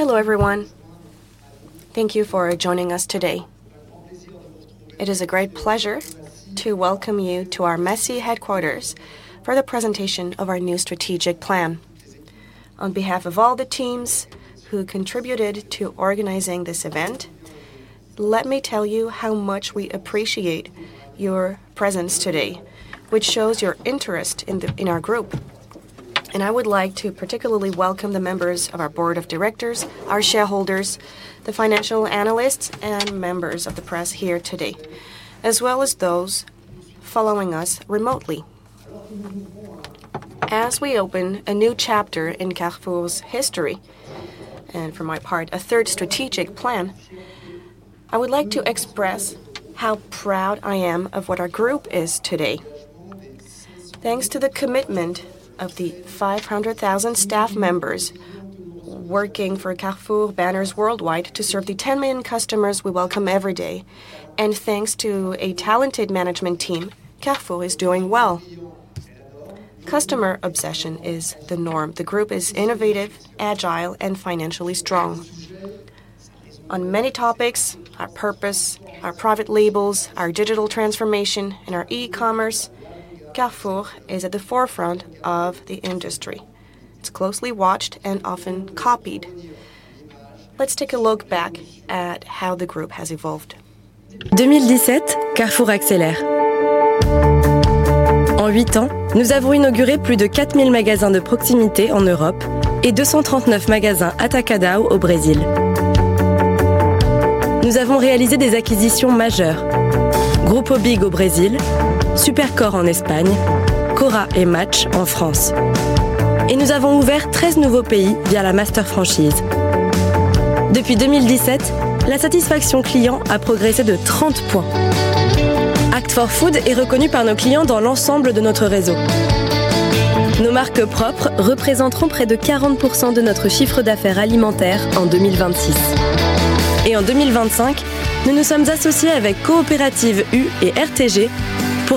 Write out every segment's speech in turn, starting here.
Hello, everyone. Thank you for joining us today. It is a great pleasure to welcome you to our Massy Headquarters for the Presentation of Our New Strategic Plan. On behalf of all the teams who contributed to organizing this event, let me tell you how much we appreciate your presence today, which shows your interest in our group. I would like to particularly welcome the members of our board of directors, our shareholders, the financial analysts, and members of the press here today, as well as those following us remotely. As we open a new chapter in Carrefour's history, and for my part, a third strategic plan, I would like to express how proud I am of what our group is today. Thanks to the commitment of the 500,000 staff members working for Carrefour banners worldwide to serve the 10 million customers we welcome every day, and thanks to a talented management team, Carrefour is doing well. Customer obsession is the norm. The group is innovative, agile, and financially strong. On many topics, our purpose, our private labels, our digital transformation, and our e-commerce, Carrefour is at the forefront of the industry. It's closely watched and often copied. Let's take a look back at how the group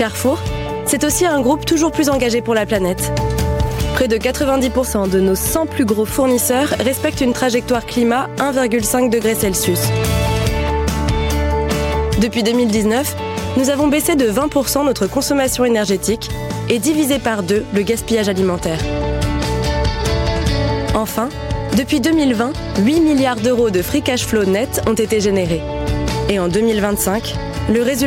has evolved.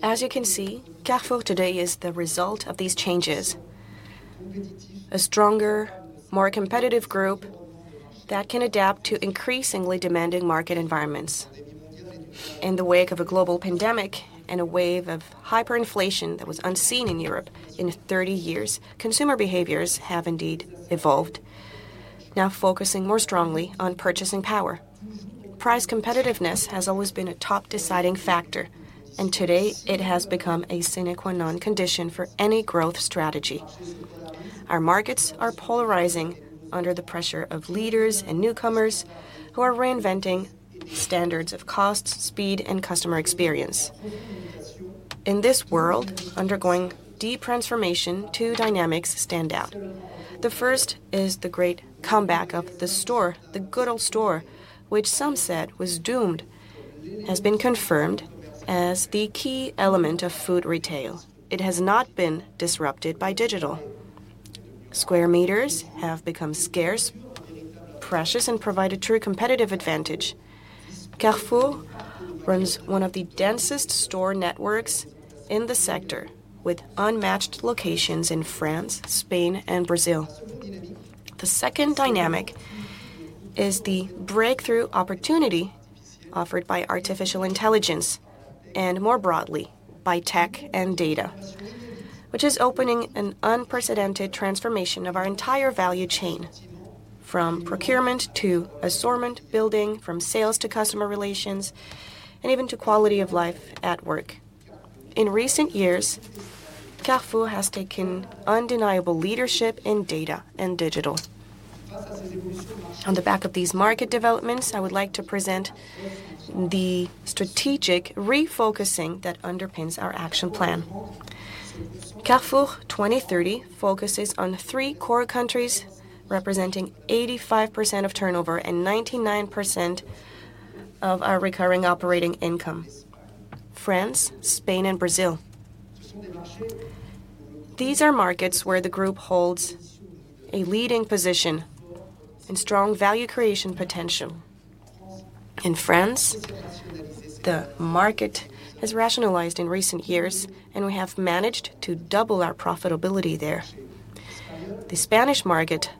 As you can see, Carrefour today is the result of these changes: a stronger, more competitive group that can adapt to increasingly demanding market environments. In the wake of a global pandemic and a wave of hyperinflation that was unseen in Europe in 30 years, consumer behaviors have indeed evolved, now focusing more strongly on purchasing power. Price competitiveness has always been a top deciding factor, and today it has become a sine-qua-non condition for any growth strategy. Our markets are polarizing under the pressure of leaders and newcomers who are reinventing standards of cost, speed, and customer experience. In this world, undergoing deep transformation, two dynamics stand out. The first is the great comeback of the store. The good old store, which some said was doomed, has been confirmed as the key element of food retail. It has not been disrupted by digital. Square meters have become scarce, precious, and provide a true competitive advantage. Carrefour runs one of the densest store networks in the sector, with unmatched locations in France, Spain, and Brazil. The second dynamic is the breakthrough opportunity offered by artificial intelligence and, more broadly, by tech and data, which is opening an unprecedented transformation of our entire value chain, from procurement to assortment building, from sales to customer relations, and even to quality of life at work. In recent years, Carrefour has taken undeniable leadership in data and digital. On the back of these market developments, I would like to present the strategic refocusing that underpins our action plan. Carrefour 2030 focuses on three core countries, representing 85% of turnover and 99% of our recurring operating income: France, Spain, and Brazil. These are markets where the group holds a leading position and strong value creation potential.... In France, the market has rationalized in recent years, and we have managed to double our profitability there. The Spanish market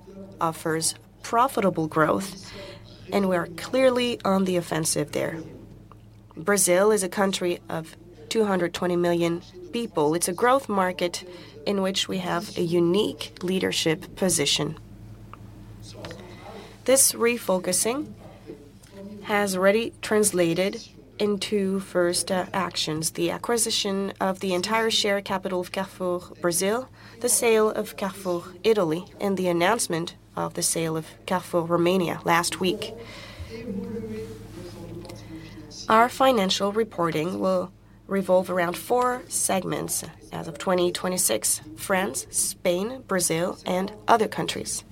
offers profitable growth, and we are clearly on the offensive there. Brazil is a country of 220 million people. It's a growth market in which we have a unique leadership position. This refocusing has already translated into first actions: the acquisition of the entire share capital of Carrefour Brazil, the sale of Carrefour Italy, and the announcement of the sale of Carrefour Romania last week. Our financial reporting will revolve around four segments as of 2026: France, Spain, Brazil, and other countries.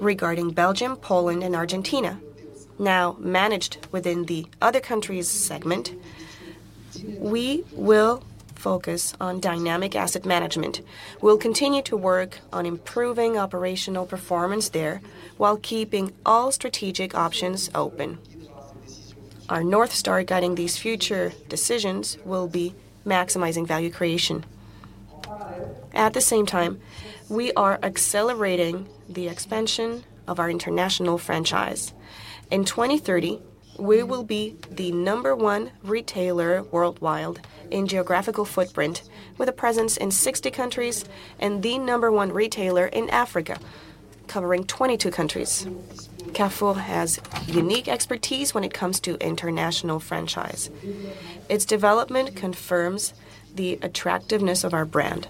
Regarding Belgium, Poland, and Argentina, now managed within the other countries segment, we will focus on dynamic asset management. We'll continue to work on improving operational performance there while keeping all strategic options open. Our North Star guiding these future decisions will be maximizing value creation. At the same time, we are accelerating the expansion of our international franchise. In 2030, we will be the number one retailer worldwide in geographical footprint, with a presence in 60 countries, and the number one retailer in Africa, covering 22 countries. Carrefour has unique expertise when it comes to international franchise. Its development confirms the attractiveness of our brand.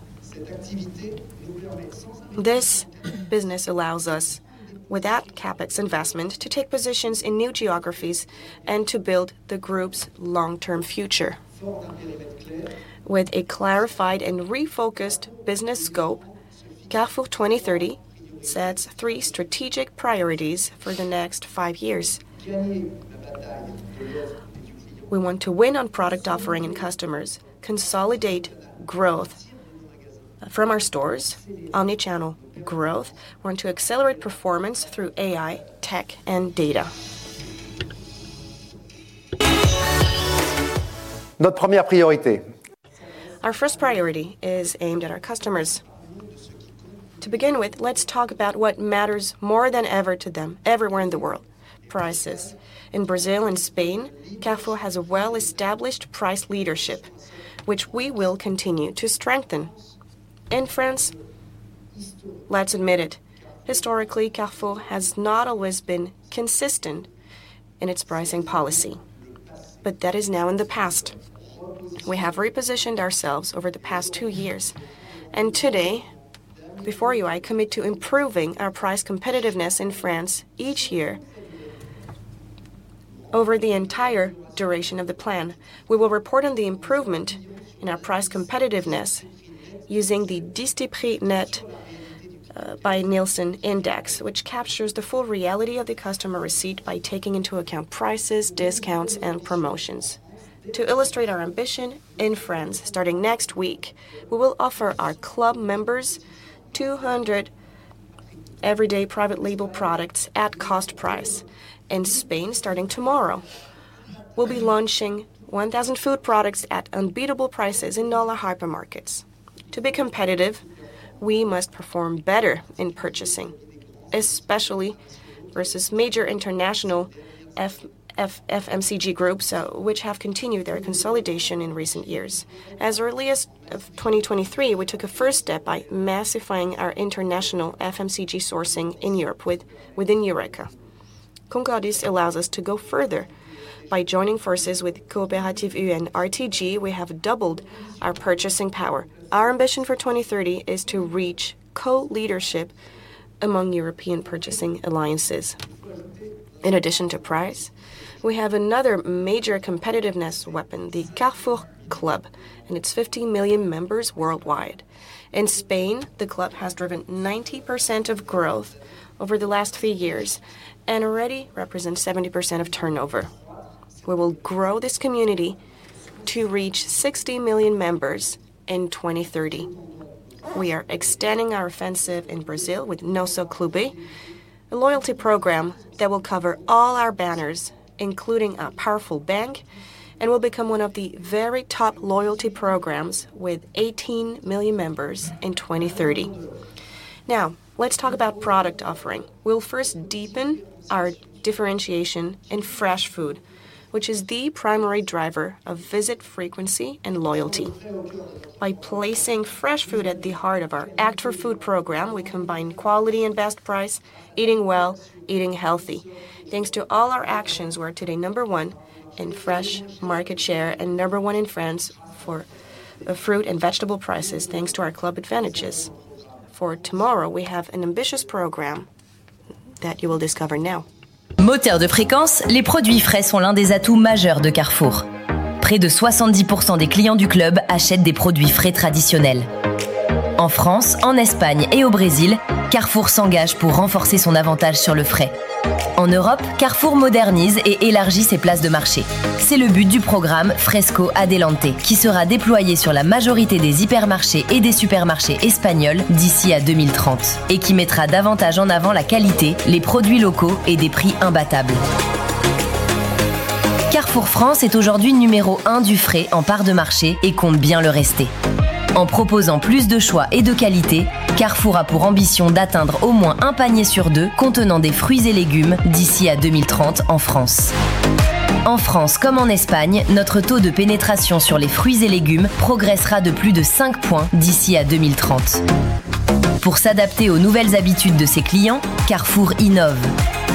This business allows us, without CapEx investment, to take positions in new geographies and to build the group's long-term future. With a clarified and refocused business scope, Carrefour 2030 sets three strategic priorities for the next five years. We want to win on product offering and customers, consolidate growth from our stores, omnichannel growth. We want to accelerate performance through AI, tech, and data. Our first priority is aimed at our customers. To begin with, let's talk about what matters more than ever to them, everywhere in the world: prices. In Brazil and Spain, Carrefour has a well-established price leadership, which we will continue to strengthen. In France, let's admit it, historically, Carrefour has not always been consistent in its pricing policy, but that is now in the past. We have repositioned ourselves over the past two years, and today, before you, I commit to improving our price competitiveness in France each year over the entire duration of the plan. We will report on the improvement in our price competitiveness using the Distriprix Net by Nielsen Index, which captures the full reality of the customer receipt by taking into account prices, discounts, and promotions. To illustrate our ambition in France, starting next week, we will offer our club members 200 everyday private label products at cost price. In Spain, starting tomorrow, we'll be launching 1,000 food products at unbeatable prices in dollar hypermarkets. To be competitive, we must perform better in purchasing, especially versus major international FMCG groups, which have continued their consolidation in recent years. As early as 2023, we took a first step by massifying our international FMCG sourcing in Europe within Eureca. Concordis allows us to go further. By joining forces with Coopérative U and RTG, we have doubled our purchasing power. Our ambition for 2030 is to reach co-leadership among European purchasing alliances. In addition to price, we have another major competitiveness weapon, the Carrefour Club, and its 50 million members worldwide. In Spain, the club has driven 90% of growth over the last few years and already represents 70% of turnover. We will grow this community to reach 60 million members in 2030. We are extending our offensive in Brazil with Nosso Clube, a loyalty program that will cover all our banners, including a powerful bank, and will become one of the very top loyalty programs with 18 million members in 2030. Now, let's talk about product offering. We'll first deepen our differentiation in fresh food, which is the primary driver of visit frequency and loyalty. By placing fresh food at the heart of our Act for Food program, we combine quality and best price, eating well, eating healthy. Thanks to all our actions, we're today number one in fresh market share and number one in France for fruit and vegetable prices, thanks to our club advantages. For tomorrow, we have an ambitious program that you will discover now. ...Carrefour France est aujourd'hui numéro un du frais en parts de marché, et compte bien le rester. En proposant plus de choix et de qualité, Carrefour a pour ambition d'atteindre au moins un panier sur deux contenant des fruits et légumes d'ici à 2030 en France. En France comme en Espagne, notre taux de pénétration sur les fruits et légumes progressera de plus de 5 points d'ici à 2030. Pour s'adapter aux nouvelles habitudes de ses clients, Carrefour innove.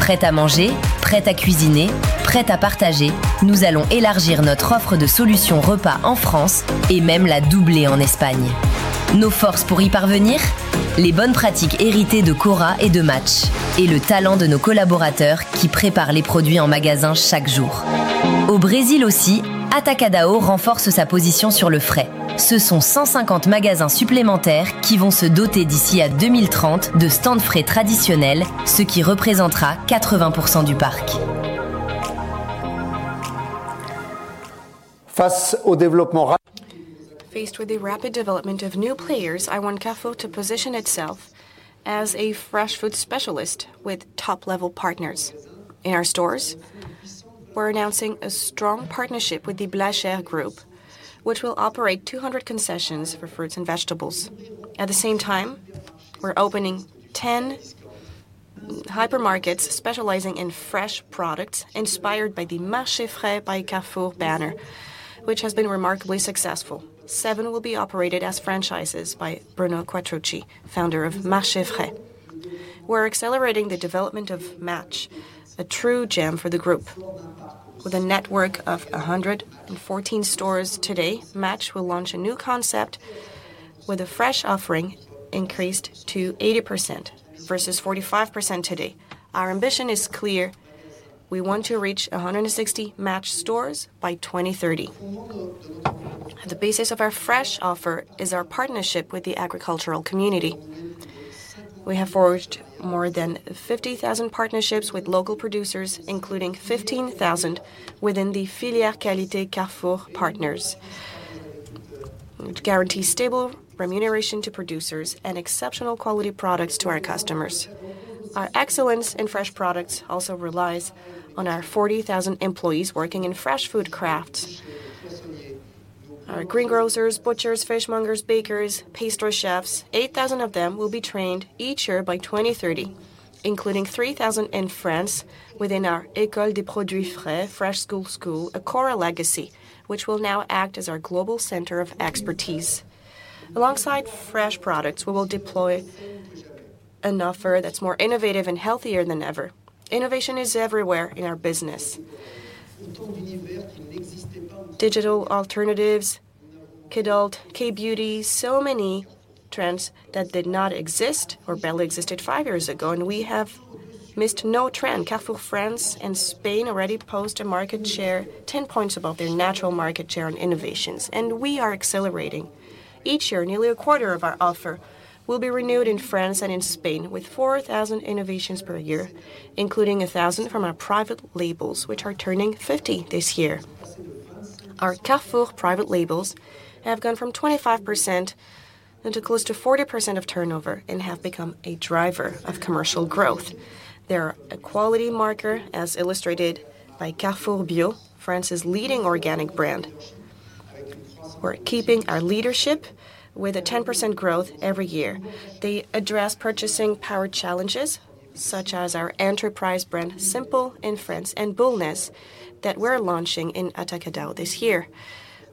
Prêt-à-manger, prêt-à-cuisiner, prêt-à-partager, nous allons élargir notre offre de solutions repas en France et même la doubler en Espagne. Nos forces pour y parvenir? Les bonnes pratiques héritées de Cora et de Match, et le talent de nos collaborateurs qui préparent les produits en magasin chaque jour. Au Brésil aussi, Atacadão renforce sa position sur le frais. Ce sont 150 magasins supplémentaires qui vont se doter, d'ici à 2030, de stands frais traditionnels, ce qui représentera 80% du parc. Face au développement Faced with the rapid development of new players, I want Carrefour to position itself as a fresh food specialist with top-level partners. In our stores, we're announcing a strong partnership with the Blachère Groupe, which will operate 200 concessions for fruits and vegetables. At the same time, we're opening 10 hypermarkets specializing in fresh products, inspired by the Marché Frais by Carrefour banner, which has been remarkably successful. Seven will be operated as franchises by Bruno Quattrucci, founder of Marché Frais. We're accelerating the development of Match, a true gem for the group. With a network of 114 stores today, Match will launch a new concept with a fresh offering increased to 80% versus 45% today. Our ambition is clear: we want to reach 160 Match stores by 2030. The basis of our fresh offer is our partnership with the agricultural community. We have forged more than 50,000 partnerships with local producers, including 15,000 within the Filière Qualité Carrefour partners, which guarantee stable remuneration to producers and exceptional quality products to our customers. Our excellence in fresh products also relies on our 40,000 employees working in fresh food crafts. Our greengrocers, butchers, fishmongers, bakers, pastry chefs, 8,000 of them will be trained each year by 2030, including 3,000 in France within our École des Produits Frais, Fresh School, a core legacy, which will now act as our global center of expertise. Alongside fresh products, we will deploy an offer that's more innovative and healthier than ever. Innovation is everywhere in our business. Digital alternatives, Kidult, K-Beauty, so many trends that did not exist or barely existed 5 years ago, and we have missed no trend. Carrefour France and Spain already post a market share 10 points above their natural market share on innovations, and we are accelerating. Each year, nearly a quarter of our offer will be renewed in France and in Spain, with 4,000 innovations per year, including 1,000 from our private labels, which are turning 50 this year. Our Carrefour private labels have gone from 25% into close to 40% of turnover and have become a driver of commercial growth. They're a quality marker, as illustrated by Carrefour Bio, France's leading organic brand. We're keeping our leadership with a 10% growth every year. They address purchasing power challenges, such as our enterprise brand, Simpl in France and Bulnez, that we're launching in Atacadão this year.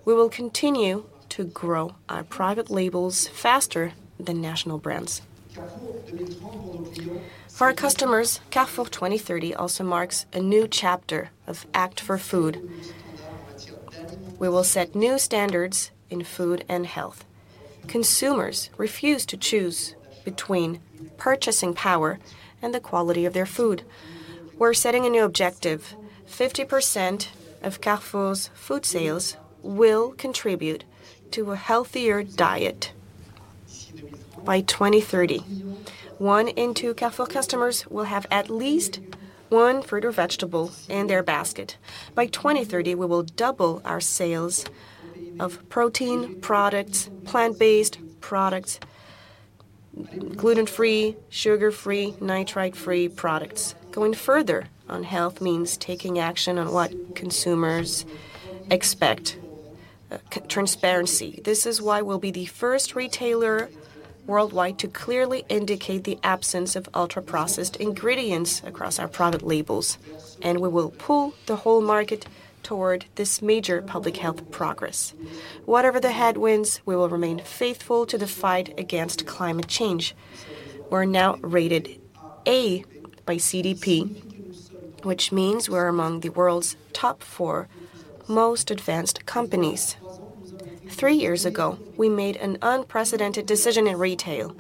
We will continue to grow our private labels faster than national brands. For our customers, Carrefour 2030 also marks a new chapter of Act for Food. We will set new standards in food and health. Consumers refuse to choose between purchasing power and the quality of their food. We're setting a new objective: 50% of Carrefour's food sales will contribute to a healthier diet by 2030. One in two Carrefour customers will have at least one fruit or vegetable in their basket. By 2030, we will double our sales of protein products, plant-based products, gluten-free, sugar-free, nitrite-free products. Going further on health means taking action on what consumers expect: transparency. This is why we'll be the first retailer worldwide to clearly indicate the absence of ultra-processed ingredients across our product labels, and we will pull the whole market toward this major public health progress. Whatever the headwinds, we will remain faithful to the fight against climate change. We're now rated A by CDP, which means we're among the world's top four most advanced companies. Three years ago, we made an unprecedented decision in retail.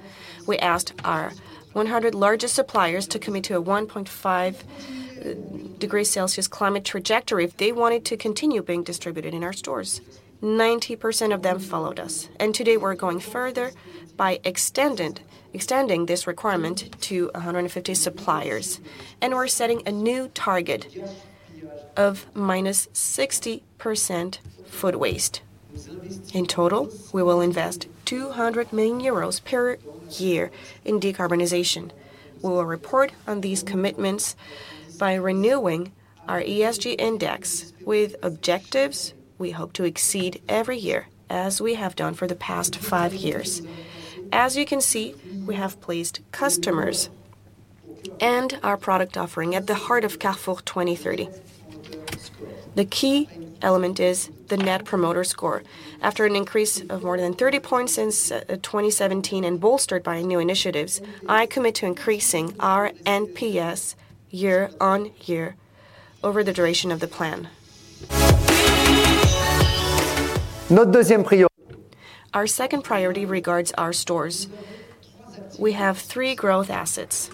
We asked our 100 largest suppliers to commit to a 1.5 degrees Celsius climate trajectory if they wanted to continue being distributed in our stores. 90% of them followed us, and today we're going further by extending this requirement to 150 suppliers, and we're setting a new target of -60% food waste. In total, we will invest 200 million euros per year in decarbonization. We will report on these commitments by renewing our-... Our ESG index with objectives we hope to exceed every year, as we have done for the past five years. As you can see, we have placed customers and our product offering at the heart of Carrefour 2030. The key element is the Net Promoter Score. After an increase of more than 30 points since 2017 and bolstered by new initiatives, I commit to increasing our NPS year-on-year over the duration of the plan. Our second priority regards our stores. We have three growth assets.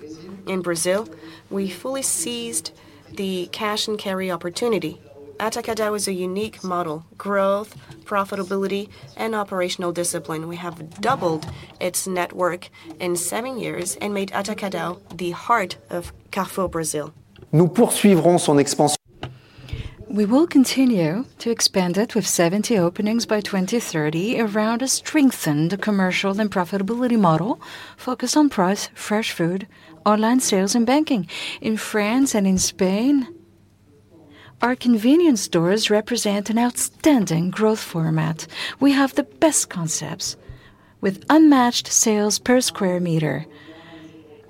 In Brazil, we fully seized the Cash & Carry opportunity. Atacadão is a unique model: growth, profitability, and operational discipline. We have doubled its network in seven years and made Atacadão the heart of Carrefour Brazil. We will continue to expand it with 70 openings by 2030 around a strengthened commercial and profitability model, focused on price, fresh food, online sales, and banking. In France and in Spain, our convenience stores represent an outstanding growth format. We have the best concepts, with unmatched sales per square meter.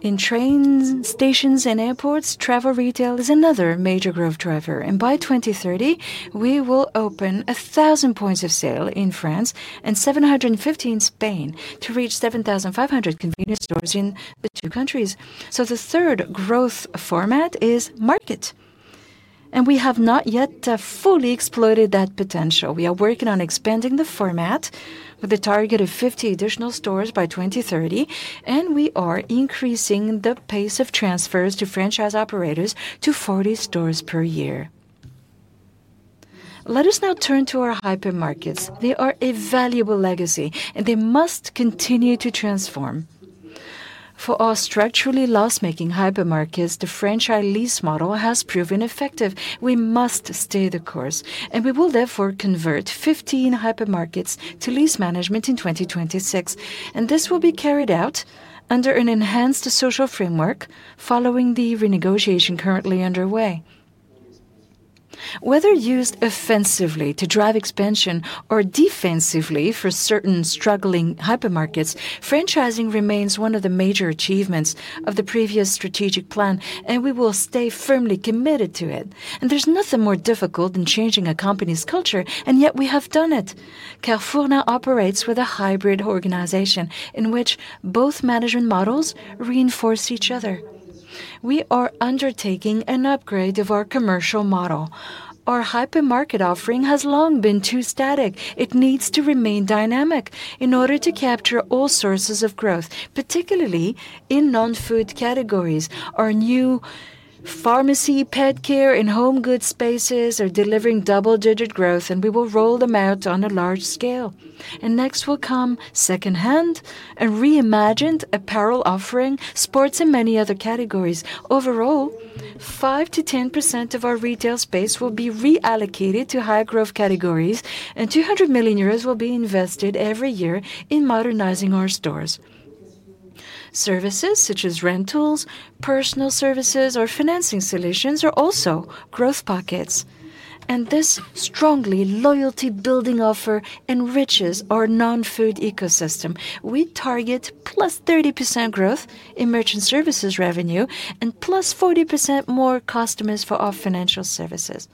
In trains, stations, and airports, travel retail is another major growth driver, and by 2030, we will open 1,000 points of sale in France and 750 in Spain to reach 7,500 convenience stores in the two countries. So the third growth format is Match, and we have not yet fully exploited that potential. We are working on expanding the format with a target of 50 additional stores by 2030, and we are increasing the pace of transfers to franchise operators to 40 stores per year. Let us now turn to our hypermarkets. They are a valuable legacy, and they must continue to transform. For our structurally loss-making hypermarkets, the franchise lease model has proven effective. We must stay the course, and we will therefore convert 15 hypermarkets to lease management in 2026, and this will be carried out under an enhanced social framework following the renegotiation currently underway. Whether used offensively to drive expansion or defensively for certain struggling hypermarkets, franchising remains one of the major achievements of the previous strategic plan, and we will stay firmly committed to it. And there's nothing more difficult than changing a company's culture, and yet we have done it. Carrefour now operates with a hybrid organization in which both management models reinforce each other. We are undertaking an upgrade of our commercial model. Our hypermarket offering has long been too static. It needs to remain dynamic in order to capture all sources of growth, particularly in non-food categories. Our new pharmacy, pet care, and home goods spaces are delivering double-digit growth, and we will roll them out on a large scale. Next will come second-hand and reimagined apparel, offering sports and many other categories. Overall, 5%-10% of our retail space will be reallocated to high-growth categories, and 200 million euros will be invested every year in modernizing our stores. Services such as rentals, personal services, or financing solutions are also growth pockets, and this strongly loyalty-building offer enriches our non-food ecosystem. We target +30% growth in merchant services revenue and +40% more customers for our financial services.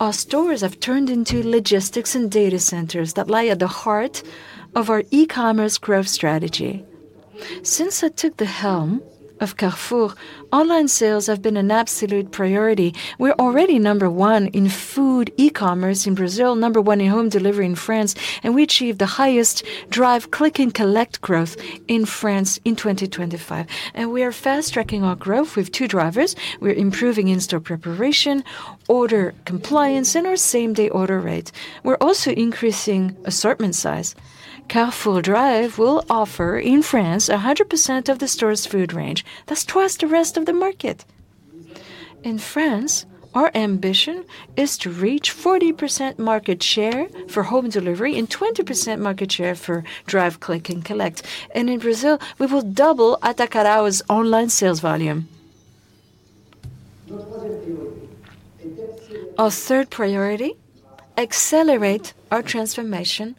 Our stores have turned into logistics and data centers that lie at the heart of our e-commerce growth strategy. Since I took the helm of Carrefour, online sales have been an absolute priority. We're already number one in food e-commerce in Brazil, number one in home delivery in France, and we achieved the highest Drive click-and-collect growth in France in 2025. We are fast-tracking our growth with two drivers. We're improving in-store preparation, order compliance, and our same-day order rates. We're also increasing assortment size. Carrefour Drive will offer, in France, 100% of the store's food range. That's twice the rest of the market. In France, our ambition is to reach 40% market share for home delivery and 20% market share for Drive, click, and collect. In Brazil, we will double Atacadão's online sales volume. Our third priority: accelerate our transformation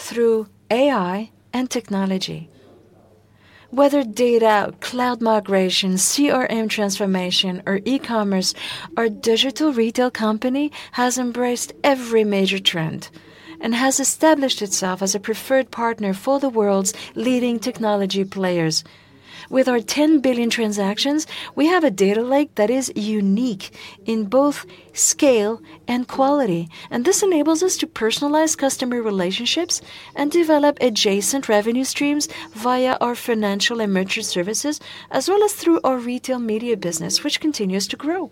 through AI and technology. Whether data, cloud migration, CRM transformation, or e-commerce, our digital retail company has embraced every major trend and has established itself as a preferred partner for the world's leading technology players. With our 10 billion transactions, we have a data lake that is unique in both scale and quality, and this enables us to personalize customer relationships and develop adjacent revenue streams via our financial and merchant services, as well as through our retail media business, which continues to grow.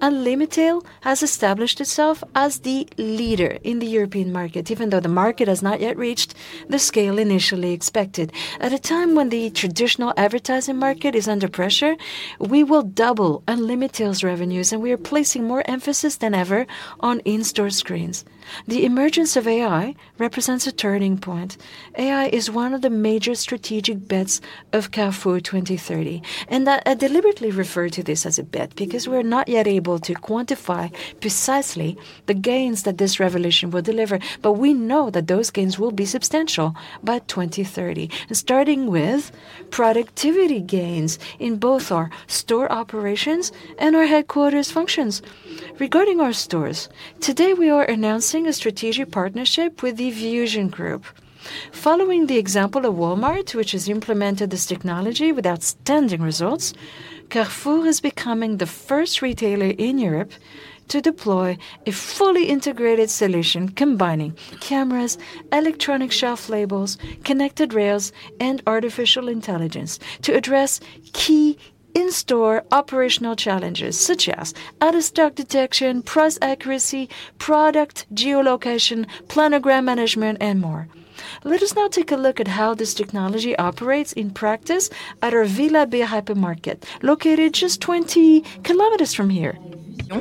Unlimitail has established itself as the leader in the European market, even though the market has not yet reached the scale initially expected. At a time when the traditional advertising market is under pressure, we will double Unlimitail's revenues, and we are placing more emphasis than ever on in-store screens. The emergence of AI represents a turning point. AI is one of the major strategic bets of Carrefour 2030, and I deliberately refer to this as a bet, because we are not yet able to quantify precisely the gains that this revolution will deliver, but we know that those gains will be substantial by 2030. Starting with productivity gains in both our store operations and our headquarters functions. Regarding our stores, today, we are announcing a strategic partnership with the VusionGroup. Following the example of Walmart, which has implemented this technology with outstanding results, Carrefour is becoming the first retailer in Europe to deploy a fully integrated solution, combining cameras, electronic shelf labels, connected rails, and artificial intelligence to address key in-store operational challenges, such as out-of-stock detection, price accuracy, product geolocation, planogram management, and more. Let us now take a look at how this technology operates in practice at our Villeurbanne hypermarket, located just 20 kilometers from here.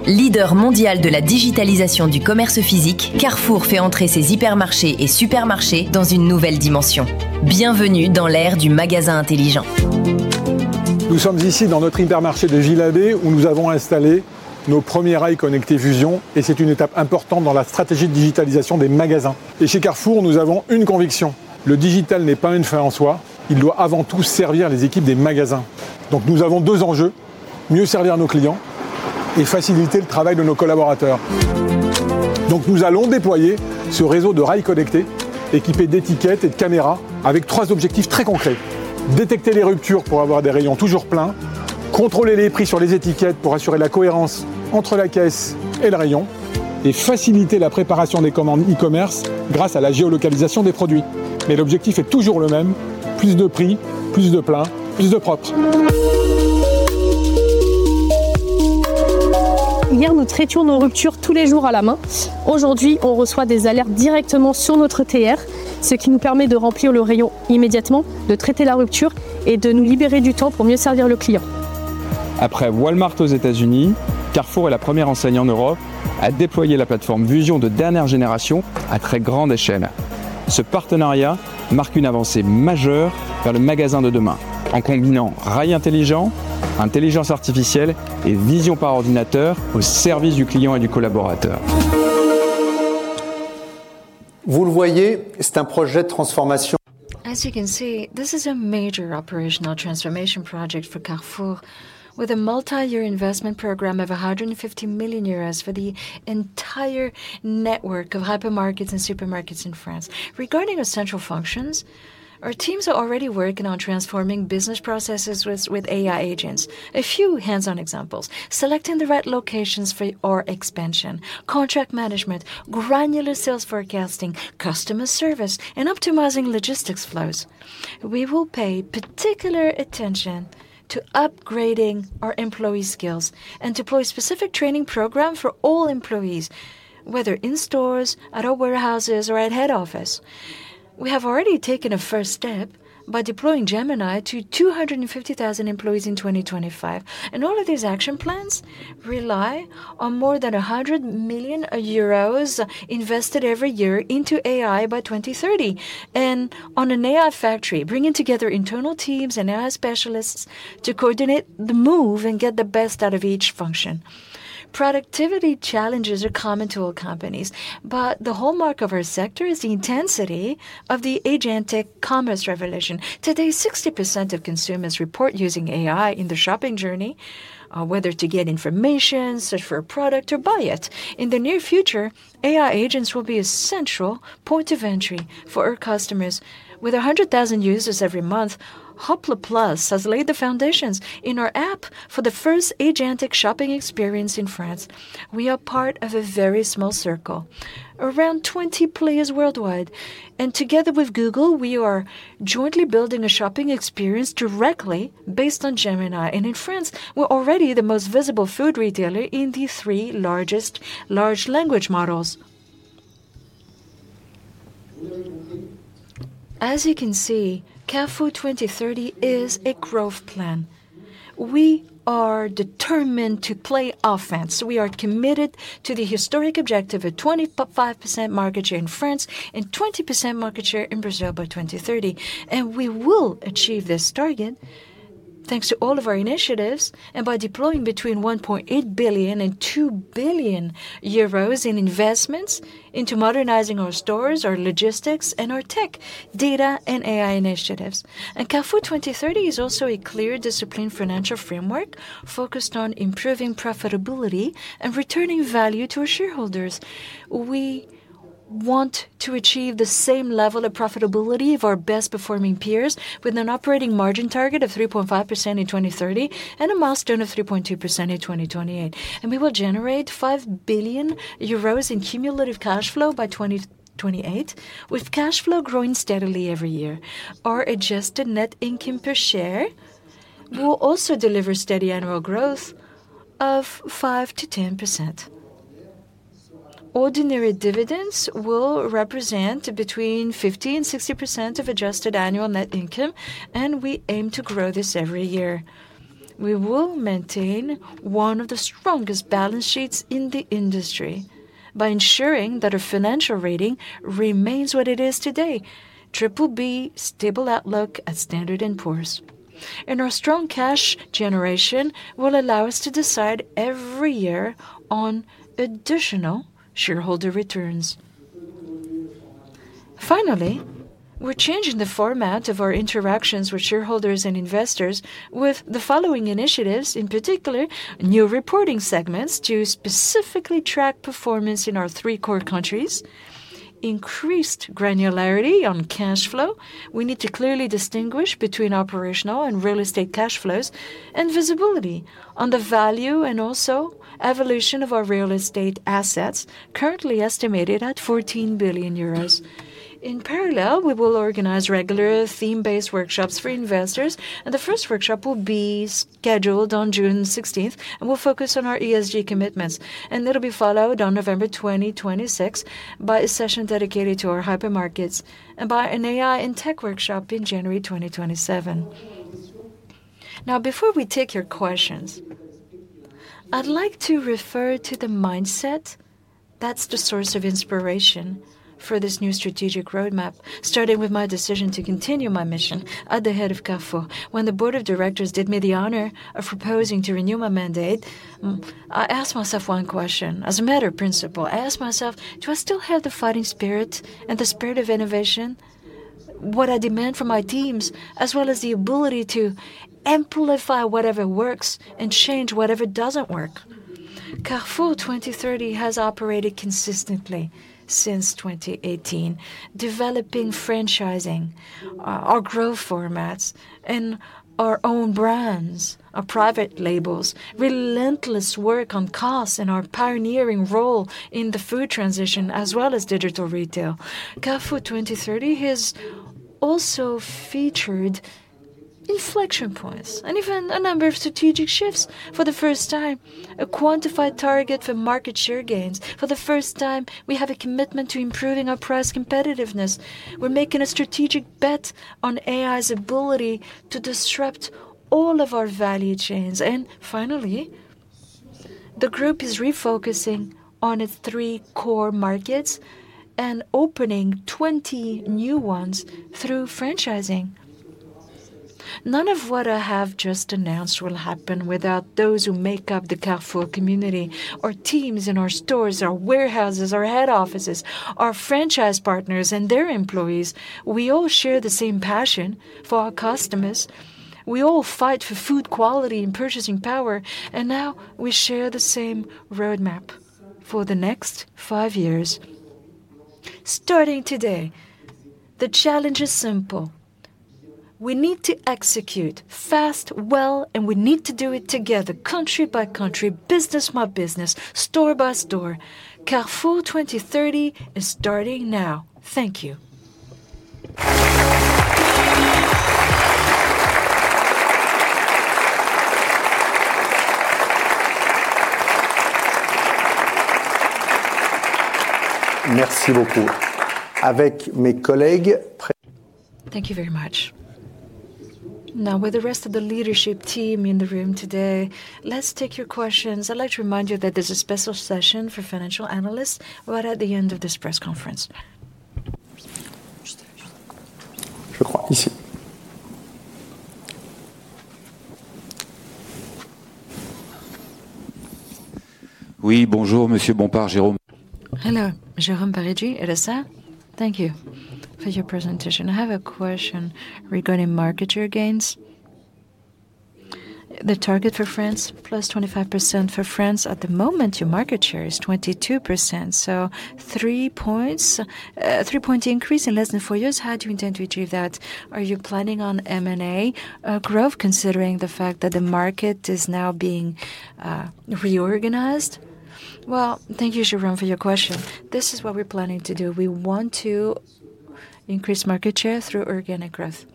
Leader mondial de la digitalisation du commerce physique, Carrefour fait entrer ses hypermarchés et supermarchés dans une nouvelle dimension. Bienvenue dans l'ère du magasin intelligent. Nous sommes ici dans notre hypermarché de Villeurbanne, où nous avons installé nos premiers rails connectés fusion, et c'est une étape importante dans la stratégie de digitalisation des magasins. Et chez Carrefour, nous avons une conviction: le digital n'est pas une fin en soi, il doit avant tout servir les équipes des magasins. Donc, nous avons deux enjeux: mieux servir nos clients et faciliter le travail de nos collaborateurs. Donc, nous allons déployer ce réseau de rails connectés, équipés d'étiquettes et de caméras, avec trois objectifs très concrets: détecter les ruptures pour avoir des rayons toujours pleins, contrôler les prix sur les étiquettes pour assurer la cohérence entre la caisse et le rayon, et faciliter la préparation des commandes e-commerce grâce à la géolocalisation des produits. Mais l'objectif est toujours le même: plus de prix, plus de plein, plus de propre. Hier, nous traitions nos ruptures tous les jours à la main. Aujourd'hui, on reçoit des alertes directement sur notre TR, ce qui nous permet de remplir le rayon immédiatement, de traiter la rupture et de nous libérer du temps pour mieux servir le client. Après Walmart aux États-Unis, Carrefour est la première enseigne en Europe à déployer la plateforme Vusion de dernière génération à très grande échelle. Ce partenariat marque une avancée majeure vers le magasin de demain, en combinant rail intelligent, intelligence artificielle et vision par ordinateur au service du client et du collaborateur. Vous le voyez, c'est un projet de transformation. As you can see, this is a major operational transformation project for Carrefour, with a multi-year investment program of 150 million euros for the entire network of hypermarkets and supermarkets in France. Regarding our central functions, our teams are already working on transforming business processes with AI agents. A few hands-on examples: selecting the right locations for our expansion, contract management, granular sales forecasting, customer service, and optimizing logistics flows. We will pay particular attention to upgrading our employee skills and deploy specific training program for all employees, whether in stores, at our warehouses, or at head office. We have already taken a first step by deploying Gemini to 250,000 employees in 2025, and all of these action plans rely on more than 100 million euros invested every year into AI by 2030, and on an AI factory, bringing together internal teams and AI specialists to coordinate the move and get the best out of each function. Productivity challenges are common to all companies, but the hallmark of our sector is the intensity of the agentic commerce revolution. Today, 60% of consumers report using AI in their shopping journey, whether to get information, search for a product, or buy it. In the near future, AI agents will be a central point of entry for our customers. With 100,000 users every month, Hopla+ has laid the foundations in our app for the first agentic shopping experience in France. We are part of a very small circle, around 20 players worldwide, and together with Google, we are jointly building a shopping experience directly based on Gemini. And in France, we're already the most visible food retailer in the three largest large language models. As you can see, Carrefour 2030 is a growth plan. We are determined to play offense. We are committed to the historic objective of 25% market share in France and 20% market share in Brazil by 2030, and we will achieve this target thanks to all of our initiatives and by deploying between 1.8 billion and 2 billion euros in investments into modernizing our stores, our logistics, and our tech, data, and AI initiatives. And Carrefour 2030 is also a clear discipline financial framework focused on improving profitability and returning value to our shareholders. We want to achieve the same level of profitability of our best-performing peers with an operating margin target of 3.5% in 2030 and a milestone of 3.2% in 2028. We will generate 5 billion euros in cumulative cash flow by 2028, with cash flow growing steadily every year. Our adjusted net income per share will also deliver steady annual growth of 5%-10%.... Ordinary dividends will represent between 50% and 60% of adjusted annual net income, and we aim to grow this every year. We will maintain one of the strongest balance sheets in the industry by ensuring that our financial rating remains what it is today, BBB stable outlook at Standard & Poor's. Our strong cash generation will allow us to decide every year on additional shareholder returns. Finally, we're changing the format of our interactions with shareholders and investors with the following initiatives, in particular, new reporting segments to specifically track performance in our three core countries, increased granularity on cash flow. We need to clearly distinguish between operational and real estate cash flows, and visibility on the value, and also evolution of our real estate assets, currently estimated at 14 billion euros. In parallel, we will organize regular theme-based workshops for investors, and the first workshop will be scheduled on June 16, and will focus on our ESG commitments. It'll be followed on November 20, 2026 by a session dedicated to our hypermarkets and by an AI and tech workshop in January 2027. Now, before we take your questions, I'd like to refer to the mindset that's the source of inspiration for this new strategic roadmap, starting with my decision to continue my mission at the head of Carrefour. When the board of directors did me the honor of proposing to renew my mandate, I asked myself one question. As a matter of principle, I asked myself: Do I still have the fighting spirit and the spirit of innovation, what I demand from my teams, as well as the ability to amplify whatever works and change whatever doesn't work? Carrefour 2030 has operated consistently since 2018, developing franchising, our growth formats and our own brands, our private labels, relentless work on costs, and our pioneering role in the food transition, as well as digital retail. Carrefour 2030 has also featured inflection points and even a number of strategic shifts. For the first time, a quantified target for market share gains. For the first time, we have a commitment to improving our price competitiveness. We're making a strategic bet on AI's ability to disrupt all of our value chains. And finally, the group is refocusing on its three core markets and opening 20 new ones through franchising. None of what I have just announced will happen without those who make up the Carrefour community, our teams in our stores, our warehouses, our head offices, our franchise partners and their employees. We all share the same passion for our customers. We all fight for food quality and purchasing power, and now we share the same roadmap for the next five years. Starting today, the challenge is simple: we need to execute fast, well, and we need to do it together, country by country, business-by-business, store by store. Carrefour 2030 is starting now. Thank you. Merci beaucoup. Avec mes collègues pre- Thank you very much. Now, with the rest of the leadership team in the room today, let's take your questions. I'd like to remind you that there's a special session for financial analysts right at the end of this press conference. Oui. Bonjour, Monsieur Bompard, Jerome. Hello, Jérôme Parigi, Elsa, thank you for your presentation. I have a question regarding market share gains. The target for France, +25% for France. At the moment, your market share is 22%, so 3 points, 3-point increase in less than four years. How do you intend to achieve that? Are you planning on M&A, growth, considering the fact that the market is now being reorganized? Well, thank you, Jerome, for your question. This is what we're planning to do. We want to increase market share through organic growth,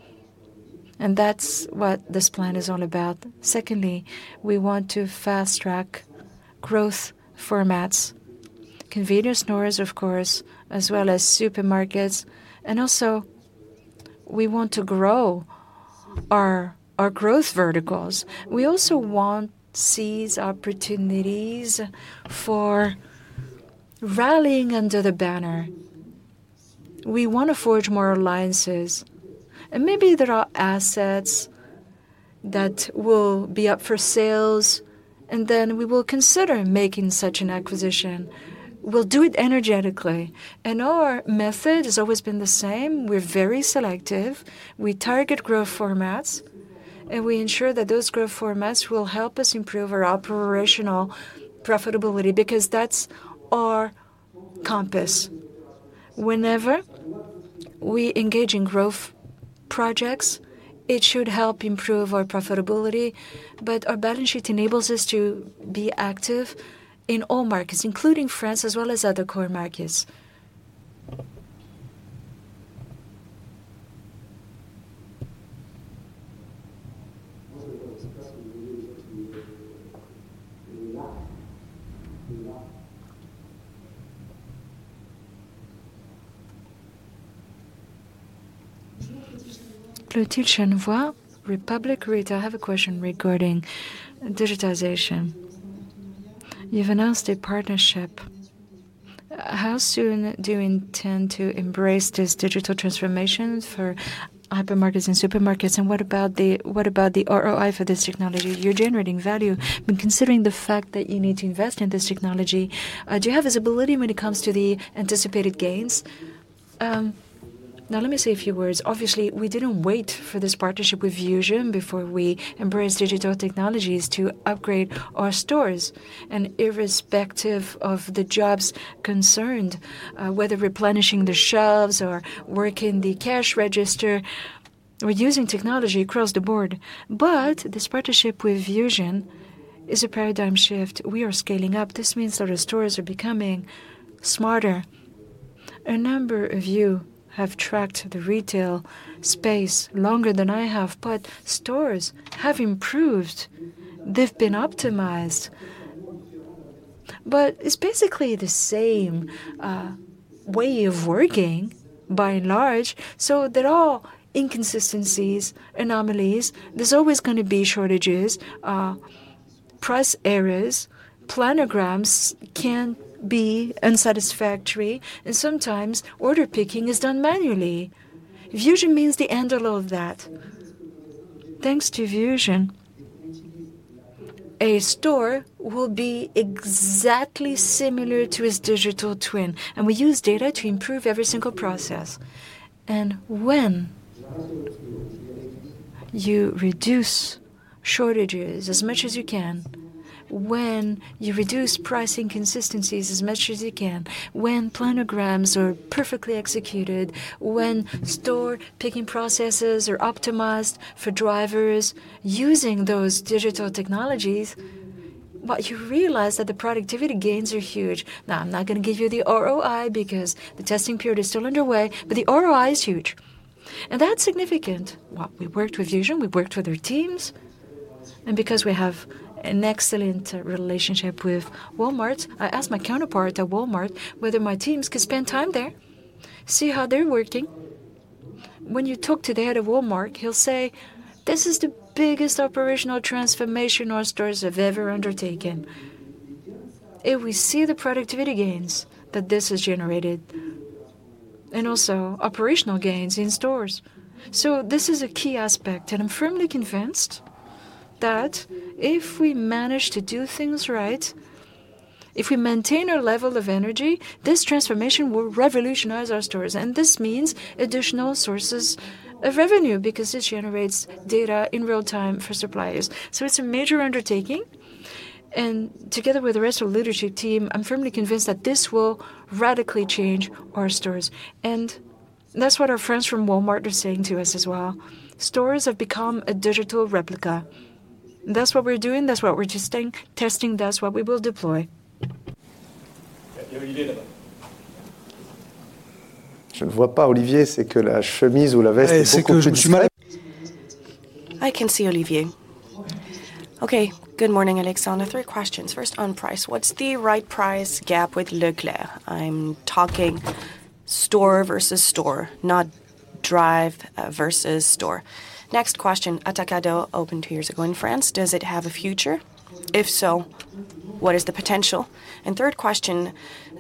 and that's what this plan is all about. Secondly, we want to fast-track growth formats, convenience stores, of course, as well as supermarkets, and also we want to grow our, our growth verticals. We also want seize opportunities for rallying under the banner. We want to forge more alliances, and maybe there are assets that will be up for sales, and then we will consider making such an acquisition. We'll do it energetically, and our method has always been the same. We're very selective. We target growth formats, and we ensure that those growth formats will help us improve our operational profitability, because that's our compass. Whenever we engage in growth projects, it should help improve our profitability, but our balance sheet enables us to be active in all markets, including France, as well as other core markets. Clotilde Chenevoy, Republik Retail. I have a question regarding digitization. You've announced a partnership. How soon do you intend to embrace this digital transformation for hypermarkets and supermarkets? And what about the ROI for this technology? You're generating value, but considering the fact that you need to invest in this technology, do you have visibility when it comes to the anticipated gains? Now, let me say a few words. Obviously, we didn't wait for this partnership with Vusion before we embraced digital technologies to upgrade our stores. And irrespective of the jobs concerned, whether replenishing the shelves or working the cash register, we're using technology across the board. But this partnership with Vusion is a paradigm shift. We are scaling up. This means that our stores are becoming smarter. A number of you have tracked the retail space longer than I have, but stores have improved. They've been optimized, but it's basically the same way of working, by and large, so there are inconsistencies, anomalies. There's always gonna be shortages, price errors. Planograms can be unsatisfactory, and sometimes order picking is done manually. Vusion means the end of all of that. Thanks to Vusion, a store will be exactly similar to its digital twin, and we use data to improve every single process. When you reduce shortages as much as you can, when you reduce pricing inconsistencies as much as you can, when planograms are perfectly executed, when store picking processes are optimized for drivers using those digital technologies, what you realize that the productivity gains are huge. Now, I'm not gonna give you the ROI because the testing period is still underway, but the ROI is huge, and that's significant. Well, we worked with Vusion, we worked with their teams, and because we have an excellent relationship with Walmart, I asked my counterpart at Walmart whether my teams could spend time there, see how they're working. When you talk to the head of Walmart, he'll say, "This is the biggest operational transformation our stores have ever undertaken." And we see the productivity gains that this has generated and also operational gains in stores. So this is a key aspect, and I'm firmly convinced that if we manage to do things right, if we maintain our level of energy, this transformation will revolutionize our stores. And this means additional sources of revenue because this generates data in real time for suppliers. So it's a major undertaking, and together with the rest of the leadership team, I'm firmly convinced that this will radically change our stores. And that's what our friends from Walmart are saying to us as well. Stores have become a digital replica. That's what we're doing, that's what we're testing, testing, that's what we will deploy. I can see Olivier. Okay, good morning, Alexandre. Three questions. First, on price, what's the right price gap with Leclerc? I'm talking store versus store, not drive, versus store. Next question: Atacadão opened two years ago in France. Does it have a future? If so, what is the potential? And third question,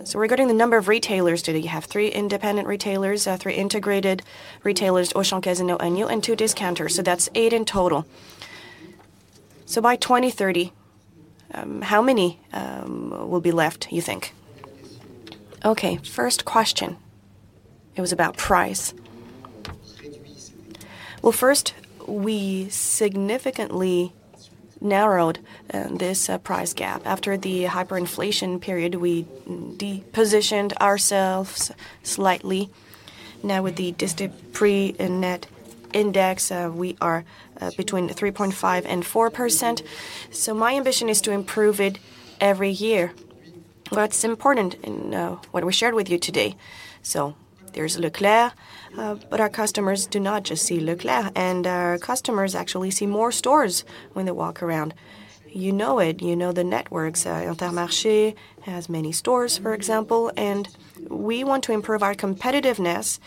so regarding the number of retailers, today you have three independent retailers, three integrated retailers, Auchan, Casino, and you, and two discounters. So that's eight in total. So by 2030, how many will be left, you think? Okay, first question, it was about price. Well, first, we significantly narrowed this price gap. After the hyperinflation period, we de-positioned ourselves slightly. Now, with the Distriprix Net index, we are between 3.5%-4%. So my ambition is to improve it every year. Well, it's important in what we shared with you today. So there's Leclerc, but our customers do not just see Leclerc, and our customers actually see more stores when they walk around. You know it. You know the networks. Intermarché has many stores, for example, and we want to improve our competitiveness,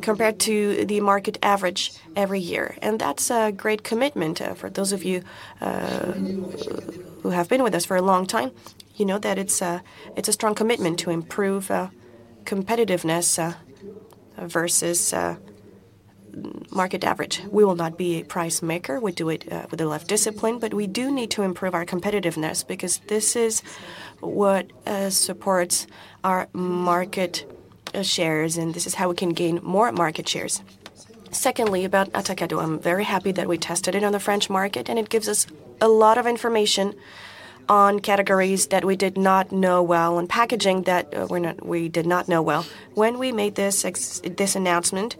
compared to the market average every year. And that's a great commitment. For those of you who have been with us for a long time, you know that it's a strong commitment to improve competitiveness versus market average. We will not be a price maker. We do it with a lot of discipline, but we do need to improve our competitiveness because this is what supports our market shares, and this is how we can gain more market shares. Secondly, about Atacadão. I'm very happy that we tested it on the French market, and it gives us a lot of information on categories that we did not know well and packaging that we did not know well. When we made this announcement,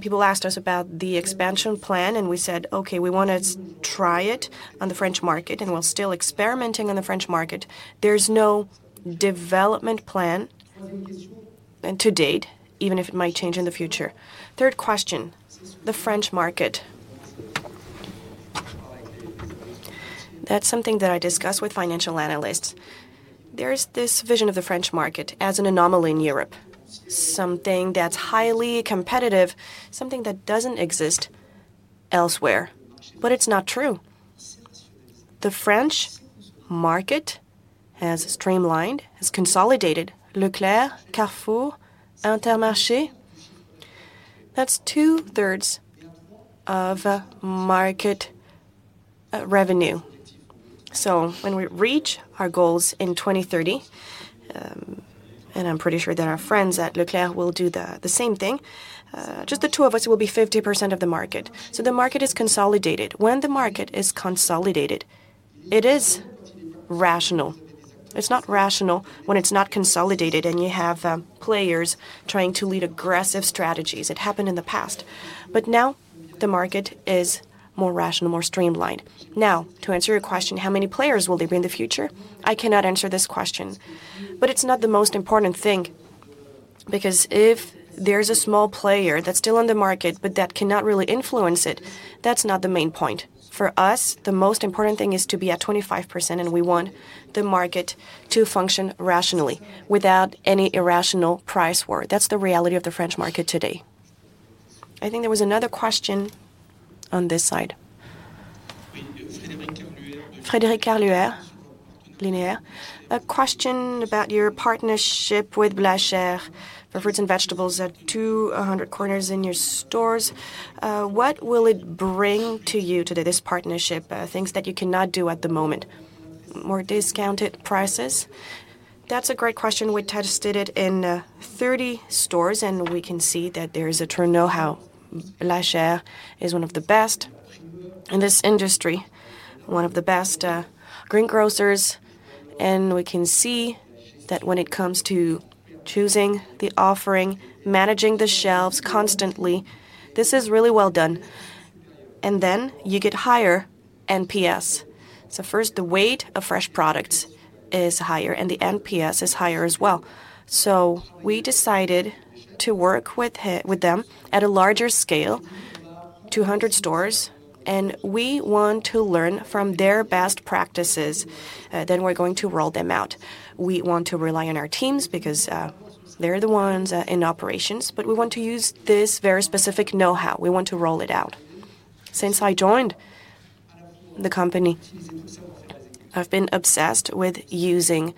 people asked us about the expansion plan, and we said, "Okay, we want to try it on the French market," and we're still experimenting on the French market. There's no development plan.... and to date, even if it might change in the future. Third question, the French market. That's something that I discussed with financial analysts. There is this vision of the French market as an anomaly in Europe, something that's highly competitive, something that doesn't exist elsewhere, but it's not true. The French market has streamlined, has consolidated Leclerc, Carrefour, Intermarché. That's 2/3 of market revenue. So when we reach our goals in 2030, and I'm pretty sure that our friends at Leclerc will do the same thing, just the two of us will be 50% of the market. So the market is consolidated. When the market is consolidated, it is rational. It's not rational when it's not consolidated and you have players trying to lead aggressive strategies. It happened in the past, but now the market is more rational, more streamlined. Now, to answer your question, how many players will there be in the future? I cannot answer this question, but it's not the most important thing, because if there's a small player that's still on the market, but that cannot really influence it, that's not the main point. For us, the most important thing is to be at 25%, and we want the market to function rationally without any irrational price war. That's the reality of the French market today. I think there was another question on this side. Frédéric Carluer, Linéaires. A question about your partnership with Blachère, for fruits and vegetables at 200 corners in your stores. What will it bring to you, to this partnership, things that you cannot do at the moment? More discounted prices? That's a great question. We tested it in 30 stores, and we can see that there is a true know-how. Blachère is one of the best in this industry, one of the best greengrocers, and we can see that when it comes to choosing the offering, managing the shelves constantly, this is really well done. And then you get higher NPS. So first, the weight of fresh products is higher, and the NPS is higher as well. So we decided to work with them at a larger scale, 200 stores, and we want to learn from their best practices, then we're going to roll them out. We want to rely on our teams because they're the ones in operations, but we want to use this very specific know-how. We want to roll it out. Since I joined the company, I've been obsessed with using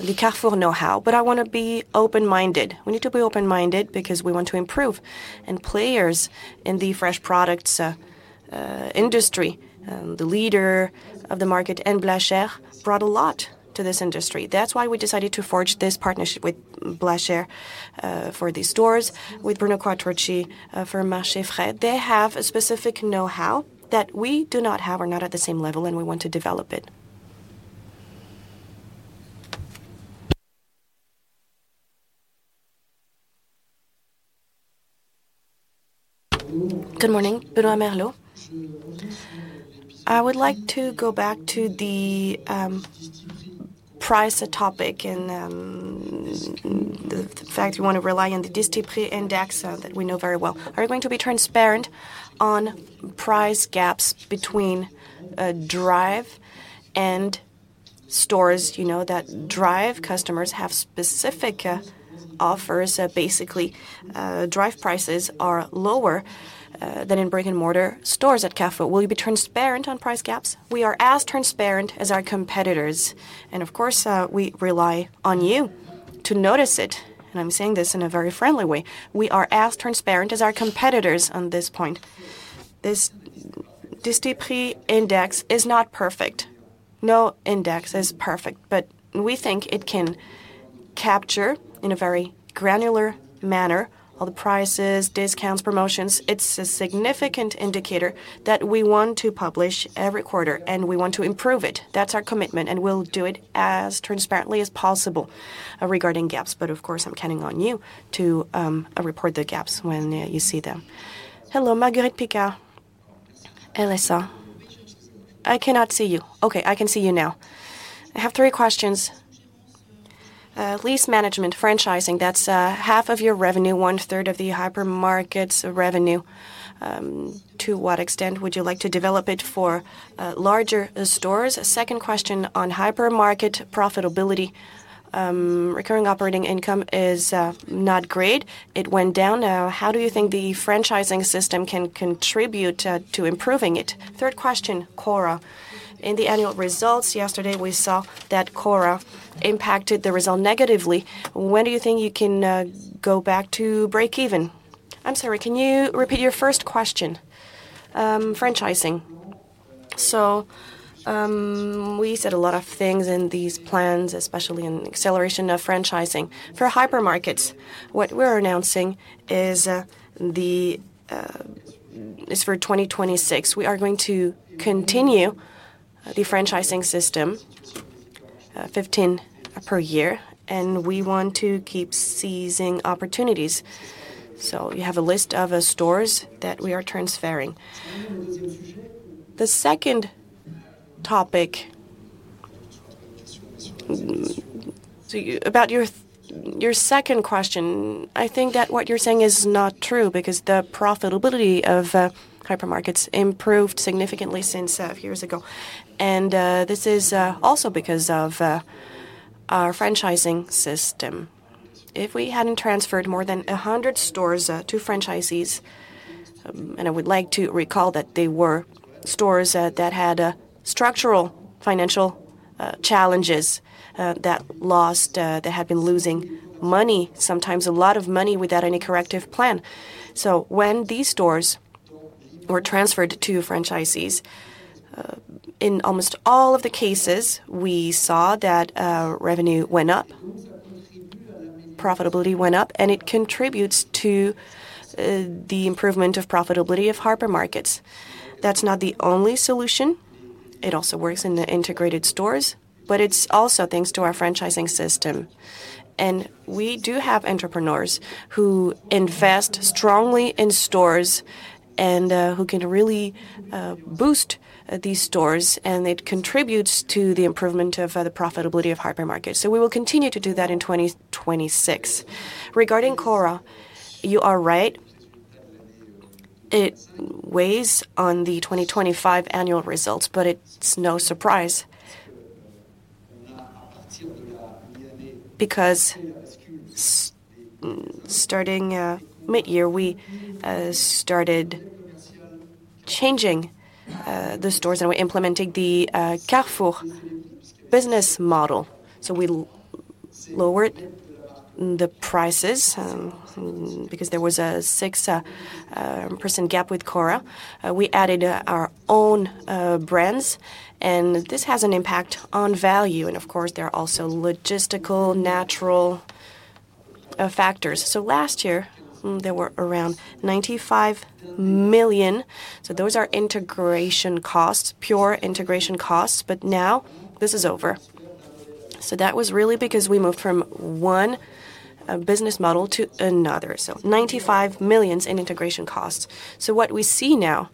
the Carrefour know-how, but I wanna be open-minded. We need to be open-minded because we want to improve. And players in the fresh products industry, the leader of the market and Blachère brought a lot to this industry. That's why we decided to forge this partnership with Blachère for these stores, with Bruno Quattrucci for Marché Frais. They have a specific know-how that we do not have or not at the same level, and we want to develop it. Good morning, Bruno Monteyne. I would like to go back to the price topic and the fact you want to rely on the Distriprix index that we know very well. Are you going to be transparent on price gaps between drive and stores? You know, that drive customers have specific offers. Basically, drive prices are lower than in brick-and-mortar stores at Carrefour. Will you be transparent on price gaps? We are as transparent as our competitors, and of course, we rely on you to notice it, and I'm saying this in a very friendly way. We are as transparent as our competitors on this point. This Distriprix index is not perfect. No index is perfect, but we think it can capture, in a very granular manner, all the prices, discounts, promotions. It's a significant indicator that we want to publish every quarter, and we want to improve it. That's our commitment, and we'll do it as transparently as possible regarding gaps. But of course, I'm counting on you to report the gaps when you see them. Hello, Magali Picard. Elsa, I cannot see you. Okay, I can see you now. I have three questions. Lease management, franchising, that's half of your revenue, 1/3 of the hypermarket's revenue. To what extent would you like to develop it for larger stores? Second question on hypermarket profitability. Recurring operating income is not great. It went down. How do you think the franchising system can contribute to improving it? Third question, Cora. In the annual results yesterday, we saw that Cora impacted the result negatively. When do you think you can go back to break even? I'm sorry, can you repeat your first question? Franchising. So, we said a lot of things in these plans, especially in acceleration of franchising. For hypermarkets, what we're announcing is the... is for 2026. We are going to continue the franchising system, 15 per year, and we want to keep seizing opportunities. So you have a list of stores that we are transferring. The second topic, so you, about your your second question, I think that what you're saying is not true, because the profitability of hypermarkets improved significantly since years ago. And this is also because of our franchising system. If we hadn't transferred more than 100 stores to franchisees, and I would like to recall that they were stores that had structural, financial challenges that had been losing money, sometimes a lot of money without any corrective plan. So when these stores were transferred to franchisees, in almost all of the cases, we saw that revenue went up, profitability went up, and it contributes to the improvement of profitability of hypermarkets. That's not the only solution. It also works in the integrated stores, but it's also thanks to our franchising system. And we do have entrepreneurs who invest strongly in stores and who can really boost these stores, and it contributes to the improvement of the profitability of hypermarket. So we will continue to do that in 2026. Regarding Cora, you are right. It weighs on the 2025 annual results, but it's no surprise. Because starting midyear, we started changing the stores, and we're implementing the Carrefour business model. So we lowered the prices, because there was a 6% gap with Cora. We added our own brands, and this has an impact on value, and of course, there are also logistical, natural factors. So last year, there were around 95 million, so those are integration costs, pure integration costs, but now this is over. So that was really because we moved from one business model to another, so 95 millions in integration costs. So what we see now,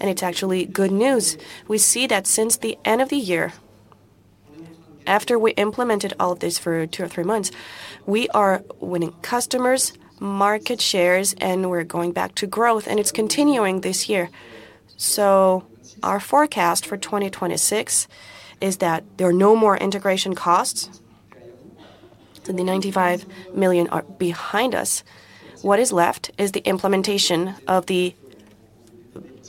and it's actually good news, we see that since the end of the year, after we implemented all of this for two or three months, we are winning customers, market shares, and we're going back to growth, and it's continuing this year. So our forecast for 2026 is that there are no more integration costs, and the 95 million are behind us. What is left is the implementation of the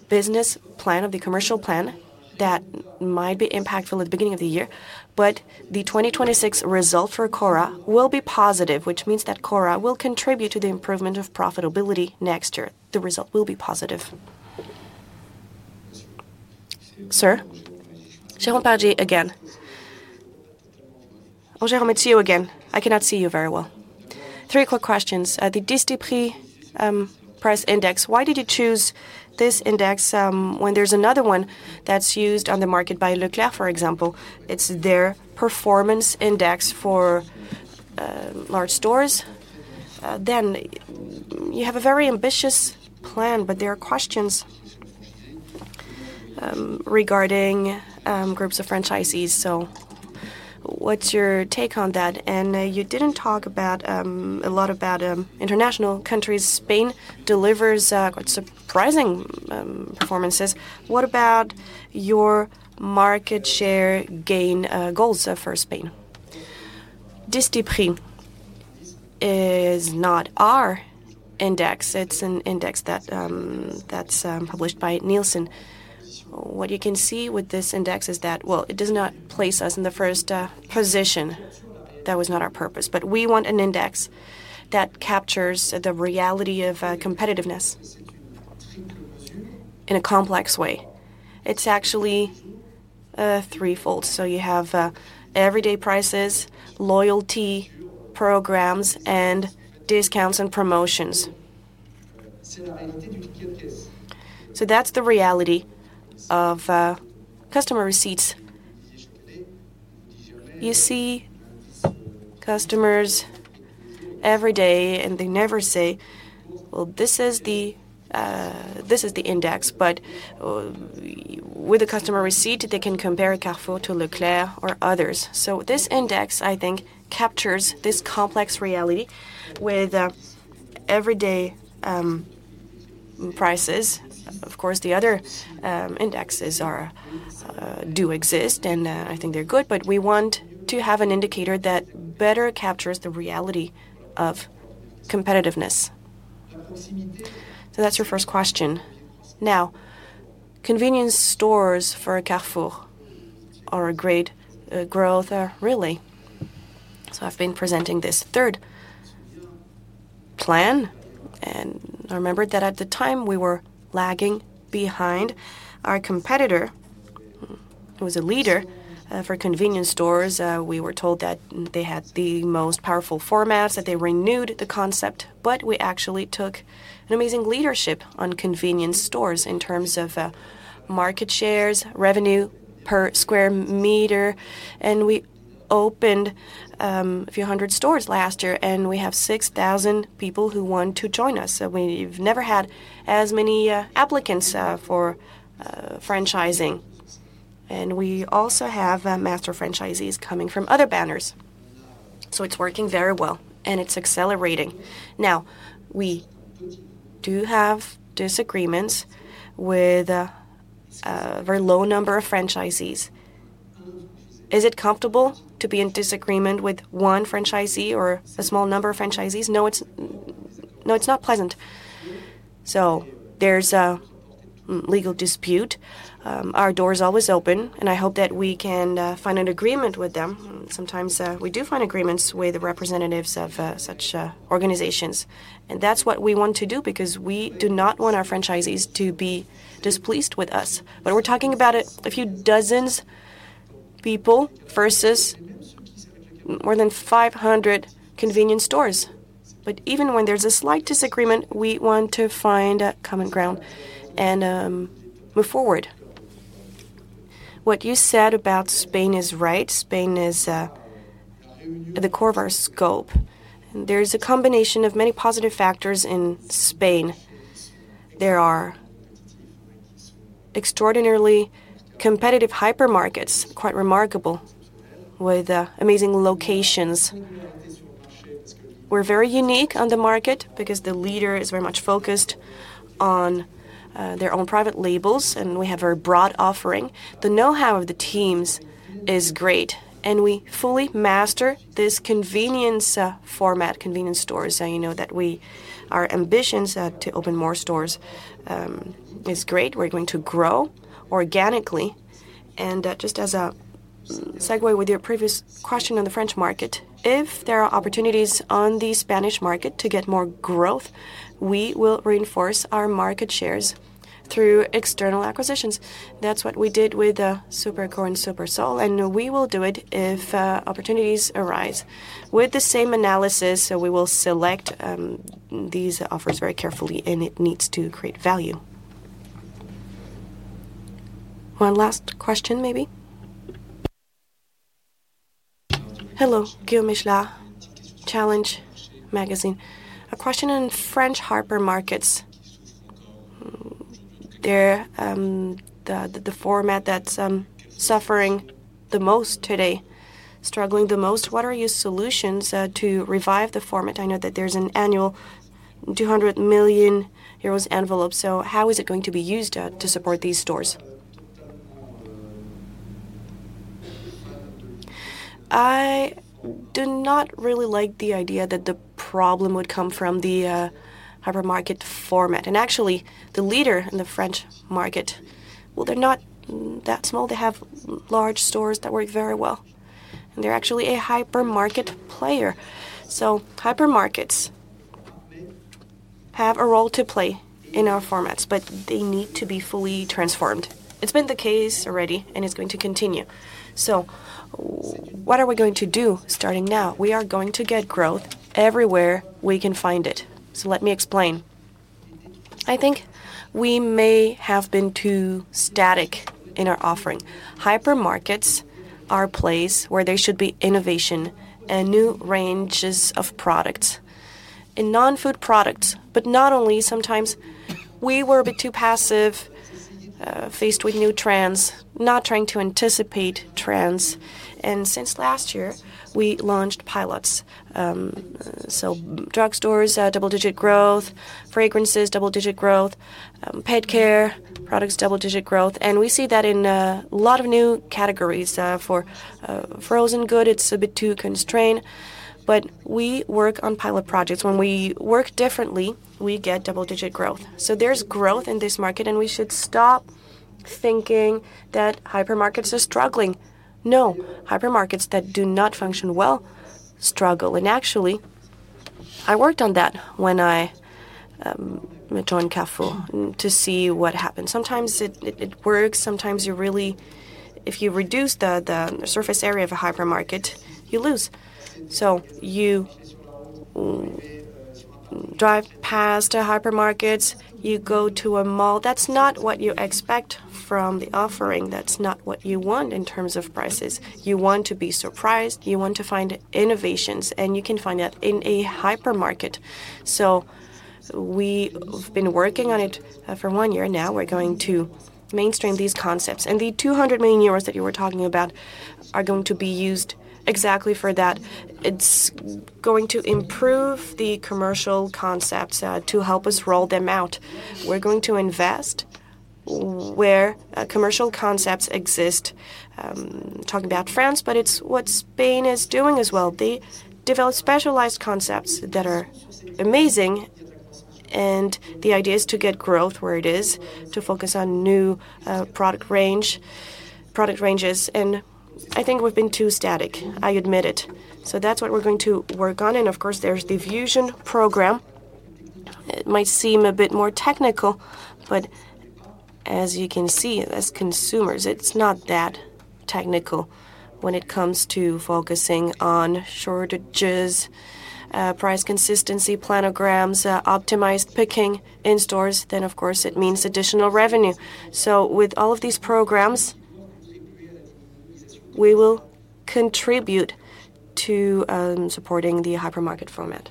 business plan, of the commercial plan, that might be impactful at the beginning of the year, but the 2026 result for Cora will be positive, which means that Cora will contribute to the improvement of profitability next year. The result will be positive. Sir? Jérôme Parigi again. Roger Metéreo again. I cannot see you very well. Three quick questions. The Distriprix price index, why did you choose this index, when there's another one that's used on the market by Leclerc, for example? It's their performance index for large stores. Then, you have a very ambitious plan, but there are questions regarding groups of franchisees. So what's your take on that? You didn't talk about a lot about international countries. Spain delivers quite surprising performances. What about your market share gain goals for Spain? Distriprix is not our index. It's an index that's published by Nielsen. What you can see with this index is that, well, it does not place us in the first position. That was not our purpose. But we want an index that captures the reality of competitiveness in a complex way. It's actually threefold. So you have everyday prices, loyalty programs, and discounts and promotions. So that's the reality of customer receipts. You see customers every day, and they never say, "Well, this is the index." But with a customer receipt, they can compare Carrefour to Leclerc or others. So this index, I think, captures this complex reality with everyday prices. Of course, the other indexes are do exist, and I think they're good, but we want to have an indicator that better captures the reality of competitiveness. So that's your first question. Now, convenience stores for Carrefour are a great growth really. So I've been presenting this third plan, and I remembered that at the time, we were lagging behind our competitor, who was a leader for convenience stores. We were told that they had the most powerful formats, that they renewed the concept, but we actually took an amazing leadership on convenience stores in terms of market shares, revenue per square meter, and opened a few hundred stores last year, and we have 6,000 people who want to join us. So we've never had as many applicants for franchising. And we also have master franchisees coming from other banners. So it's working very well, and it's accelerating. Now, we do have disagreements with a very low number of franchisees. Is it comfortable to be in disagreement with one franchisee or a small number of franchisees? No, it's... No, it's not pleasant. So there's a legal dispute. Our door is always open, and I hope that we can find an agreement with them. Sometimes we do find agreements with the representatives of such organizations, and that's what we want to do because we do not want our franchisees to be displeased with us. But we're talking about a few dozens people versus more than 500 convenience stores. But even when there's a slight disagreement, we want to find a common ground and move forward. What you said about Spain is right. Spain is at the core of our scope. There is a combination of many positive factors in Spain. There are extraordinarily competitive hypermarkets, quite remarkable, with amazing locations. We're very unique on the market because the leader is very much focused on their own private labels, and we have a very broad offering. The know-how of the teams is great, and we fully master this convenience format, convenience stores. And you know that our ambitions to open more stores is great. We're going to grow organically, and just as a segue with your previous question on the French market, if there are opportunities on the Spanish market to get more growth, we will reinforce our market shares through external acquisitions. That's what we did with Supercor and Supersol, and we will do it if opportunities arise. With the same analysis, so we will select these offers very carefully, and it needs to create value. One last question, maybe? Hello, Guillaume Isnard, Challenge Magazine. A question on French hypermarkets. They're the format that's suffering the most today, struggling the most. What are your solutions to revive the format? I know that there's an annual 200 million euros envelope, so how is it going to be used to support these stores? I do not really like the idea that the problem would come from the hypermarket format. And actually, the leader in the French market, well, they're not that small. They have large stores that work very well, and they're actually a hypermarket player. So hypermarkets have a role to play in our formats, but they need to be fully transformed. It's been the case already, and it's going to continue. So what are we going to do starting now? We are going to get growth everywhere we can find it. So let me explain. I think we may have been too static in our offering. Hypermarkets are a place where there should be innovation and new ranges of products. In non-food products, but not only, sometimes we were a bit too passive faced with new trends, not trying to anticipate trends, and since last year, we launched pilots. So drugstores, double-digit growth, fragrances, double-digit growth, pet care products, double-digit growth, and we see that in a lot of new categories. For frozen good, it's a bit too constrained, but we work on pilot projects. When we work differently, we get double-digit growth. So there's growth in this market, and we should stop thinking that hypermarkets are struggling. No, hypermarkets that do not function well struggle. And actually, I worked on that when I joined Carrefour to see what happens. Sometimes it works, sometimes you really... If you reduce the surface area of a hypermarket, you lose. So you drive past a hypermarket, you go to a mall, that's not what you expect from the offering. That's not what you want in terms of prices. You want to be surprised, you want to find innovations, and you can find that in a hypermarket. So we've been working on it for one year now. We're going to mainstream these concepts, and the 200 million euros that you were talking about are going to be used exactly for that. It's going to improve the commercial concepts to help us roll them out. We're going to invest where commercial concepts exist. Talk about France, but it's what Spain is doing as well. They develop specialized concepts that are amazing, and the idea is to get growth where it is, to focus on new product range, product ranges, and I think we've been too static. I admit it. So that's what we're going to work on, and of course, there's the Fusion program. It might seem a bit more technical, but as you can see, as consumers, it's not that technical when it comes to focusing on shortages, price consistency, planograms, optimized picking in stores, then, of course, it means additional revenue. So with all of these programs-... we will contribute to supporting the hypermarket format.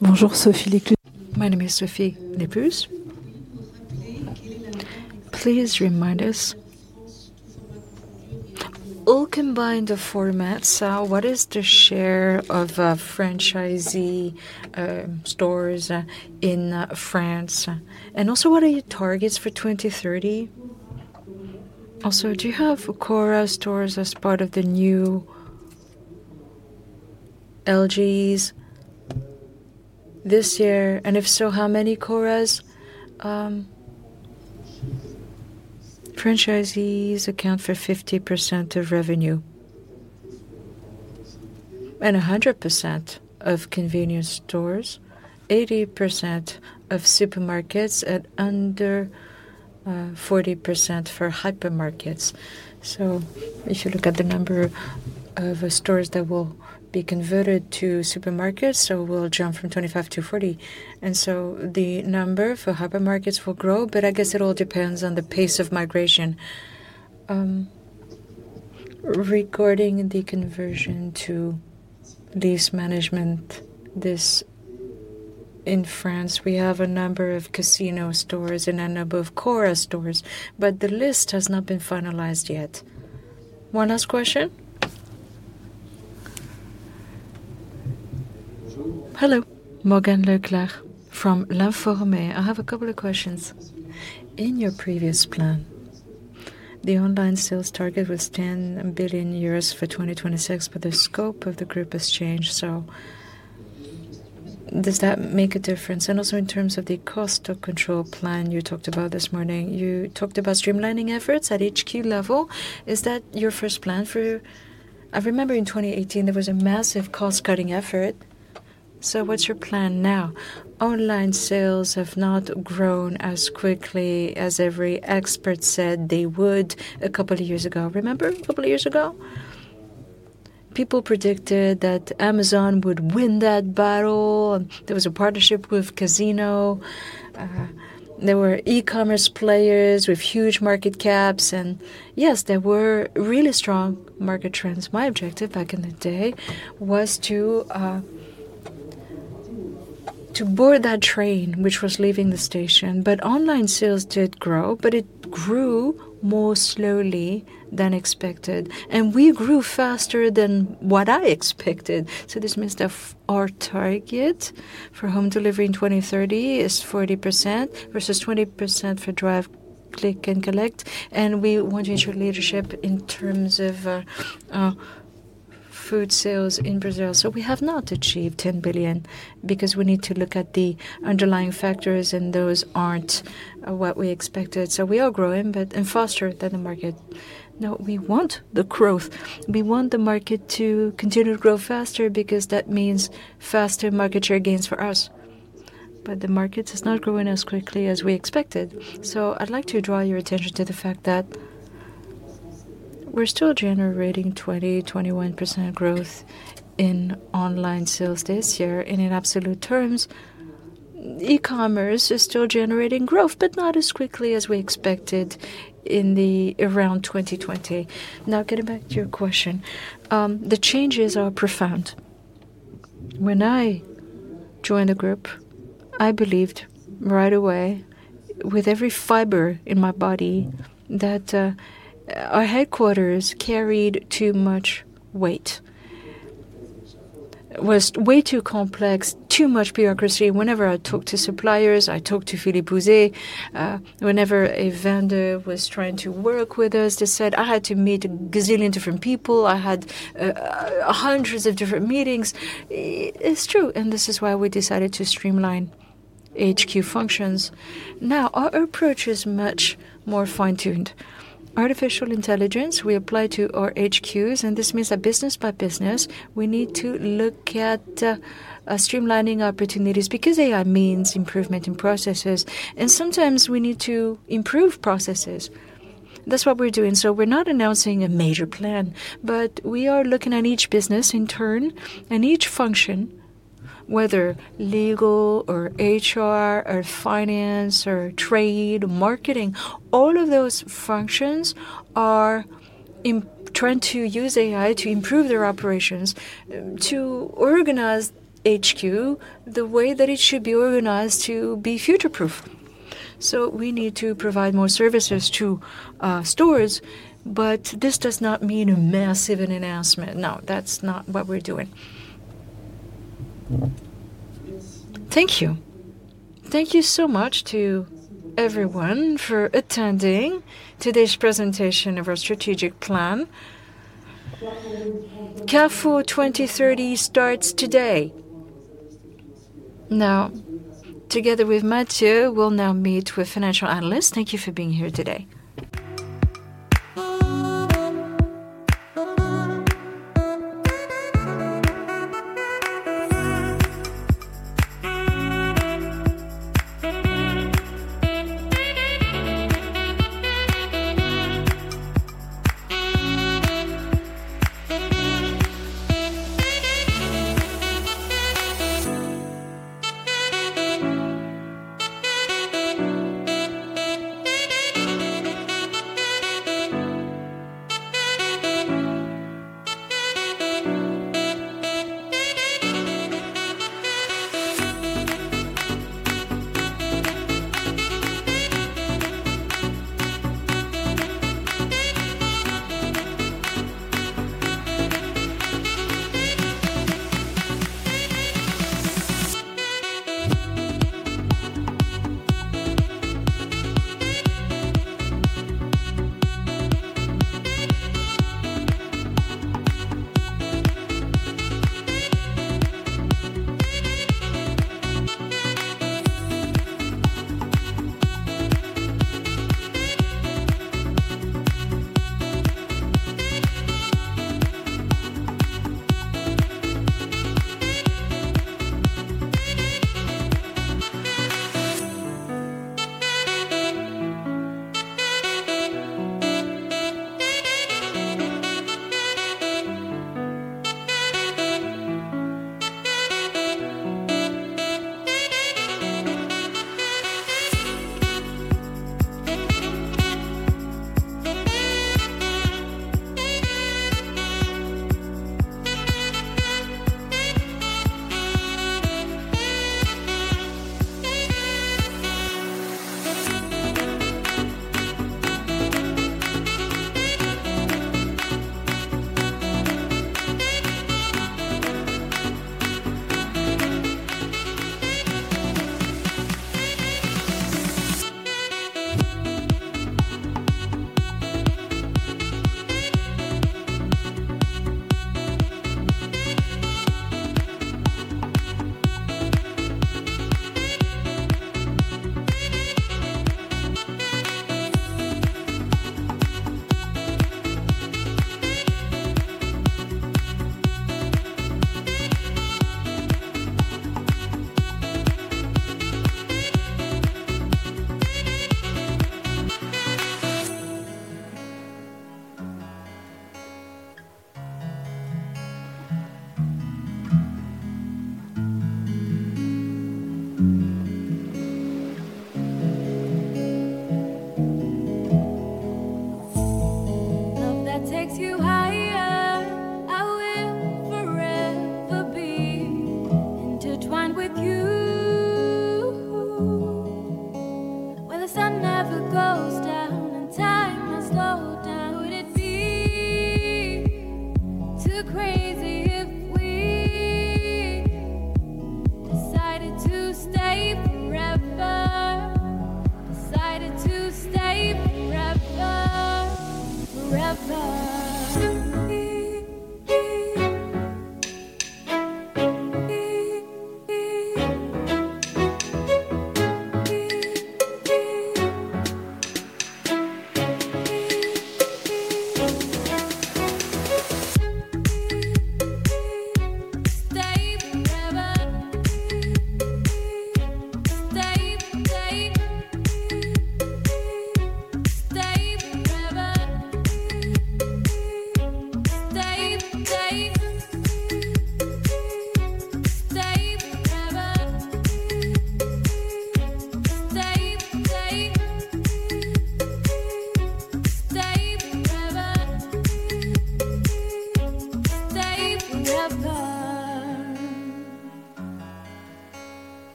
Bonjour, Sophie Lecluse. My name is Sophie Lecluse. Please remind us, all combined the formats, so what is the share of franchisee stores in France? And also, what are your targets for 2030? Also, do you have Cora stores as part of the new LGs this year? And if so, how many Coras? Franchisees account for 50% of revenue, and 100% of convenience stores, 80% of supermarkets, and under 40% for hypermarkets. So if you look at the number of stores that will be converted to supermarkets, so we'll jump from 25-40, and so the number for hypermarkets will grow, but I guess it all depends on the pace of migration. Regarding the conversion to lease management, this, in France, we have a number of Casino stores and a number of Cora stores, but the list has not been finalized yet. One last question? Hello. Morgan Leclerc from L'Informé. I have a couple of questions. In your previous plan, the online sales target was 10 billion euros for 2026, but the scope of the group has changed, so does that make a difference? And also, in terms of the cost of control plan you talked about this morning, you talked about streamlining efforts at HQ level. Is that your first plan for... I remember in 2018, there was a massive cost-cutting effort. So what's your plan now? Online sales have not grown as quickly as every expert said they would a couple of years ago. Remember, a couple of years ago? People predicted that Amazon would win that battle, and there was a partnership with Casino. There were e-commerce players with huge market caps, and yes, there were really strong market trends. My objective back in the day was to board that train, which was leaving the station, but online sales did grow, but it grew more slowly than expected, and we grew faster than what I expected. So this means that our target for home delivery in 2030 is 40% versus 20% for drive, click, and collect, and we want to ensure leadership in terms of food sales in Brazil. So we have not achieved 10 billion because we need to look at the underlying factors, and those aren't what we expected. So we are growing, but and faster than the market. Now, we want the growth. We want the market to continue to grow faster because that means faster market share gains for us, but the market is not growing as quickly as we expected. So I'd like to draw your attention to the fact that we're still generating 20%-21% growth in online sales this year. And in absolute terms, e-commerce is still generating growth, but not as quickly as we expected in and around 2020. Now, getting back to your question, the changes are profound. When I joined the group, I believed right away, with every fiber in my body, that, our headquarters carried too much weight. It was way too complex, too much bureaucracy. Whenever I talked to suppliers, I talked to Philippe Houzé, whenever a vendor was trying to work with us, they said, "I had to meet a gazillion different people. I had hundreds of different meetings." It's true, and this is why we decided to streamline HQ functions. Now, our approach is much more fine-tuned. Artificial intelligence we apply to our HQs, and this means that business-by-business, we need to look at streamlining opportunities because AI means improvement in processes, and sometimes we need to improve processes. That's what we're doing. So we're not announcing a major plan, but we are looking at each business in turn and each function, whether legal or HR or finance or trade, marketing, all of those functions are trying to use AI to improve their operations, to organize HQ the way that it should be organized to be future-proof. So we need to provide more services to stores, but this does not mean a massive announcement. No, that's not what we're doing. Thank you. Thank you so much to everyone for attending today's presentation of our strategic plan. Carrefour 2030 starts today. Now, together with Matthieu, we'll now meet with financial analysts. Thank you for being here today.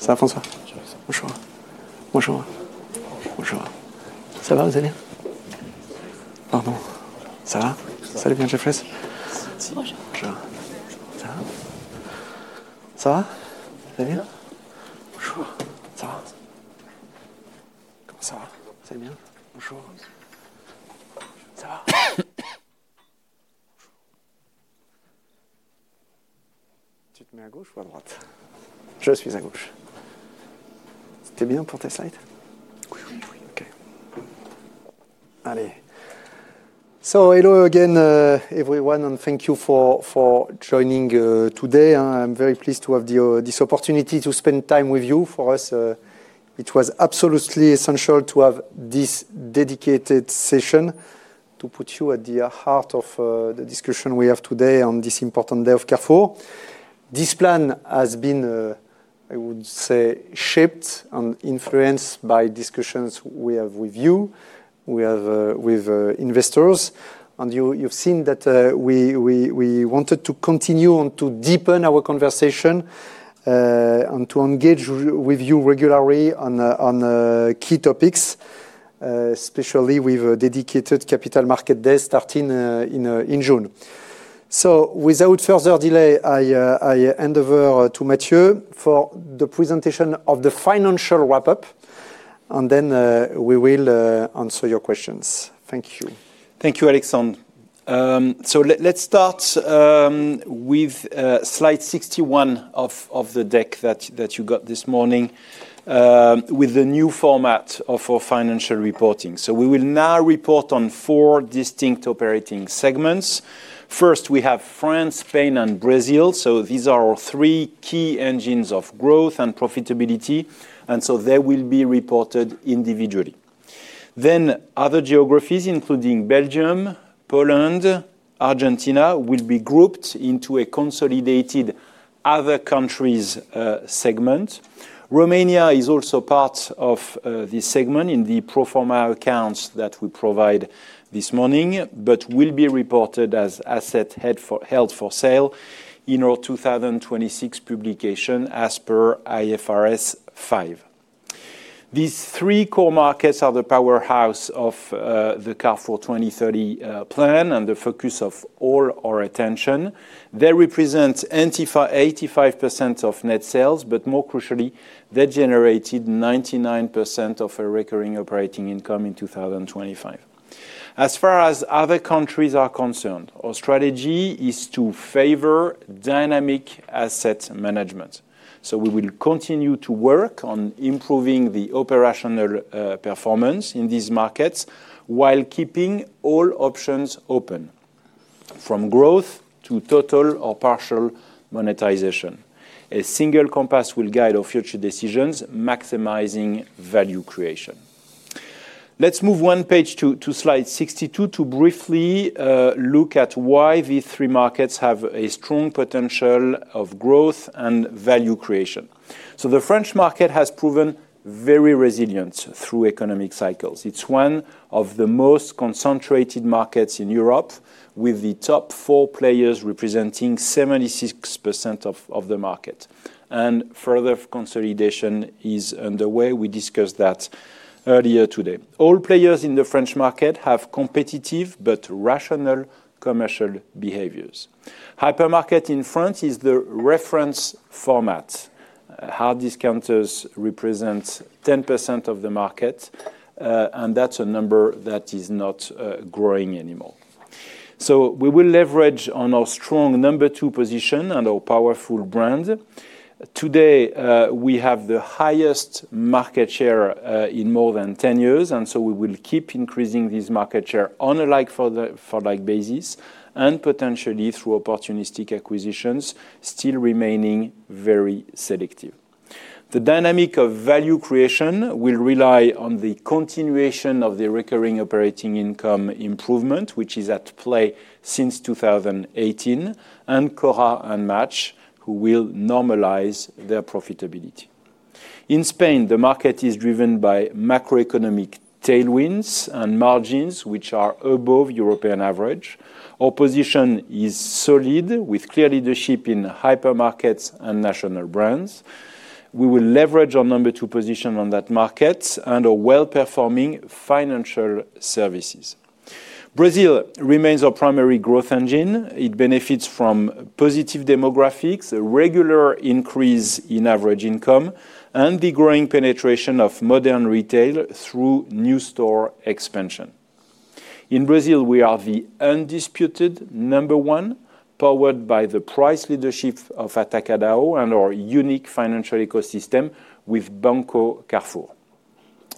Ça va, François? Bonjour. Bonjour. Bonjour. Ça va, vous allez bien? Pardon. Ça va? Ça va bien, Jeffries. Bonjour. Ça va? Ça va? Vous allez bien? Bonjour. Ça va? Comment ça va? Vous allez bien? Bonjour. Ça va? Tu te mets à gauche ou à droite? Je suisà gauche. C'était bien pour tes slides? Okay. Allez. So hello again, everyone, and thank you for, for joining today. I'm very pleased to have the, this opportunity to spend time with you. For us, it was absolutely essential to have this dedicated session to put you at the heart of, the discussion we have today on this important day of Carrefour. This plan has been, I would say, shaped and influenced by discussions we have with you, we have, with, investors. You've seen that we wanted to continue and to deepen our conversation, and to engage with you regularly on key topics, especially with a dedicated capital market day starting in June. So without further delay, I hand over to Matthieu for the presentation of the financial wrap-up, and then we will answer your questions. Thank you. Thank you, Alexandre. So let's start with slide 61 of the deck that you got this morning, with the new format of our financial reporting. So we will now report on four distinct operating segments. First, we have France, Spain, and Brazil. So these are our three key engines of growth and profitability, and so they will be reported individually. Then other geographies, including Belgium, Poland, Argentina, will be grouped into a consolidated other countries segment. Romania is also part of this segment in the pro forma accounts that we provide this morning, but will be reported as assets held for sale in our 2026 publication as per IFRS 5. These three core markets are the powerhouse of the Carrefour 2030 plan and the focus of all our attention. They represent 85% of net sales, but more crucially, they generated 99% of our recurring operating income in 2025. As far as other countries are concerned, our strategy is to favor dynamic asset management. We will continue to work on improving the operational performance in these markets, while keeping all options open, from growth to total or partial monetization. A single compass will guide our future decisions, maximizing value creation. Let's move one page to slide 62 to briefly look at why these three markets have a strong potential of growth and value creation. The French market has proven very resilient through economic cycles. It's one of the most concentrated markets in Europe, with the top four players representing 76% of the market, and further consolidation is underway. We discussed that earlier today. All players in the French market have competitive but rational commercial behaviors. Hypermarket in France is the reference format. Hard discounters represent 10% of the market, and that's a number that is not growing anymore. So we will leverage on our strong number two position and our powerful brand. Today, we have the highest market share in more than 10 years, and so we will keep increasing this market share on a like-for-like basis, and potentially through opportunistic acquisitions, still remaining very selective. The dynamic of value creation will rely on the continuation of the recurring operating income improvement, which is at play since 2018, and Cora and Match, who will normalize their profitability. In Spain, the market is driven by macroeconomic tailwinds and margins, which are above European average. Our position is solid, with clear leadership in hypermarkets and national brands. We will leverage our number two position on that market and our well-performing financial services. Brazil remains our primary growth engine. It benefits from positive demographics, a regular increase in average income, and the growing penetration of modern retail through new store expansion. In Brazil, we are the undisputed number one, powered by the price leadership of Atacadão and our unique financial ecosystem with Banco Carrefour.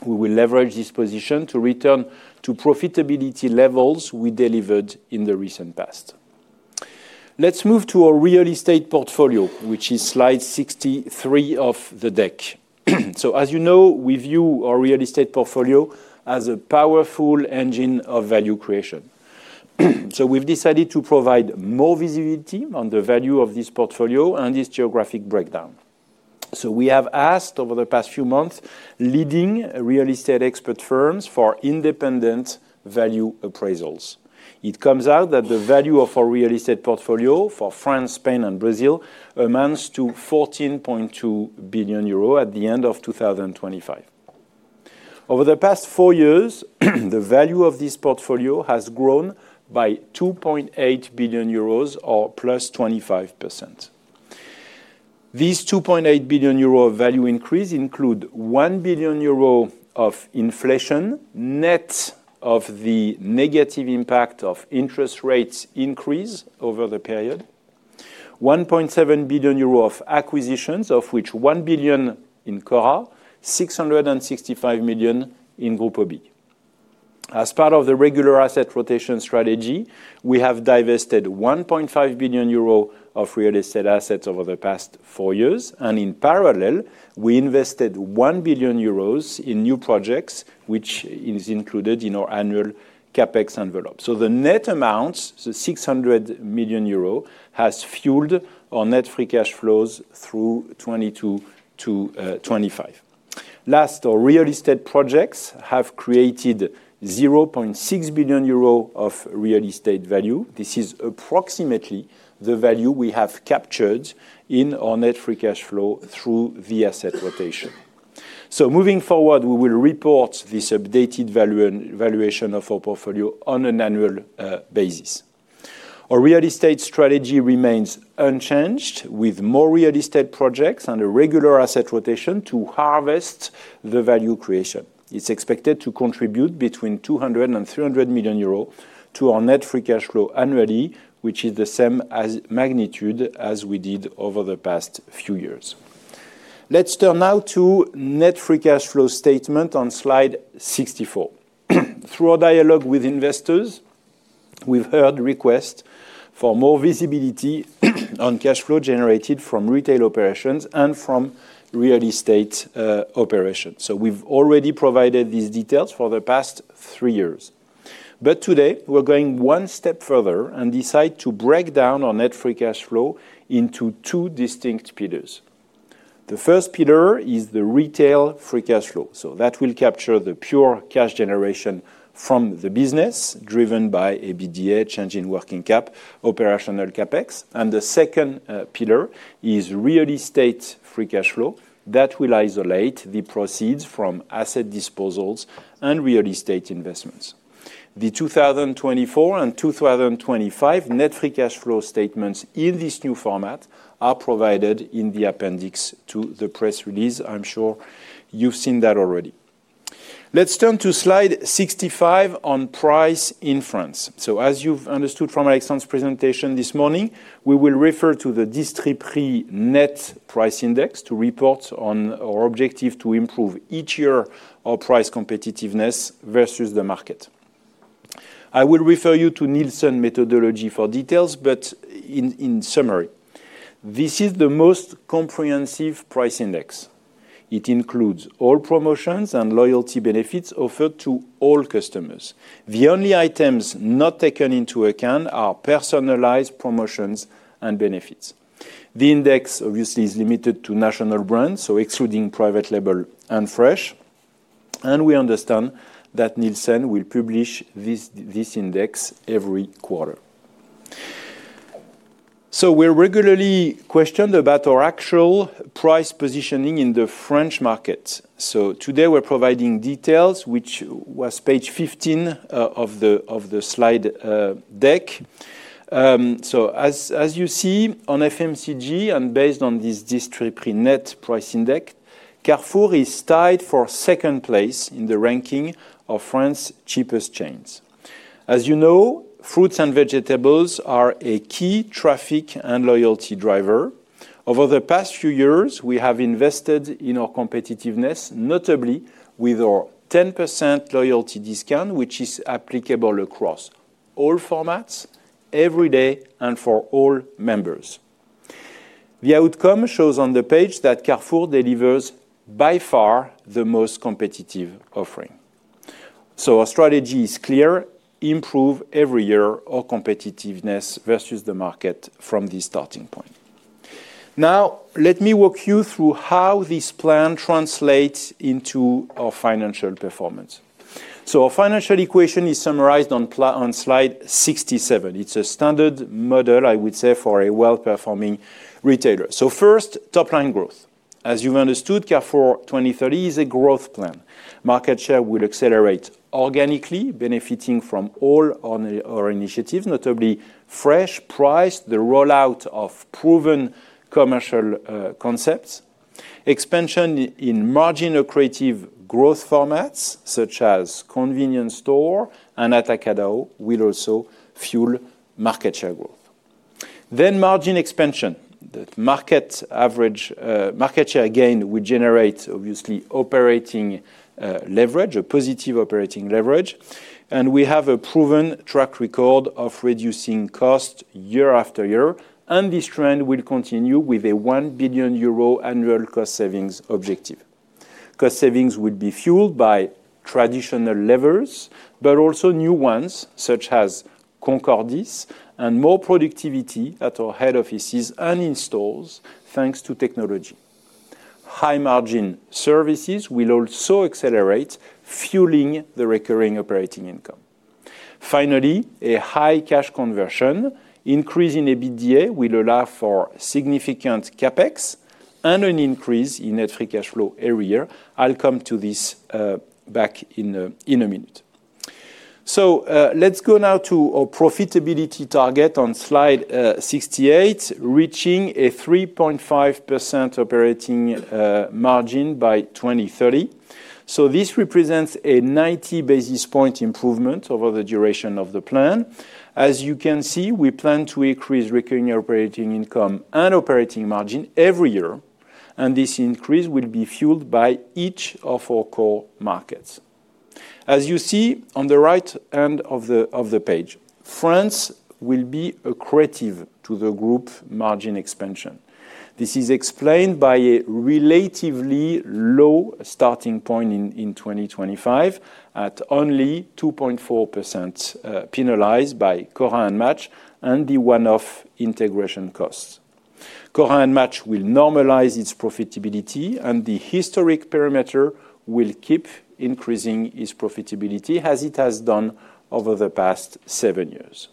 We will leverage this position to return to profitability levels we delivered in the recent past. Let's move to our real estate portfolio, which is slide 63 of the deck. So as you know, we view our real estate portfolio as a powerful engine of value creation. So we've decided to provide more visibility on the value of this portfolio and its geographic breakdown. So we have asked over the past few months, leading real estate expert firms for independent value appraisals. It comes out that the value of our real estate portfolio for France, Spain and Brazil amounts to 14.2 billion euro at the end of 2025. Over the past four years, the value of this portfolio has grown by 2.8 billion euros or +25%. These 2.8 billion euro value increase include 1 billion euro of inflation, net of the negative impact of interest rates increase over the period, 1.7 billion euro of acquisitions, of which 1 billion in Cora, 665 million in Grupo BIG. As part of the regular asset rotation strategy, we have divested 1.5 billion euro of real estate assets over the past four years, and in parallel, we invested 1 billion euros in new projects, which is included in our annual CapEx envelope. So the net amount, so 600 million euro, has fueled our net free cash flows through 2022-2025. Last, our real estate projects have created 0.6 billion euro of real estate value. This is approximately the value we have captured in our net free cash flow through the asset rotation. So moving forward, we will report this updated value, valuation of our portfolio on an annual basis. Our real estate strategy remains unchanged, with more real estate projects and a regular asset rotation to harvest the value creation. It's expected to contribute between 200 million euros and 300 million euros to our net free cash flow annually, which is the same as magnitude as we did over the past few years. Let's turn now to net free cash flow statement on slide 64. Through our dialogue with investors, we've heard requests for more visibility on cash flow generated from retail operations and from real estate operations. So we've already provided these details for the past three years. But today, we're going one step further and decide to break down our net free cash flow into two distinct pillars. The first pillar is the retail free cash flow. So that will capture the pure cash generation from the business, driven by EBITDA, change in working cap, operational CapEx. And the second pillar is real estate free cash flow. That will isolate the proceeds from asset disposals and real estate investments. The 2024 and 2025 net free cash flow statements in this new format are provided in the appendix to the press release. I'm sure you've seen that already. Let's turn to slide 65 on price in France. So as you've understood from Alexandre's presentation this morning, we will refer to the Distriprix Net price index to report on our objective to improve each year our price competitiveness versus the market. I will refer you to Nielsen methodology for details, but in summary, this is the most comprehensive price index. It includes all promotions and loyalty benefits offered to all customers. The only items not taken into account are personalized promotions and benefits. The index, obviously, is limited to national brands, so excluding private label and fresh, and we understand that Nielsen will publish this index every quarter. We're regularly questioned about our actual price positioning in the French market. Today, we're providing details, which was page 15 of the slide deck. So as you see on FMCG and based on this Distriprix Net price index, Carrefour is tied for second place in the ranking of France's cheapest chains. As you know, fruits and vegetables are a key traffic and loyalty driver. Over the past few years, we have invested in our competitiveness, notably with our 10% loyalty discount, which is applicable across all formats, every day, and for all members. The outcome shows on the page that Carrefour delivers, by far, the most competitive offering. So our strategy is clear: improve every year our competitiveness versus the market from this starting point. Now, let me walk you through how this plan translates into our financial performance. So our financial equation is summarized on slide 67. It's a standard model, I would say, for a well-performing retailer. So first, top line growth. As you've understood, Carrefour 2030 is a growth plan. Market share will accelerate organically, benefiting from all our, our initiatives, notably fresh price, the rollout of proven commercial concepts. Expansion in margin accretive growth formats, such as convenience store and Atacadão, will also fuel market share growth. Then margin expansion. The market average market share gain will generate, obviously, operating leverage, a positive operating leverage. We have a proven track record of reducing costs year after year, and this trend will continue with a 1 billion euro annual cost savings objective. Cost savings will be fueled by traditional levers, but also new ones, such as Concordis and more productivity at our head offices and in stores, thanks to technology. High-margin services will also accelerate, fueling the recurring operating income. Finally, a high cash conversion increase in EBITDA will allow for significant CapEx and an increase in net free cash flow every year. I'll come to this, back in a, in a minute. So, let's go now to our profitability target on slide 68, reaching a 3.5% operating margin by 2030. So this represents a 90 basis point improvement over the duration of the plan. As you can see, we plan to increase recurring operating income and operating margin every year, and this increase will be fueled by each of our core markets. As you see on the right end of the page, France will be accretive to the group margin expansion. This is explained by a relatively low starting point in 2025, at only 2.4%, penalized by Cora and Match and the one-off integration costs. Cora and Match will normalize its profitability, and the historic parameter will keep increasing its profitability, as it has done over the past seven years.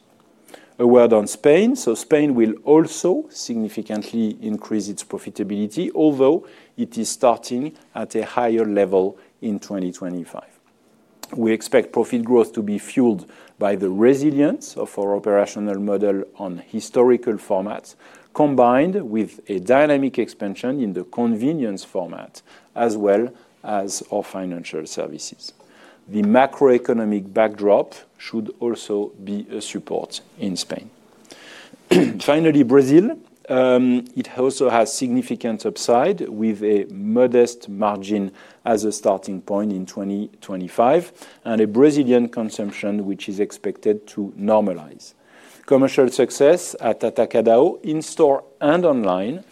A word on Spain. Spain will also significantly increase its profitability, although it is starting at a higher level in 2025. We expect profit growth to be fueled by the resilience of our operational model on historical formats, combined with a dynamic expansion in the convenience format, as well as our financial services. The macroeconomic backdrop should also be a support in Spain. Finally, Brazil. It also has significant upside, with a modest margin as a starting point in 2025, and a Brazilian consumption which is expected to normalize. Commercial success at Atacadão, in-store and online,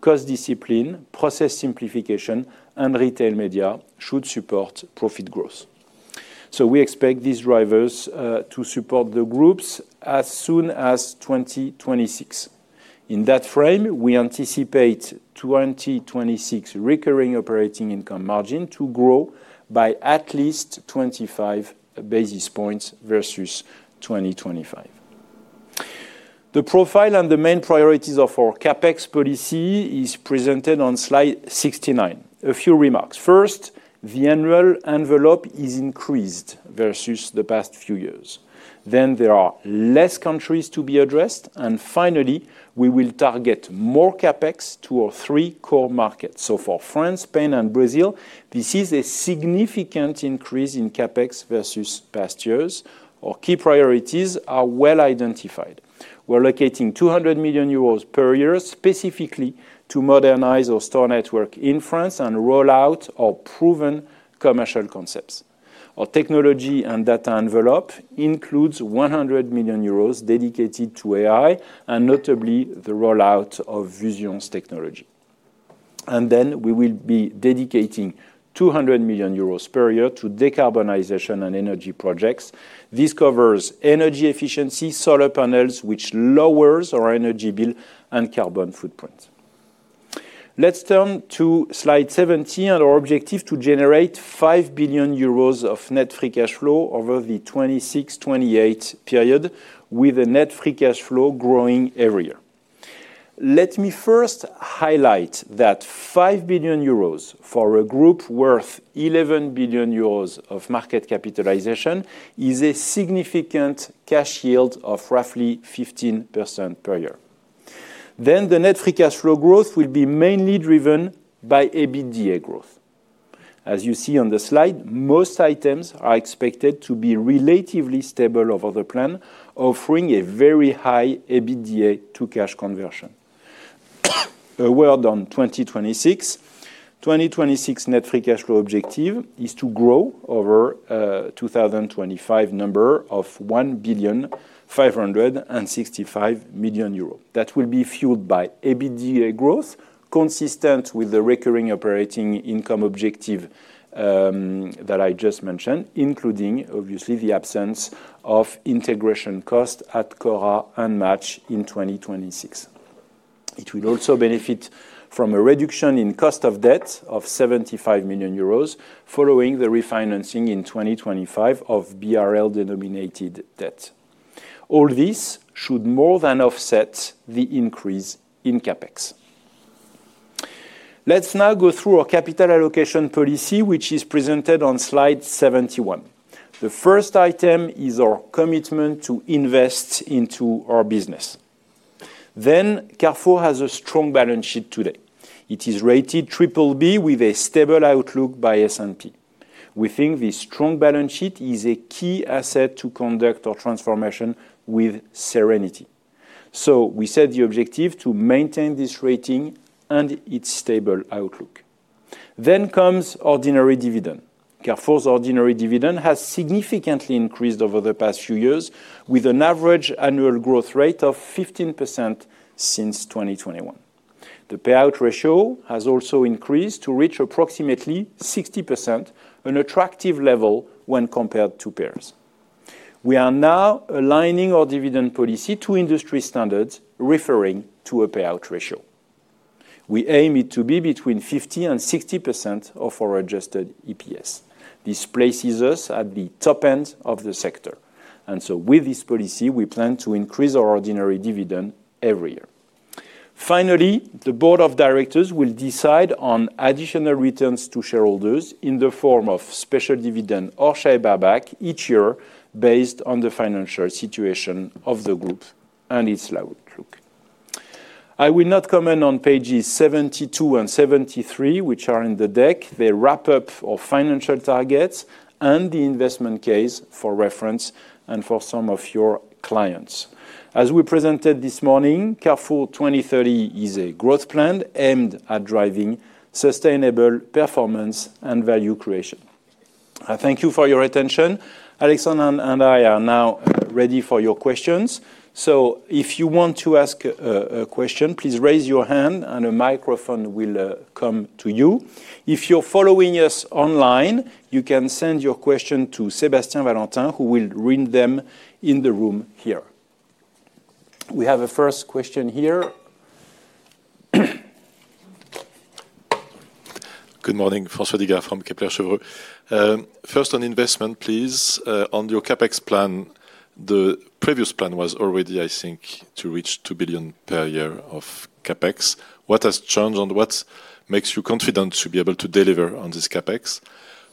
cost discipline, process simplification, and retail media should support profit growth. So we expect these drivers to support the groups as soon as 2026. In that frame, we anticipate 2026 recurring operating income margin to grow by at least 25 basis points versus 2025. The profile and the main priorities of our CapEx policy is presented on slide 69. A few remarks: First, the annual envelope is increased versus the past few years. Then there are less countries to be addressed, and finally, we will target more CapEx to our three core markets. So for France, Spain and Brazil, this is a significant increase in CapEx versus past years. Our key priorities are well identified. We're allocating 200 million euros per year, specifically to modernize our store network in France and roll out our proven commercial concepts. Our technology and data envelope includes 100 million euros dedicated to AI, and notably, the rollout of Vusion's technology. And then we will be dedicating 200 million euros per year to decarbonization and energy projects. This covers energy efficiency, solar panels, which lowers our energy bill and carbon footprint. Let's turn to slide 70 and our objective to generate 5 billion euros of net free cash flow over the 2026-2028 period, with a net free cash flow growing every year. Let me first highlight that 5 billion euros for a group worth 11 billion euros of market capitalization is a significant cash yield of roughly 15% per year. Then the net free cash flow growth will be mainly driven by EBITDA growth. As you see on the slide, most items are expected to be relatively stable over the plan, offering a very high EBITDA to cash conversion. A word on 2026. 2026 net free cash flow objective is to grow over 2025 number of EUR 1.565 billion. That will be fueled by EBITDA growth, consistent with the recurring operating income objective, that I just mentioned, including, obviously, the absence of integration cost at Cora and Match in 2026. It will also benefit from a reduction in cost of debt of 75 million euros, following the refinancing in 2025 of BRL-denominated debt. All this should more than offset the increase in CapEx. Let's now go through our capital allocation policy, which is presented on slide 71. The first item is our commitment to invest into our business. Then, Carrefour has a strong balance sheet today. It is rated BBB with a stable outlook by S&P. We think this strong balance sheet is a key asset to conduct our transformation with serenity. So we set the objective to maintain this rating and its stable outlook. Then comes ordinary dividend. Carrefour's ordinary dividend has significantly increased over the past few years, with an average annual growth rate of 15% since 2021. The payout ratio has also increased to reach approximately 60%, an attractive level when compared to peers. We are now aligning our dividend policy to industry standards, referring to a payout ratio. We aim it to be between 50% and 60% of our adjusted EPS. This places us at the top end of the sector, and so with this policy, we plan to increase our ordinary dividend every year. Finally, the board of directors will decide on additional returns to shareholders in the form of special dividend or share buyback each year based on the financial situation of the group and its outlook. I will not comment on pages 72 and 73, which are in the deck. They wrap up our financial targets and the investment case for reference and for some of your clients. As we presented this morning, Carrefour 2030 is a growth plan aimed at driving sustainable performance and value creation. I thank you for your attention. Alexandre and I are now ready for your questions. So if you want to ask a question, please raise your hand and a microphone will come to you. If you're following us online, you can send your question to Sebastian Valentin, who will read them in the room here. We have a first question here. Good morning. François Digard from Kepler Cheuvreux. First, on investment, please, on your CapEx plan, the previous plan was already, I think, to reach 2 billion per year of CapEx. What has changed, and what makes you confident to be able to deliver on this CapEx?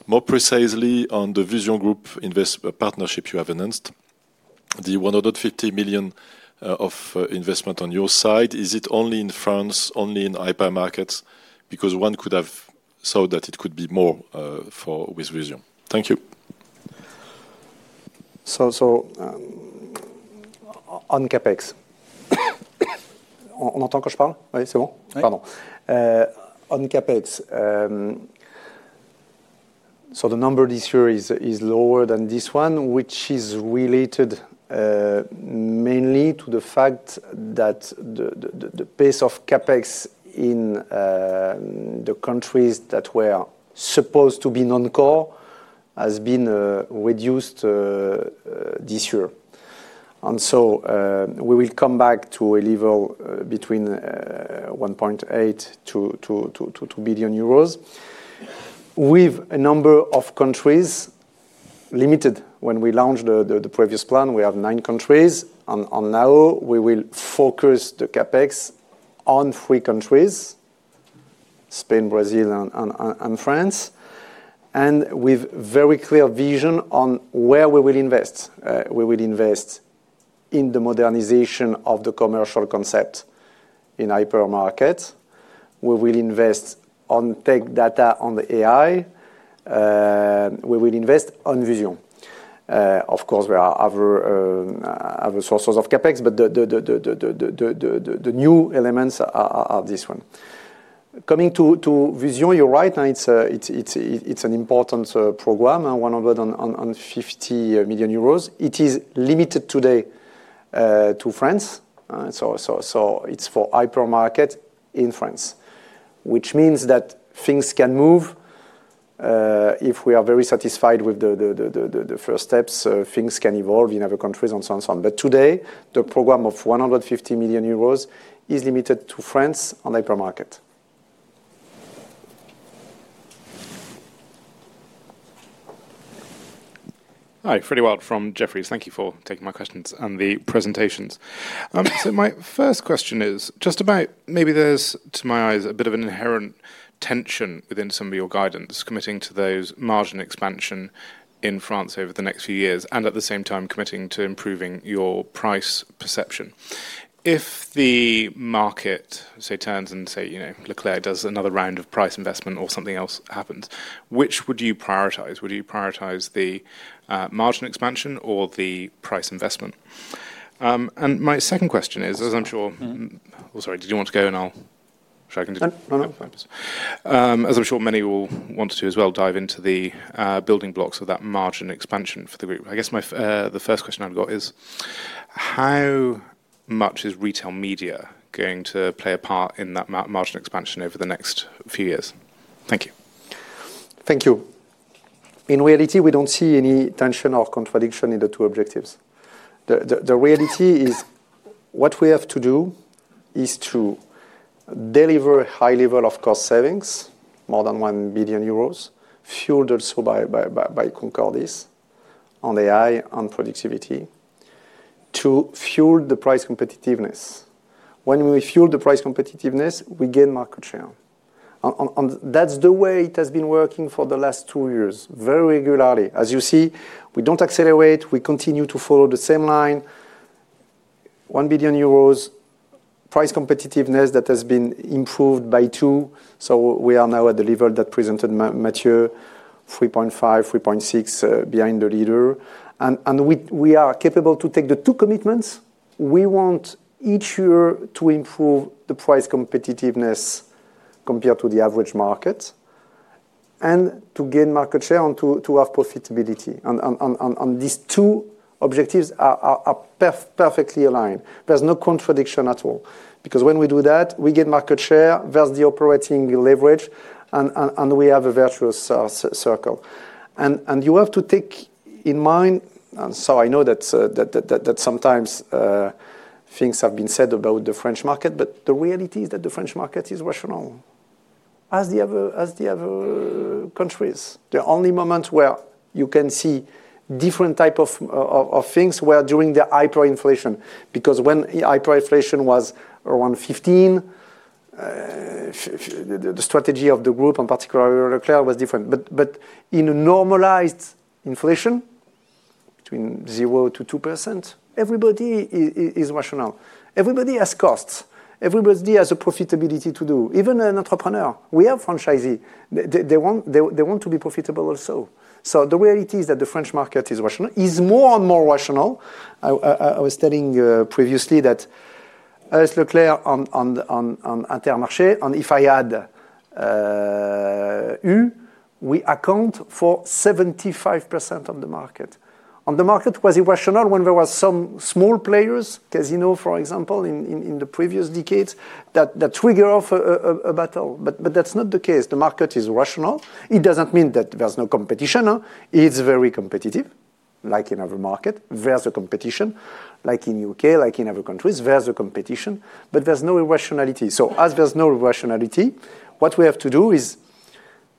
More precisely, on the VusionGroup investment partnership you have announced, the 150 million of investment on your side, is it only in France, only in hypermarkets? Because one could have thought that it could be more for with Vusion. Thank you. So, on CapEx. On entend quand je parle? Oui, c'est bon. Oui. Pardon. On CapEx, so the number this year is lower than this one, which is related mainly to the fact that the pace of CapEx in the countries that were supposed to be non-core has been reduced this year.... and so, we will come back to a level between 1.8 billion-2 billion euros. With a number of countries limited. When we launched the previous plan, we have nine countries, and now we will focus the CapEx on three countries, Spain, Brazil, and France, and with very clear vision on where we will invest. We will invest in the modernization of the commercial concept in hypermarket. We will invest on tech data on the AI, we will invest on Vusion. Of course, there are other sources of CapEx, but the new elements are this one. Coming to Vusion, you're right, and it's an important program, 150 million euros. It is limited today to France. So it's for hypermarket in France, which means that things can move. If we are very satisfied with the first steps, things can evolve in other countries and so on and so on. But today, the program of 150 million euros is limited to France on hypermarket. Hi, Frederick Wild from Jefferies. Thank you for taking my questions and the presentations. So my first question is just about maybe there's, to my eyes, a bit of an inherent tension within some of your guidance, committing to those margin expansion in France over the next few years, and at the same time committing to improving your price perception. If the market, say, turns and say, you know, Leclerc does another round of price investment or something else happens, which would you prioritize? Would you prioritize the margin expansion or the price investment? And my second question is, as I'm sure— Oh, sorry, did you want to go and I'll... Shall I continue? No. No, no. As I'm sure many will want to do as well, dive into the building blocks of that margin expansion for the group. I guess the first question I've got is: How much is retail media going to play a part in that margin expansion over the next few years? Thank you. Thank you. In reality, we don't see any tension or contradiction in the two objectives. The reality is, what we have to do is to deliver a high level of cost savings, more than 1 billion euros, fueled also by Concordis on AI, on productivity, to fuel the price competitiveness. When we fuel the price competitiveness, we gain market share. That's the way it has been working for the last two years, very regularly. As you see, we don't accelerate, we continue to follow the same line. 1 billion euros, price competitiveness that has been improved by two, so we are now at the level that presented Matthieu, 3.5, 3.6 behind the leader. And we are capable to take the two commitments. We want each year to improve the price competitiveness compared to the average market, and to gain market share and to have profitability. And these two objectives are perfectly aligned. There's no contradiction at all, because when we do that, we get market share, there's the operating leverage, and we have a virtuous circle. And you have to take in mind. And so I know that sometimes things have been said about the French market, but the reality is that the French market is rational, as the other countries. The only moment where you can see different type of things were during the hyperinflation, because when hyperinflation was around 15, the strategy of the group, and particularly Leclerc, was different. But in a normalized inflation between 0%-2%, everybody is rational. Everybody has costs. Everybody has a profitability to do. Even an entrepreneur, we have franchisee. They want to be profitable also. So the reality is that the French market is rational, is more and more rational. I was telling previously that us, Leclerc, on Intermarché, and if I add U, we account for 75% of the market. And the market was irrational when there were some small players, Casino, for example, in the previous decades, that trigger off a battle. But that's not the case. The market is rational. It doesn't mean that there's no competition. It's very competitive, like in other market. There's a competition, like in U.K., like in other countries, there's a competition, but there's no irrationality. So as there's no irrationality, what we have to do is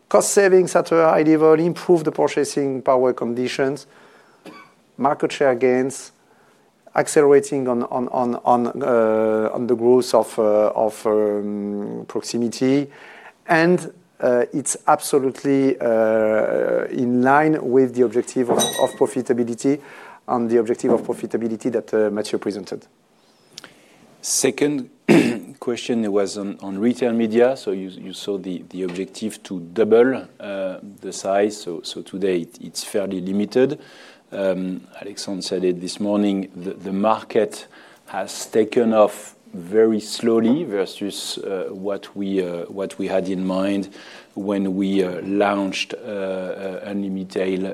cost savings at a high level, improve the purchasing power conditions, market share gains, accelerating on the growth of proximity. And it's absolutely in line with the objective of profitability and the objective of profitability that Matthieu presented. Second question was on retail media. So you saw the objective to double the size. So today it's fairly limited. Alexandre said it this morning, the market has taken off very slowly versus what we had in mind when we launched Unlimitail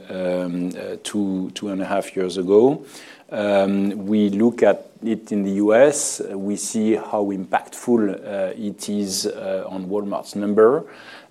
two and a half years ago. We look at it in the U.S., we see how impactful it is on Walmart's number.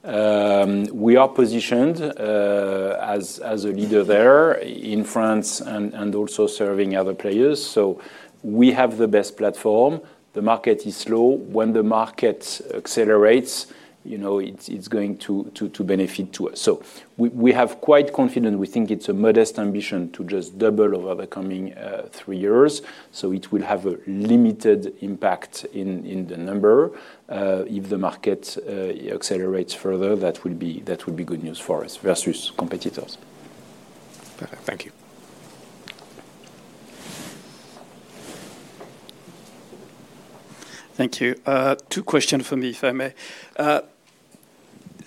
We are positioned as a leader there in France and also serving other players. So we have the best platform. The market is slow. When the market accelerates, you know, it's going to benefit to us. So we have quite confident, we think it's a modest ambition to just double over the coming three years, so it will have a limited impact in the number. If the market accelerates further, that would be good news for us versus competitors. Perfect. Thank you. Thank you. Two questions for me, if I may.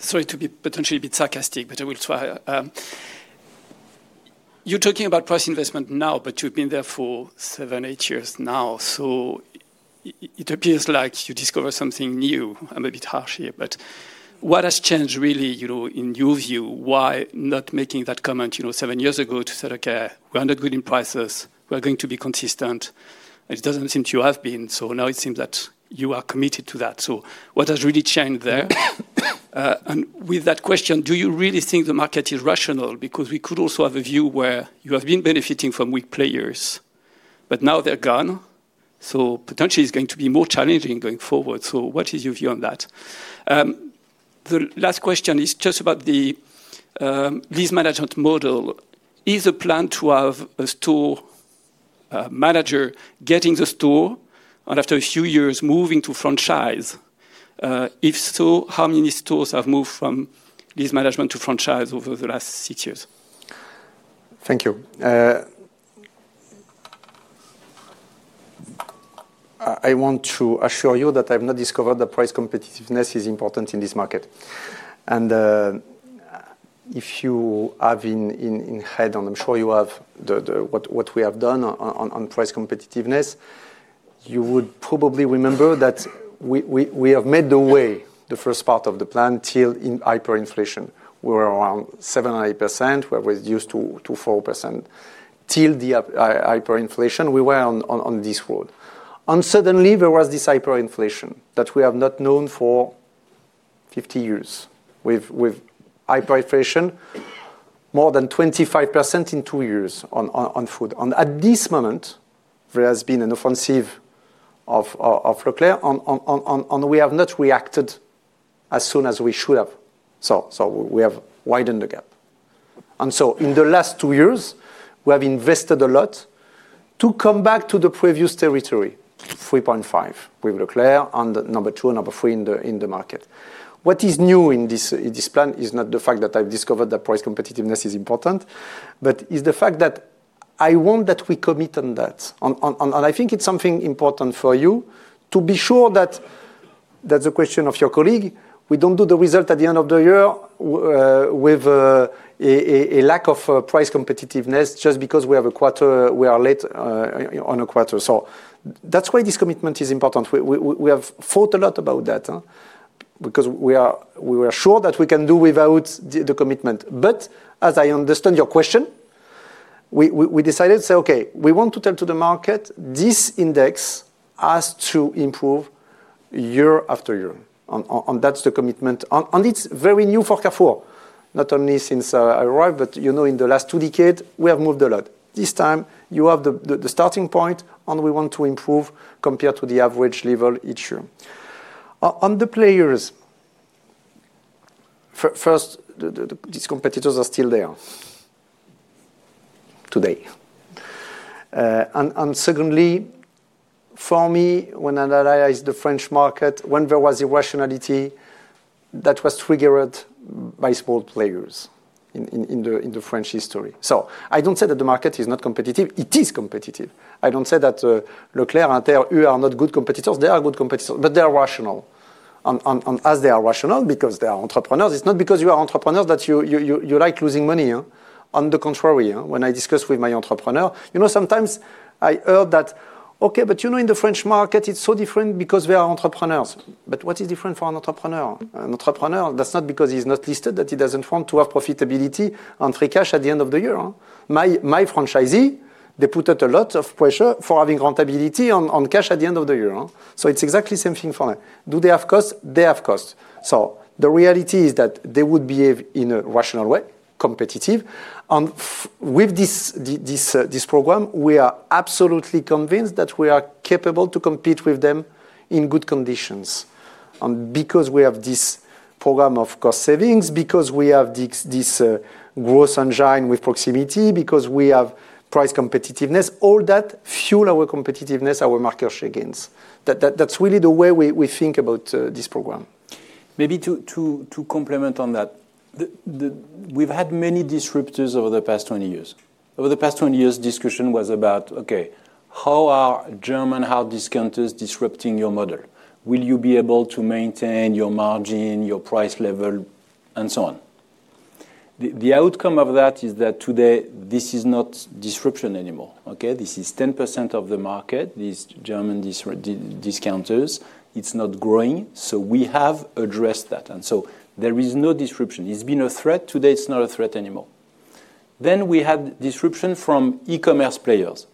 Sorry to be potentially a bit sarcastic, but I will try. You're talking about price investment now, but you've been there for seven, eight years now. So it appears like you discover something new. I'm a bit harsh here, but what has changed really, you know, in your view, why not making that comment, you know, seven years ago to say, "Okay, we're not good in prices. We are going to be consistent." It doesn't seem to have been, so now it seems that you are committed to that. So what has really changed there? And with that question, do you really think the market is rational? Because we could also have a view where you have been benefiting from weak players, but now they're gone, so potentially it's going to be more challenging going forward. So what is your view on that? The last question is just about the lease management model. Is a plan to have a store manager getting the store and after a few years moving to franchise? If so, how many stores have moved from lease management to franchise over the last six years? Thank you. I want to assure you that I've not discovered that price competitiveness is important in this market. If you have in head, and I'm sure you have, what we have done on price competitiveness, you would probably remember that we have made the way, the first part of the plan till in hyperinflation. We were around 7% or 8%, where was reduced to 4%. Till the up, hyperinflation, we were on this road. Suddenly, there was this hyperinflation that we have not known for 50 years. With hyperinflation, more than 25% in two years on food. At this moment, there has been an offensive of Leclerc, and we have not reacted as soon as we should have. So we have widened the gap. And so in the last two years, we have invested a lot to come back to the previous territory, 3.5, with Leclerc and number two and number three in the market. What is new in this plan is not the fact that I've discovered that price competitiveness is important, but is the fact that I want that we commit on that. On, and I think it's something important for you to be sure that the question of your colleague, we don't do the result at the end of the year with a lack of price competitiveness just because we have a quarter—we are late on a quarter. So that's why this commitment is important. We have thought a lot about that, because we were sure that we can do without the commitment. But as I understand your question, we decided to say, okay, we want to tell to the market, this index has to improve year after year. And that's the commitment. And it's very new for Carrefour. Not only since I arrived, but you know, in the last two decades, we have moved a lot. This time, you have the starting point, and we want to improve compared to the average level each year. On the players, first, these competitors are still there today. And secondly, for me, when I analyze the French market, when there was irrationality, that was triggered by small players in the French history. So I don't say that the market is not competitive. It is competitive. I don't say that, Leclerc and Intermarché are not good competitors. They are good competitors, but they are rational. And as they are rational because they are entrepreneurs, it's not because you are entrepreneurs that you like losing money, on the contrary, when I discuss with my entrepreneur. You know, sometimes I heard that, "Okay, but you know, in the French market, it's so different because we are entrepreneurs." But what is different for an entrepreneur? An entrepreneur, that's not because he's not listed, that he doesn't want to have profitability and free cash at the end of the year. My franchisee, they put out a lot of pressure for having profitability on cash at the end of the year. So it's exactly the same thing for them. Do they have costs? They have costs. So the reality is that they would behave in a rational way, competitive. And with this program, we are absolutely convinced that we are capable to compete with them in good conditions. And because we have this program of cost savings, because we have this growth engine with proximity, because we have price competitiveness, all that fuel our competitiveness, our market share gains. That's really the way we think about this program.... maybe to complement on that, we've had many disruptors over the past 20 years. Over the past 20 years, discussion was about, okay, how are German hard discounters disrupting your model? Will you be able to maintain your margin, your price level, and so on? The outcome of that is that today, this is not disruption anymore, okay? This is 10% of the market, these German discounters. It's not growing, so we have addressed that, and so there is no disruption. It's been a threat. Today, it's not a threat anymore. Then we had disruption from e-commerce players,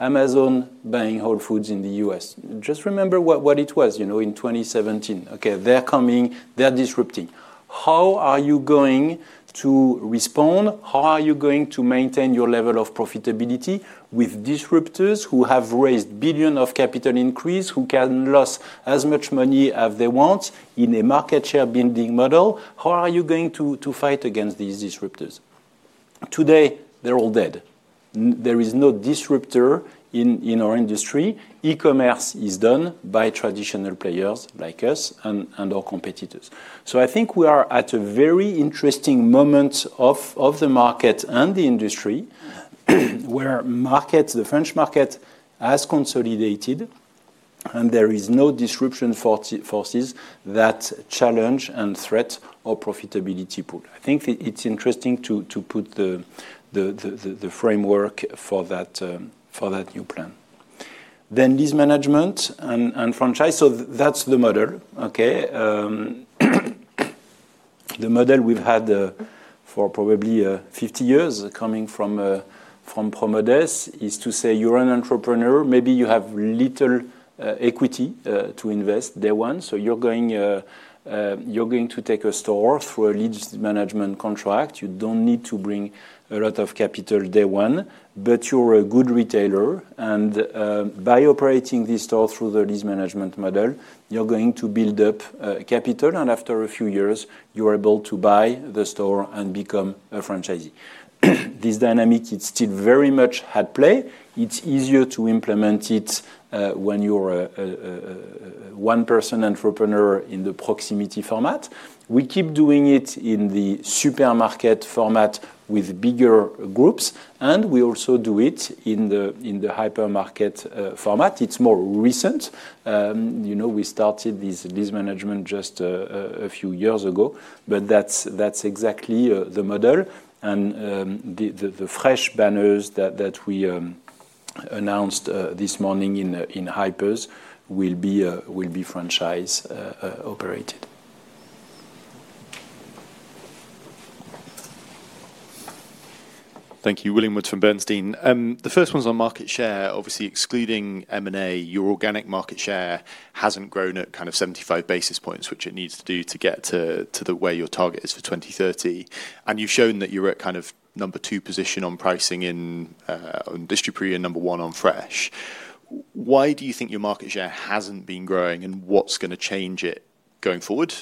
Amazon buying Whole Foods in the U.S. Just remember what it was, you know, in 2017. Okay, they're coming. They're disrupting. How are you going to respond? How are you going to maintain your level of profitability with disruptors who have raised billion of capital increase, who can lose as much money as they want in a market share building model? How are you going to to fight against these disruptors? Today, they're all dead. No, there is no disruptor in our industry. E-commerce is done by traditional players like us and our competitors. So I think we are at a very interesting moment of the market and the industry, where the market, the French market, has consolidated, and there is no disruption forces that challenge and threaten our profitability pool. I think it's interesting to to put the framework for that new plan. Then lease management and franchise, so that's the model, okay? The model we've had for probably 50 years coming from Promodès is to say you're an entrepreneur. Maybe you have little equity to invest day one, so you're going to take a store through a lease management contract. You don't need to bring a lot of capital day one, but you're a good retailer, and by operating this store through the lease management model, you're going to build up capital, and after a few years, you are able to buy the store and become a franchisee. This dynamic is still very much at play. It's easier to implement it when you're a one-person entrepreneur in the proximity format. We keep doing it in the supermarket format with bigger groups, and we also do it in the hypermarket format. It's more recent. You know, we started this management just a few years ago, but that's exactly the model. The fresh banners that we announced this morning in hypers will be franchise operated. Thank you. William Woods from Bernstein. The first one's on market share. Obviously, excluding M&A, your organic market share hasn't grown at kind of 75 basis points, which it needs to do to get to, to the way your target is for 2030. And you've shown that you're at kind of number two position on pricing in, on Distriprix and number one on fresh. Why do you think your market share hasn't been growing, and what's gonna change it going forward?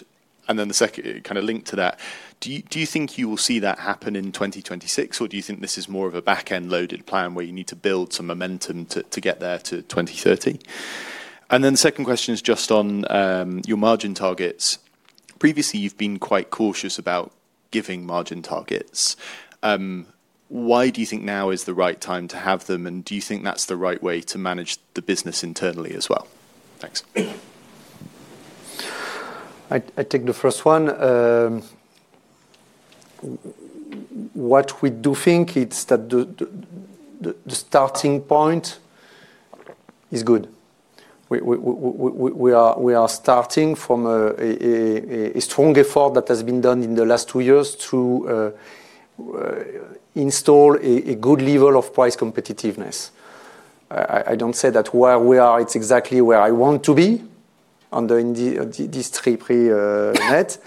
And then the second, kind of linked to that, do you, do you think you will see that happen in 2026, or do you think this is more of a back-end loaded plan, where you need to build some momentum to, to get there to 2030? And then the second question is just on your margin targets. Previously, you've been quite cautious about giving margin targets. Why do you think now is the right time to have them, and do you think that's the right way to manage the business internally as well? Thanks. I take the first one. What we do think, it's that the starting point is good. We are starting from a strong effort that has been done in the last two years to install a good level of price competitiveness. I don't say that where we are, it's exactly where I want to be on the, in the, Distriprix Net,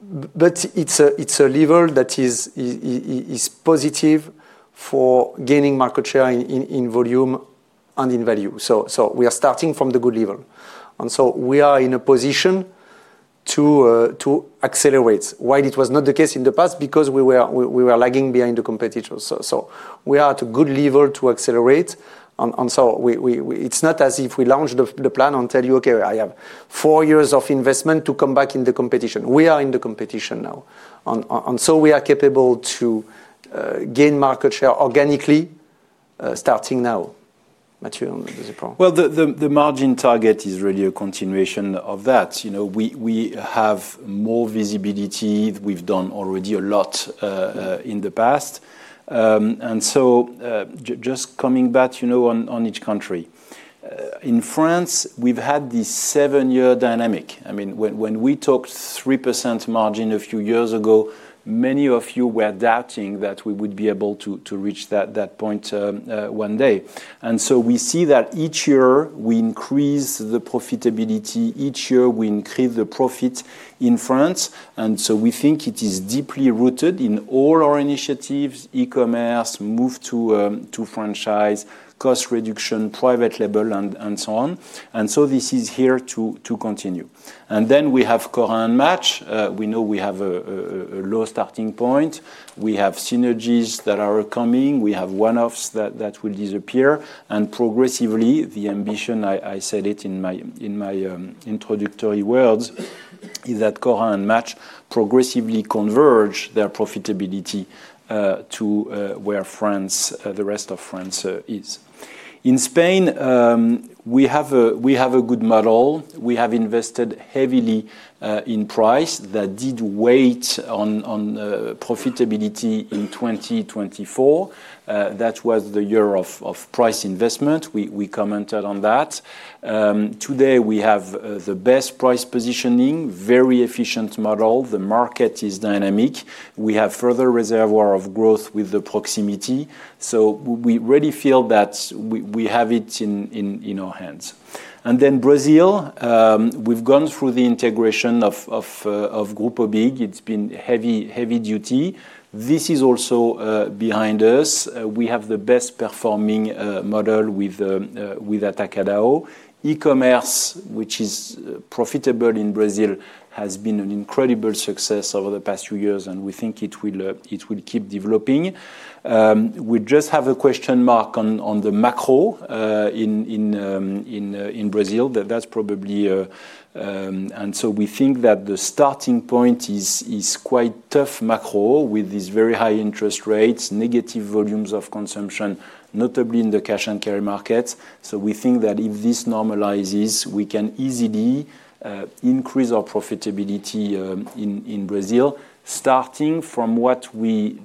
but it's a level that is positive for gaining market share in volume and in value. So we are starting from the good level, and so we are in a position to accelerate. While it was not the case in the past, because we were lagging behind the competitors, so we are at a good level to accelerate. And so we—it's not as if we launched the plan and tell you, "Okay, I have four years of investment to come back in the competition." We are in the competition now. And so we are capable to gain market share organically starting now. Matthieu, do you want to say something? Well, the margin target is really a continuation of that. You know, we have more visibility. We've done already a lot in the past. And so just coming back, you know, on each country. In France, we've had this seven-year dynamic. I mean, when we talked 3% margin a few years ago, many of you were doubting that we would be able to reach that point one day. And so we see that each year we increase the profitability. Each year, we increase the profit in France, and so we think it is deeply rooted in all our initiatives, e-commerce, move to franchise, cost reduction, private label, and so on. And so this is here to continue. And then we have Cora Match. We know we have a low starting point. We have synergies that are coming. We have one-offs that will disappear, and progressively, the ambition, I said it in my introductory words-... is that Cora and Match progressively converge their profitability to where France, the rest of France, is. In Spain, we have a good model. We have invested heavily in price that did weigh on profitability in 2024. That was the year of price investment. We commented on that. Today, we have the best price positioning, very efficient model. The market is dynamic. We have further reservoir of growth with the proximity, so we really feel that we have it in our hands. And then Brazil, we've gone through the integration of Grupo BIG. It's been heavy duty. This is also behind us. We have the best performing model with Atacadão. E-commerce, which is profitable in Brazil, has been an incredible success over the past few years, and we think it will keep developing. We just have a question mark on the macro in Brazil. That's probably... And so we think that the starting point is quite tough macro, with these very high interest rates, negative volumes of consumption, notably in the Cash & Carry market. So we think that if this normalizes, we can easily increase our profitability in Brazil, starting from what we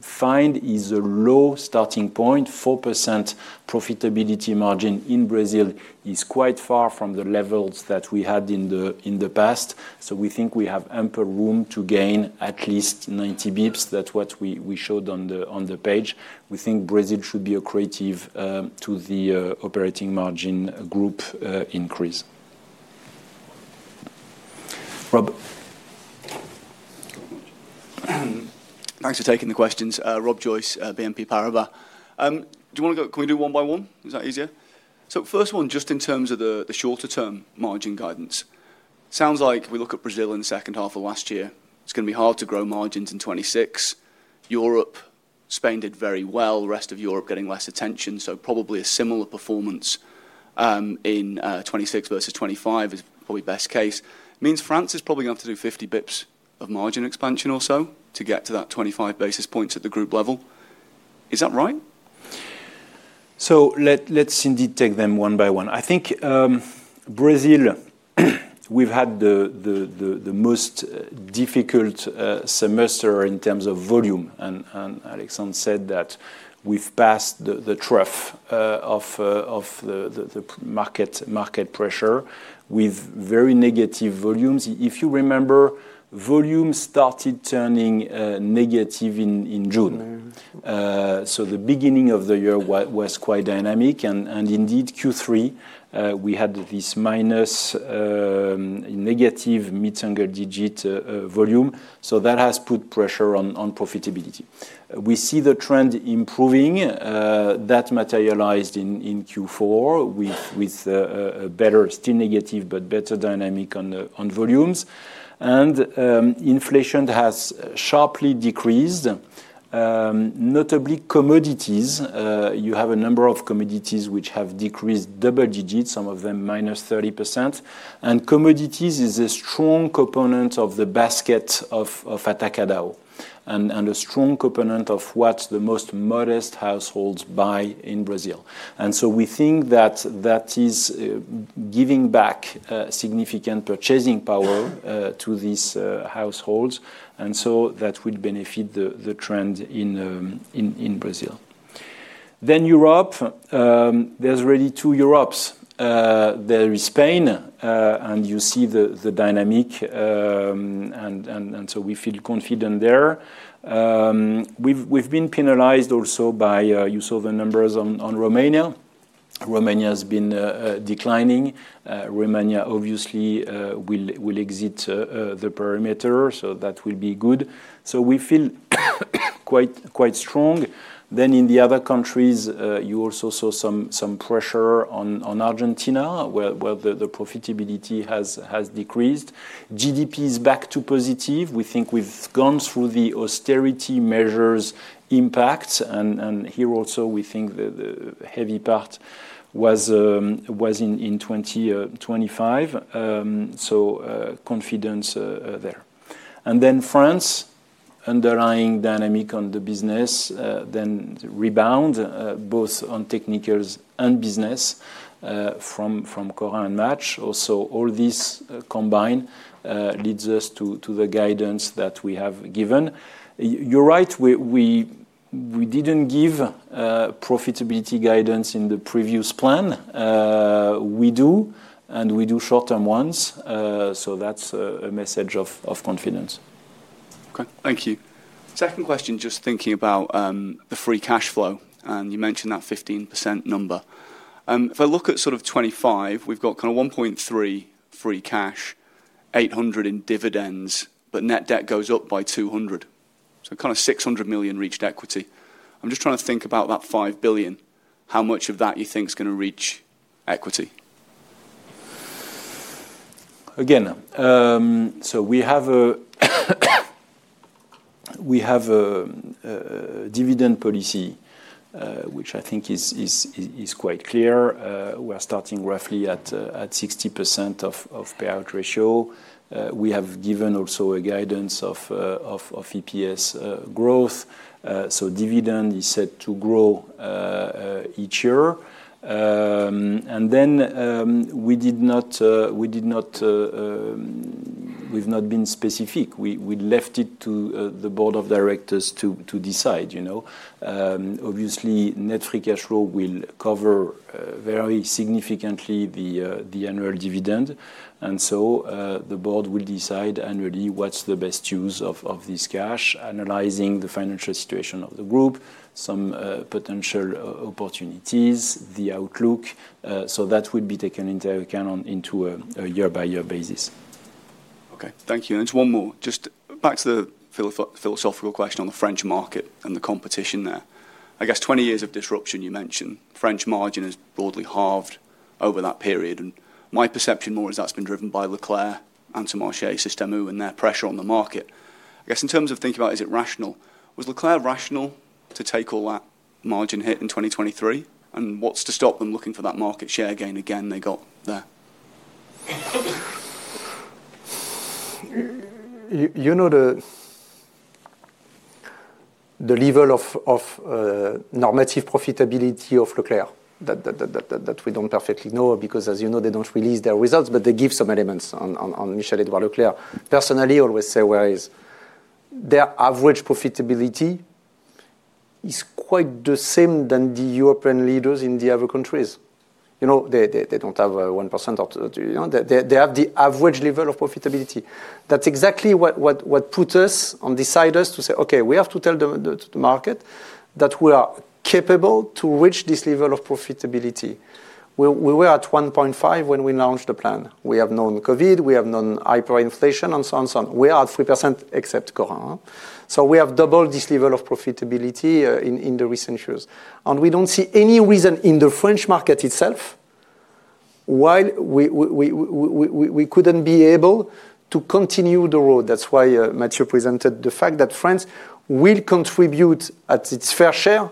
find is a low starting point. 4% profitability margin in Brazil is quite far from the levels that we had in the past, so we think we have ample room to gain at least 90 basis points. That's what we showed on the page. We think Brazil should be accretive to the operating margin group increase. Rob? Thanks for taking the questions. Rob Joyce at BNP Paribas. Do you wanna go, can we do one by one? Is that easier? First one, just in terms of the shorter term margin guidance. Sounds like if we look at Brazil in the second half of last year, it's gonna be hard to grow margins in 2026. Europe, Spain did very well, the rest of Europe getting less attention, so probably a similar performance in 2026 versus 2025 is probably best case. Means France is probably going to have to do 50 basis points of margin expansion or so to get to that 25 basis points at the group level. Is that right? So let's indeed take them one by one. I think, Brazil, we've had the most difficult semester in terms of volume, and Alexandre said that we've passed the trough of the market pressure with very negative volumes. If you remember, volume started turning negative in June. Mm-hmm. So the beginning of the year was quite dynamic, and indeed, Q3, we had this minus negative mid-single digit volume. So that has put pressure on profitability. We see the trend improving, that materialized in Q4 with a better, still negative, but better dynamic on the volumes. And inflation has sharply decreased, notably commodities. You have a number of commodities which have decreased double digits, some of them -30%. And commodities is a strong component of the basket of Atacadão, and a strong component of what the most modest households buy in Brazil. And so we think that that is giving back significant purchasing power to these households, and so that will benefit the trend in Brazil. Then Europe, there's really two Europes. There is Spain, and you see the dynamic, and so we feel confident there. We've been penalized also by, you saw the numbers on Romania. Romania has been declining. Romania obviously will exit the perimeter, so that will be good. So we feel quite strong. Then in the other countries, you also saw some pressure on Argentina, where the profitability has decreased. GDP is back to positive. We think we've gone through the austerity measures impact, and here also we think the heavy part was in 2025. So confidence there. And then France, underlying dynamic on the business, then rebound, both on technicals and business, from Cora and Match. Also, all these combine leads us to the guidance that we have given. You're right, we didn't give profitability guidance in the previous plan. We do, and we do short-term ones, so that's a message of confidence. Okay, thank you. Second question, just thinking about the free cash flow, and you mentioned that 15% number. If I look at sort of 2025, we've got kind of 1.3 billion free cash, 800 million in dividends, but net debt goes up by 200 million, so kind of 600 million reached equity. I'm just trying to think about that 5 billion, how much of that you think is gonna reach equity? Again, so we have a... we have a dividend policy, which I think is quite clear. We are starting roughly at 60% of payout ratio. We have given also a guidance of EPS growth. So dividend is set to grow each year. And then, we did not, we've not been specific. We left it to the board of directors to decide, you know. Obviously, net free cash flow will cover very significantly the annual dividend. And so, the board will decide annually what's the best use of this cash, analyzing the financial situation of the group, some potential opportunities, the outlook. So that will be taken into account into a year-by-year basis. Okay. Thank you. And just one more. Just back to the philosophical question on the French market and the competition there. I guess 20 years of disruption, you mentioned, French margin has broadly halved over that period, and my perception more is that's been driven by Leclerc, Intermarché, Système U, and their pressure on the market. I guess, in terms of thinking about, is it rational? Was Leclerc rational to take all that margin hit in 2023, and what's to stop them looking for that market share again, again, they got there? You know, the level of normative profitability of Leclerc that we don't perfectly know, because as you know, they don't release their results, but they give some elements on Michel-Edouard Leclerc. Personally, always say, well, is their average profitability is quite the same than the European leaders in the other countries. You know, they don't have a 1% or 2%, you know. They have the average level of profitability. That's exactly what put us on deciders to say, "Okay, we have to tell the market that we are capable to reach this level of profitability." We were at 1.5 when we launched the plan. We have known COVID, we have known hyperinflation, and so on, so on. We are at 3%, except Cora. We have doubled this level of profitability in the recent years, and we don't see any reason in the French market itself why we couldn't be able to continue the road. That's why Matthieu presented the fact that France will contribute at its fair share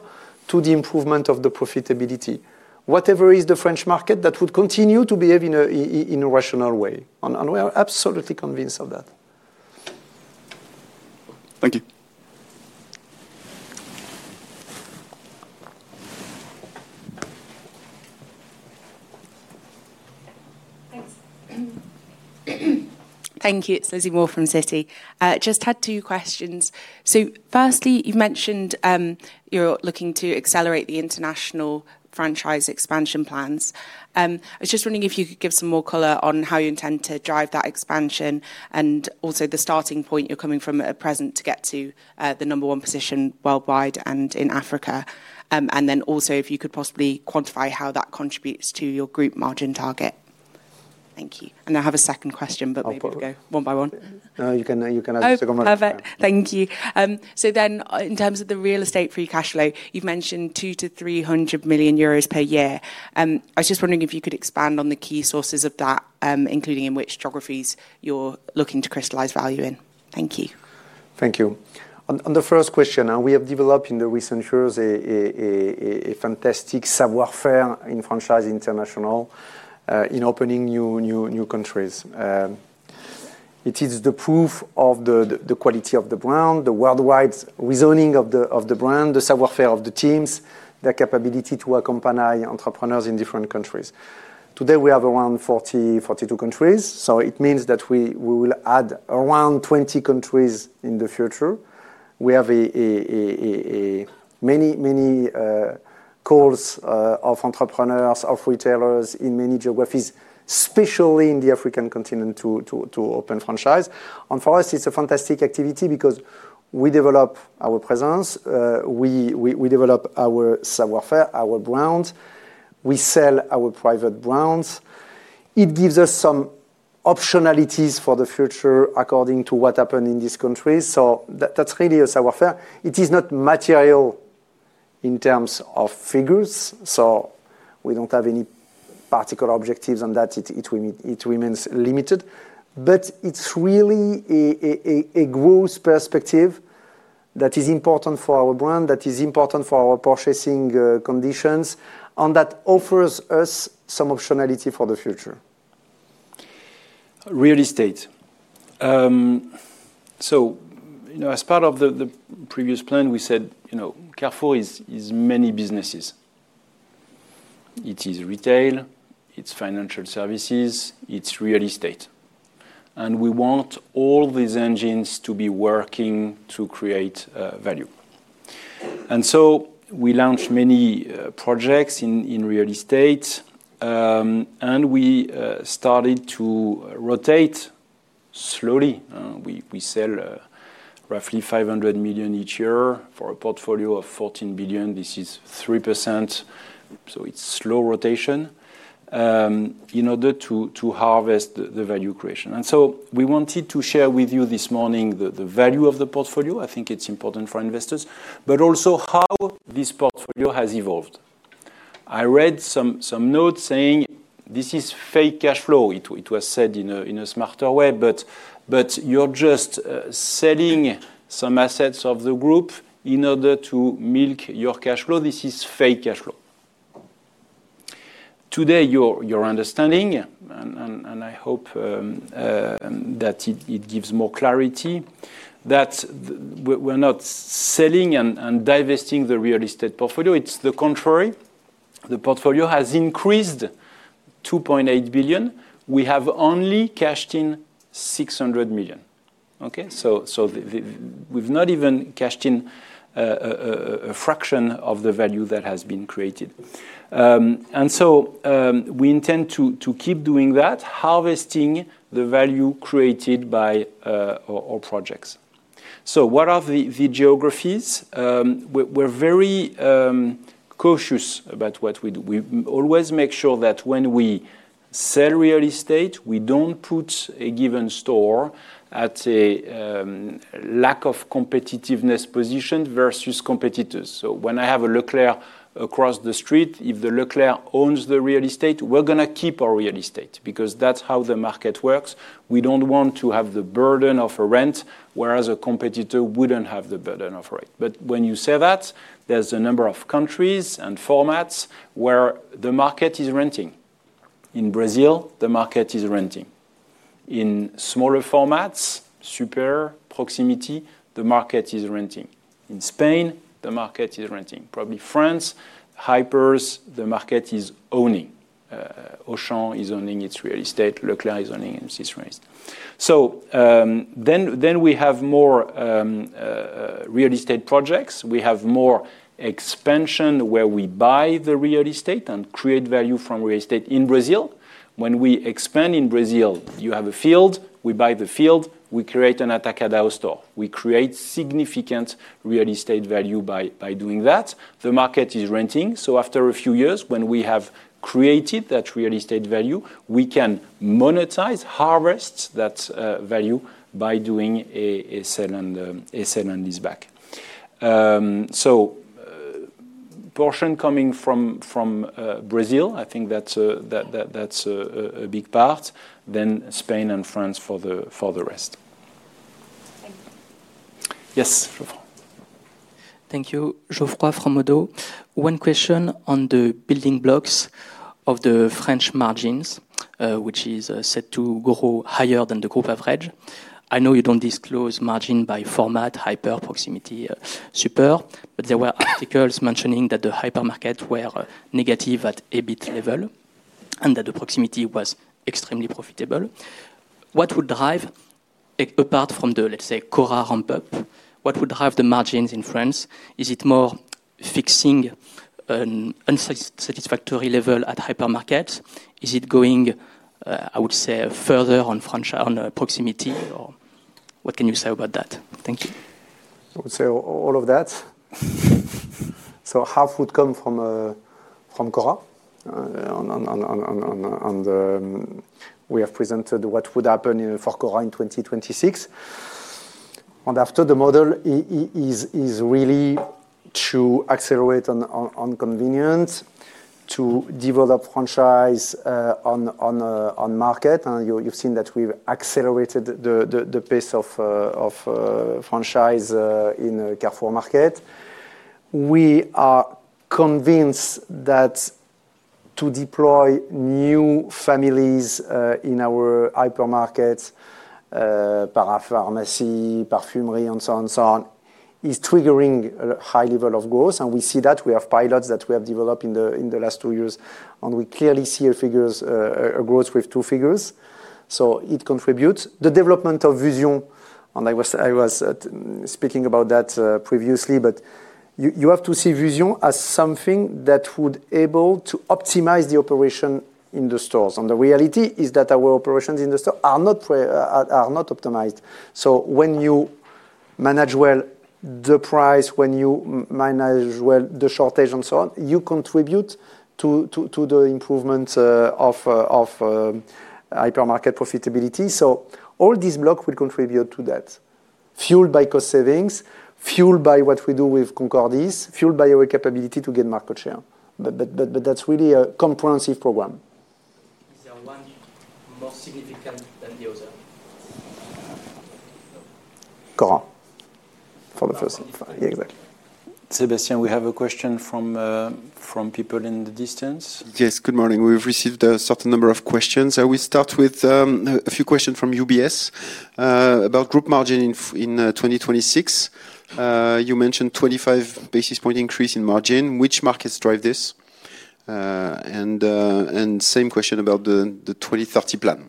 to the improvement of the profitability. Whatever is the French market, that would continue to behave in a rational way, and we are absolutely convinced of that. Thank you. Thanks. Thank you. It's Lizzie Moore from Citi. Just had two questions. So firstly, you've mentioned, you're looking to accelerate the international franchise expansion plans. I was just wondering if you could give some more color on how you intend to drive that expansion, and also the starting point you're coming from at present to get to, the number one position worldwide and in Africa. And then also, if you could possibly quantify how that contributes to your group margin target. Thank you. And I have a second question, but maybe we go one by one. No, you can, you can ask the second one. Oh, perfect. Thank you. So then, in terms of the real estate free cash flow, you've mentioned 200 million-300 million euros per year. I was just wondering if you could expand on the key sources of that, including in which geographies you're looking to crystallize value in. Thank you. Thank you. On the first question, we have developed in the recent years a fantastic savoir-faire in Franchise International in opening new countries. It is the proof of the quality of the brand, the worldwide resonance of the brand, the savoir-faire of the teams, their capability to accompany entrepreneurs in different countries. Today, we have around 42 countries, so it means that we will add around 20 countries in the future. We have many calls of entrepreneurs, of retailers in many geographies, especially in the African continent, to open franchise. And for us, it's a fantastic activity because we develop our presence, we develop our savoir-faire, our brands, we sell our private brands. It gives us some optionalities for the future according to what happened in this country. So that, that's really a savoir-faire. It is not material in terms of figures, so we don't have any particular objectives on that. It remains limited. But it's really a growth perspective that is important for our brand, that is important for our purchasing conditions, and that offers us some optionality for the future. Real estate. So, you know, as part of the previous plan, we said, you know, Carrefour is many businesses. It is retail, it's financial services, it's real estate, and we want all these engines to be working to create value. And so we launched many projects in real estate, and we started to rotate slowly. We sell roughly 500 million each year for a portfolio of 14 billion. This is 3%, so it's slow rotation, in order to harvest the value creation. And so we wanted to share with you this morning the value of the portfolio. I think it's important for investors, but also how this portfolio has evolved.... I read some notes saying this is fake cash flow. It was said in a smarter way, but you're just selling some assets of the group in order to milk your cash flow. This is fake cash flow. Today, you're understanding, and I hope that it gives more clarity that we're not selling and divesting the real estate portfolio. It's the contrary. The portfolio has increased 2.8 billion. We have only cashed in 600 million, okay? So we've not even cashed in a fraction of the value that has been created. So we intend to keep doing that, harvesting the value created by our projects. So what are the geographies? We're very cautious about what we do. We always make sure that when we sell real estate, we don't put a given store at a lack of competitiveness position versus competitors. So when I have a Leclerc across the street, if the Leclerc owns the real estate, we're gonna keep our real estate because that's how the market works. We don't want to have the burden of a rent, whereas a competitor wouldn't have the burden of rent. But when you say that, there's a number of countries and formats where the market is renting. In Brazil, the market is renting. In smaller formats, Super Proximity, the market is renting. In Spain, the market is renting. Probably France, Hypers, the market is owning. Auchan is owning its real estate, Leclerc is owning its real estate. So, then we have more real estate projects. We have more expansion, where we buy the real estate and create value from real estate. In Brazil, when we expand in Brazil, you have a field, we buy the field, we create an Atacadão store. We create significant real estate value by doing that. The market is renting, so after a few years, when we have created that real estate value, we can monetize, harvest that value by doing a sale and leaseback. So portion coming from Brazil, I think that's a big part, then Spain and France for the rest. Thank you. Yes, Geoffroy? Thank you. Geoffroy from Oddo. One question on the building blocks of the French margins, which is set to grow higher than the group average. I know you don't disclose margin by format, Hyper, Proximity, Super, but there were articles mentioning that the hypermarket were negative at EBIT level and that the Proximity was extremely profitable. What would drive, apart from the, let's say, Cora ramp up, what would drive the margins in France? Is it more fixing an unsatisfactory level at hypermarket? Is it going, I would say, further on franchise, on Proximity, or what can you say about that? Thank you. I would say all of that. So half would come from Cora. We have presented what would happen for Cora in 2026. And after the model is really to accelerate on convenience, to develop franchise on market. And you've seen that we've accelerated the pace of franchise in Carrefour Market. We are convinced that to deploy new families in our hypermarkets, parapharmacy, perfumery, and so on and so on, is triggering a high level of growth, and we see that. We have pilots that we have developed in the last two years, and we clearly see figures, a growth with two figures, so it contributes. The development of Vusion, and I was speaking about that previously, but you have to see Vusion as something that would able to optimize the operation in the stores. The reality is that our operations in the store are not optimized. So when you manage well the price, when you manage well the shortage and so on, you contribute to the improvement of hypermarket profitability. So all these block will contribute to that, fueled by cost savings, fueled by what we do with Concordis, fueled by our capability to gain market share. But that's really a comprehensive program. Is there one more significant than the other? Cora, for the first time. Yeah, exactly. Sebastian, we have a question from people in the distance. Yes, good morning. We've received a certain number of questions. I will start with a few questions from UBS about group margin in 2026. You mentioned 25 basis point increase in margin. Which markets drive this? And same question about the 2030 plan.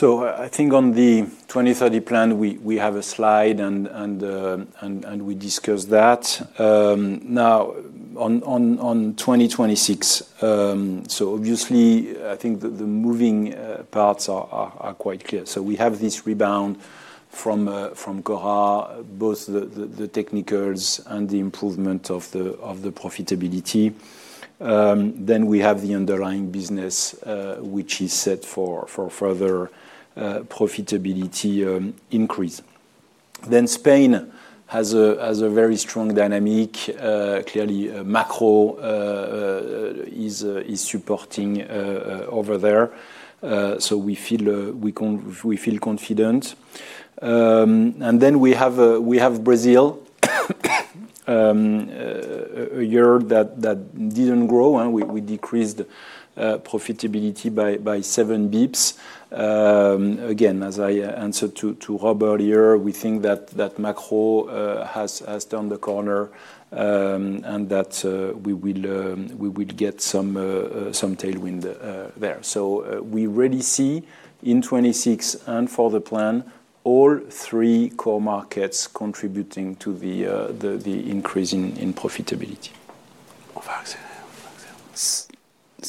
So I think on the 2030 plan, we have a slide and we discussed that. Now on 2026, so obviously, I think the moving parts are quite clear. So we have this rebound from Cora, both the technicals and the improvement of the profitability. Then we have the underlying business, which is set for further profitability increase. Then Spain has a very strong dynamic. Clearly, macro is supporting over there. So we feel confident. And then we have Brazil. A year that didn't grow, and we decreased profitability by seven basis points. Again, as I answered to, to Robert here, we think that, that macro has, has turned the corner, and that we will, we will get some, some tailwind there. So, we really see in 2026 and for the plan, all three core markets contributing to the, the, the increase in, in profitability.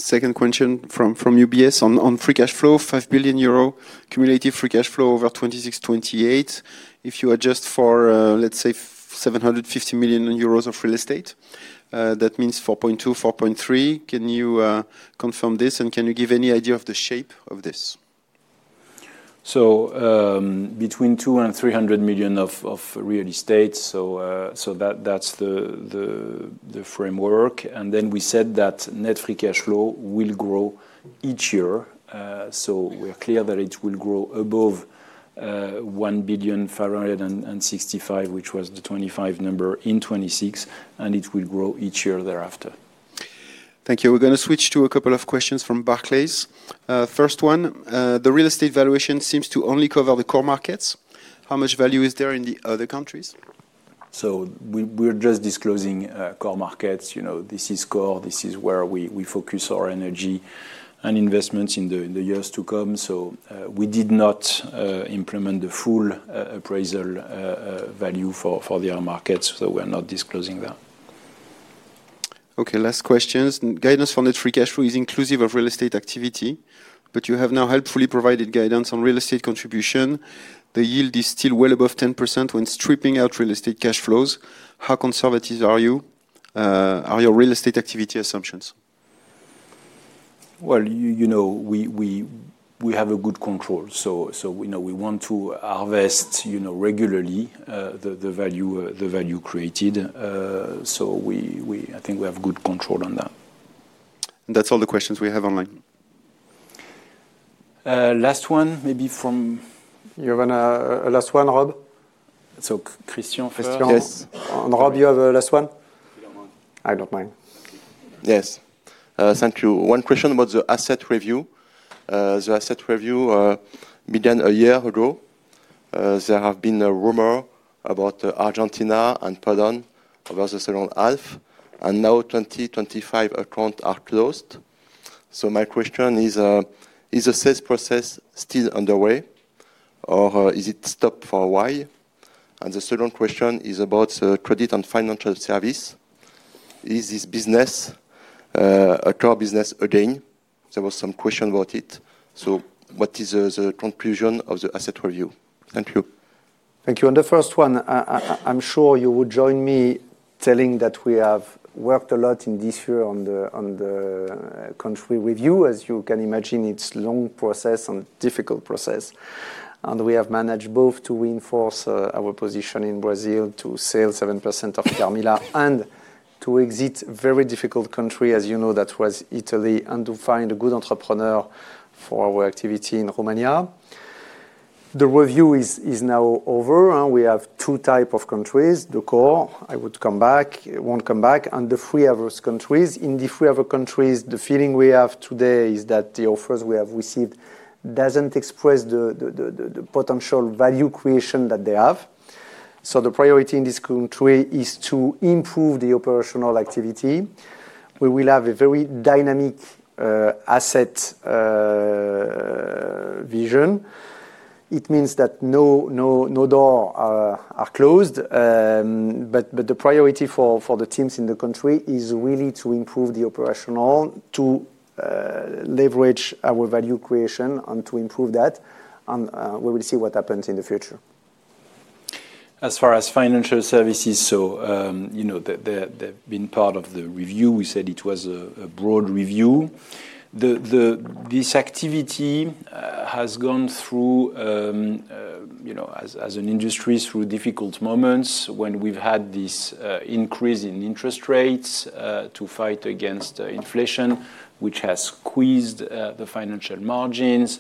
Second question from UBS on free cash flow. 5 billion euro cumulative free cash flow over 2026-2028. If you adjust for, let's say, 750 million euros of real estate, that means 4.2-4.3. Can you confirm this, and can you give any idea of the shape of this? Between 200 million and 300 million of real estate. That's the framework. We said that net free cash flow will grow each year. We're clear that it will grow above 1,565 million, which was the 2025 number in 2026, and it will grow each year thereafter. Thank you. We're gonna switch to a couple of questions from Barclays. First one, the real estate valuation seems to only cover the core markets. How much value is there in the other countries? So we're just disclosing core markets. You know, this is core. This is where we focus our energy and investments in the years to come. So we did not implement the full value for the other markets, so we're not disclosing that. Okay, last questions. Guidance from net free cash flow is inclusive of real estate activity, but you have now helpfully provided guidance on real estate contribution. The yield is still well above 10% when stripping out real estate cash flows. How conservative are you, are your real estate activity assumptions? Well, you know, we have a good control, so, you know, we want to harvest, you know, regularly, the value created. So, we—I think we have good control on that. That's all the questions we have online. Last one, maybe from- You have a last one, Rob? Christian first. Christian. Yes. Rob, you have a last one? If you don't mind. I don't mind. Yes. Thank you. One question about the asset review. The asset review began a year ago. There have been a rumor about Argentina and Poland versus around half, and now 25 accounts are closed. So my question is, is the sales process still underway, or is it stopped for a while? And the second question is about credit and financial service. Is this business a core business again? There was some question about it. So what is the conclusion of the asset review? Thank you. Thank you. On the first one, I'm sure you would join me telling that we have worked a lot in this year on the country review. As you can imagine, it's long process and difficult process, and we have managed both to reinforce our position in Brazil, to sell 7% of Carmila, and to exit very difficult country, as you know, that was Italy, and to find a good entrepreneur for our activity in Romania. The review is now over, and we have two type of countries: the core, I would come back, it won't come back, and the three other countries. In the three other countries, the feeling we have today is that the offers we have received doesn't express the potential value creation that they have. The priority in this country is to improve the operational activity. We will have a very dynamic asset vision. It means that no doors are closed, but the priority for the teams in the country is really to improve the operational, to leverage our value creation and to improve that, and we will see what happens in the future. As far as financial services, you know, they, they've been part of the review. We said it was a broad review. This activity has gone through, you know, as an industry, through difficult moments when we've had this increase in interest rates to fight against inflation, which has squeezed the financial margins.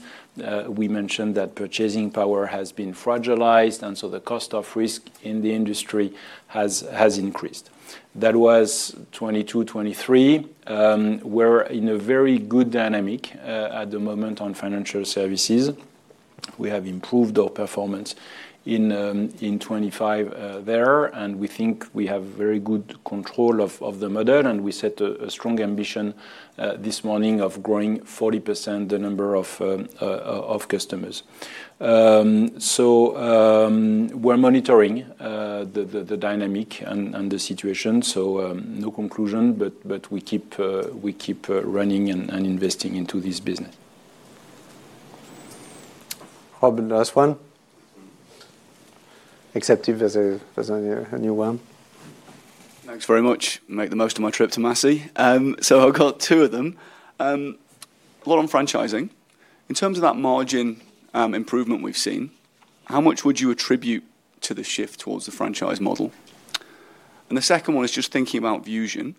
We mentioned that purchasing power has been fragilized, and so the cost of risk in the industry has increased. That was 2022, 2023. We're in a very good dynamic at the moment on financial services. We have improved our performance in 2025 there, and we think we have very good control of the model, and we set a strong ambition this morning of growing 40% the number of customers. So, we're monitoring the dynamic and the situation, so no conclusion, but we keep running and investing into this business. Rob, the last one? Except if there's a new one.... Thanks very much. Make the most of my trip to Massy. So I've got two of them. One on franchising. In terms of that margin improvement we've seen, how much would you attribute to the shift towards the franchise model? And the second one is just thinking about Vusion.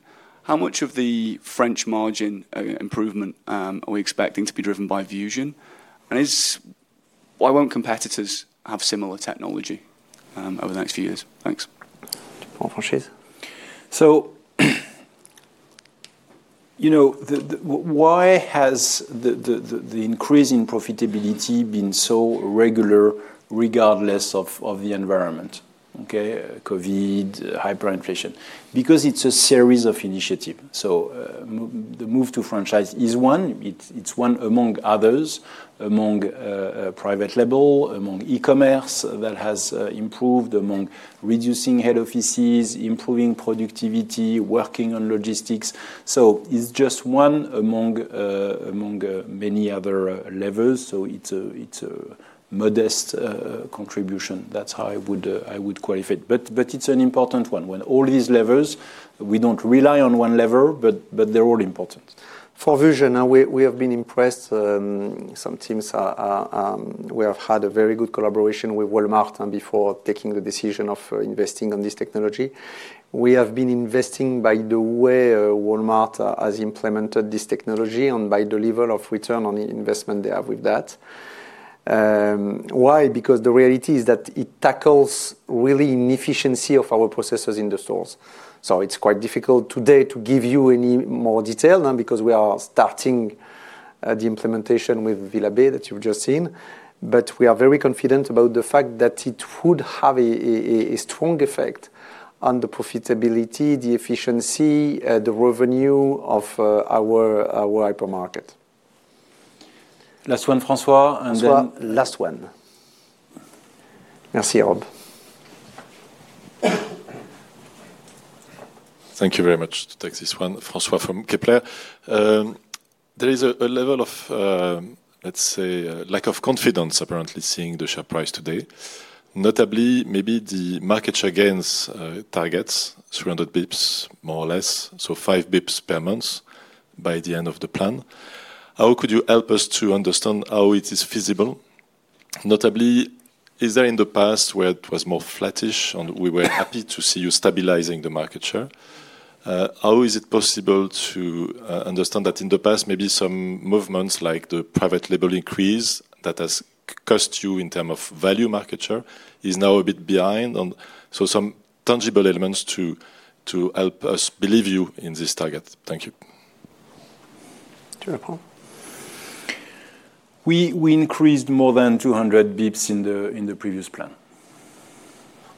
How much of the French margin improvement are we expecting to be driven by Vusion? And why won't competitors have similar technology over the next few years? Thanks. For franchise. So, you know, why has the increase in profitability been so regular regardless of the environment, okay? Covid, hyperinflation. Because it's a series of initiative. So, the move to franchise is one, it's one among others, among private label, among e-commerce, that has improved, among reducing head offices, improving productivity, working on logistics. So it's just one among many other levels. So it's a modest contribution. That's how I would qualify it. But it's an important one. When all these levels, we don't rely on one level, but they're all important. For Vusion, we have been impressed. Some teams are-- we have had a very good collaboration with Walmart, and before taking the decision of investing on this technology. We have been investing, by the way, Walmart has implemented this technology and by the level of return on investment they have with that. Why? Because the reality is that it tackles really inefficiency of our processes in the stores. So it's quite difficult today to give you any more detail, because we are starting the implementation with Villabé, that you've just seen. But we are very confident about the fact that it would have a strong effect on the profitability, the efficiency, the revenue of our hypermarket. Last one, François, and then- François, last one. Merci, Rob. Thank you very much. To take this one, François from Kepler. There is a level of, let's say, lack of confidence, apparently, seeing the share price today. Notably, maybe the market share gains targets, 300 basis points, more or less, so 5 basis points per month by the end of the plan. How could you help us to understand how it is feasible? Notably, is there in the past where it was more flattish and we were happy to see you stabilizing the market share? How is it possible to understand that in the past, maybe some movements, like the private label increase that has cost you in terms of value market share, is now a bit behind? And so some tangible elements to help us believe you in this target. Thank you. Sure, Paul. We increased more than 200 basis points in the previous plan.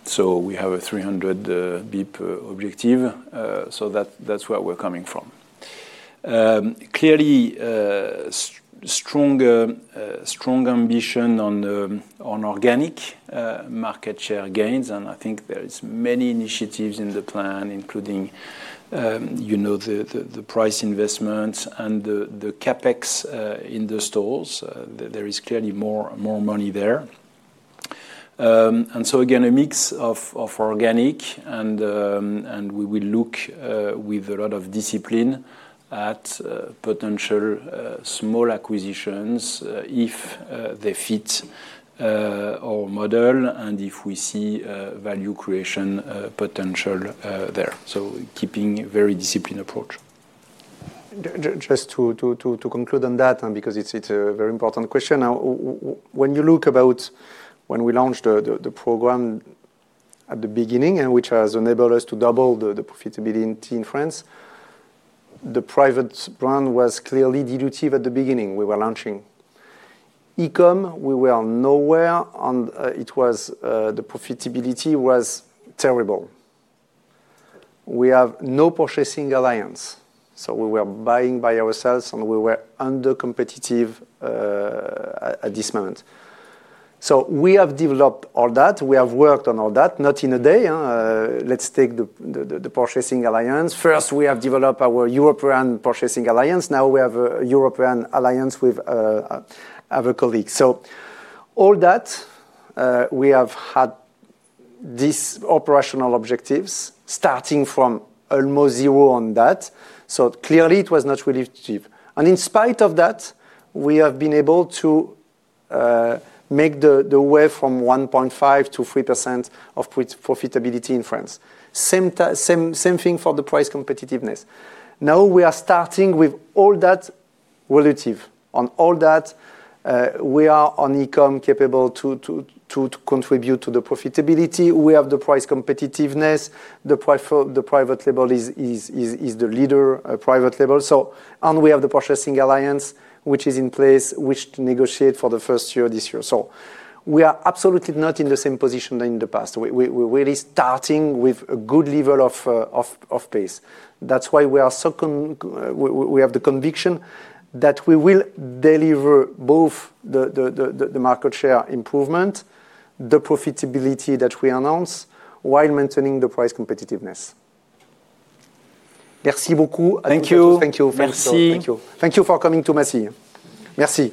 So we have a 300 basis point objective, so that's where we're coming from. Clearly, stronger strong ambition on organic market share gains, and I think there is many initiatives in the plan, including, you know, the price investments and the CapEx in the stores. There is clearly more money there. And so again, a mix of organic and we will look with a lot of discipline at potential small acquisitions, if they fit our model and if we see value creation potential there. So keeping a very disciplined approach. Just to conclude on that, and because it's a very important question. Now, when you look about when we launched the program at the beginning, and which has enabled us to double the profitability in France, the private brand was clearly dilutive at the beginning. We were launching e-commerce, we were nowhere, and it was the profitability was terrible. We have no purchasing alliance, so we were buying by ourselves, and we were under competitive at this moment. So we have developed all that. We have worked on all that, not in a day, let's take the purchasing alliance. First, we have developed our European purchasing alliance. Now we have a European alliance with other colleague. So all that, we have had these operational objectives starting from almost zero on that. So clearly, it was not really cheap. And in spite of that, we have been able to make the way from 1.5%-3% profitability in France. Same thing for the price competitiveness. Now we are starting with all that relative. On all that, we are on e-commerce capable to contribute to the profitability. We have the price competitiveness. The private label is the leader private label, so. And we have the purchasing alliance, which is in place, which to negotiate for the first year, this year. So we are absolutely not in the same position in the past. We, we're really starting with a good level of pace. That's why we are so confident that we have the conviction that we will deliver both the market share improvement, the profitability that we announce, while maintaining the price competitiveness. Merci beaucoup. Thank you. Thank you. Merci. Thank you. Thank you for coming to Massy. Merci!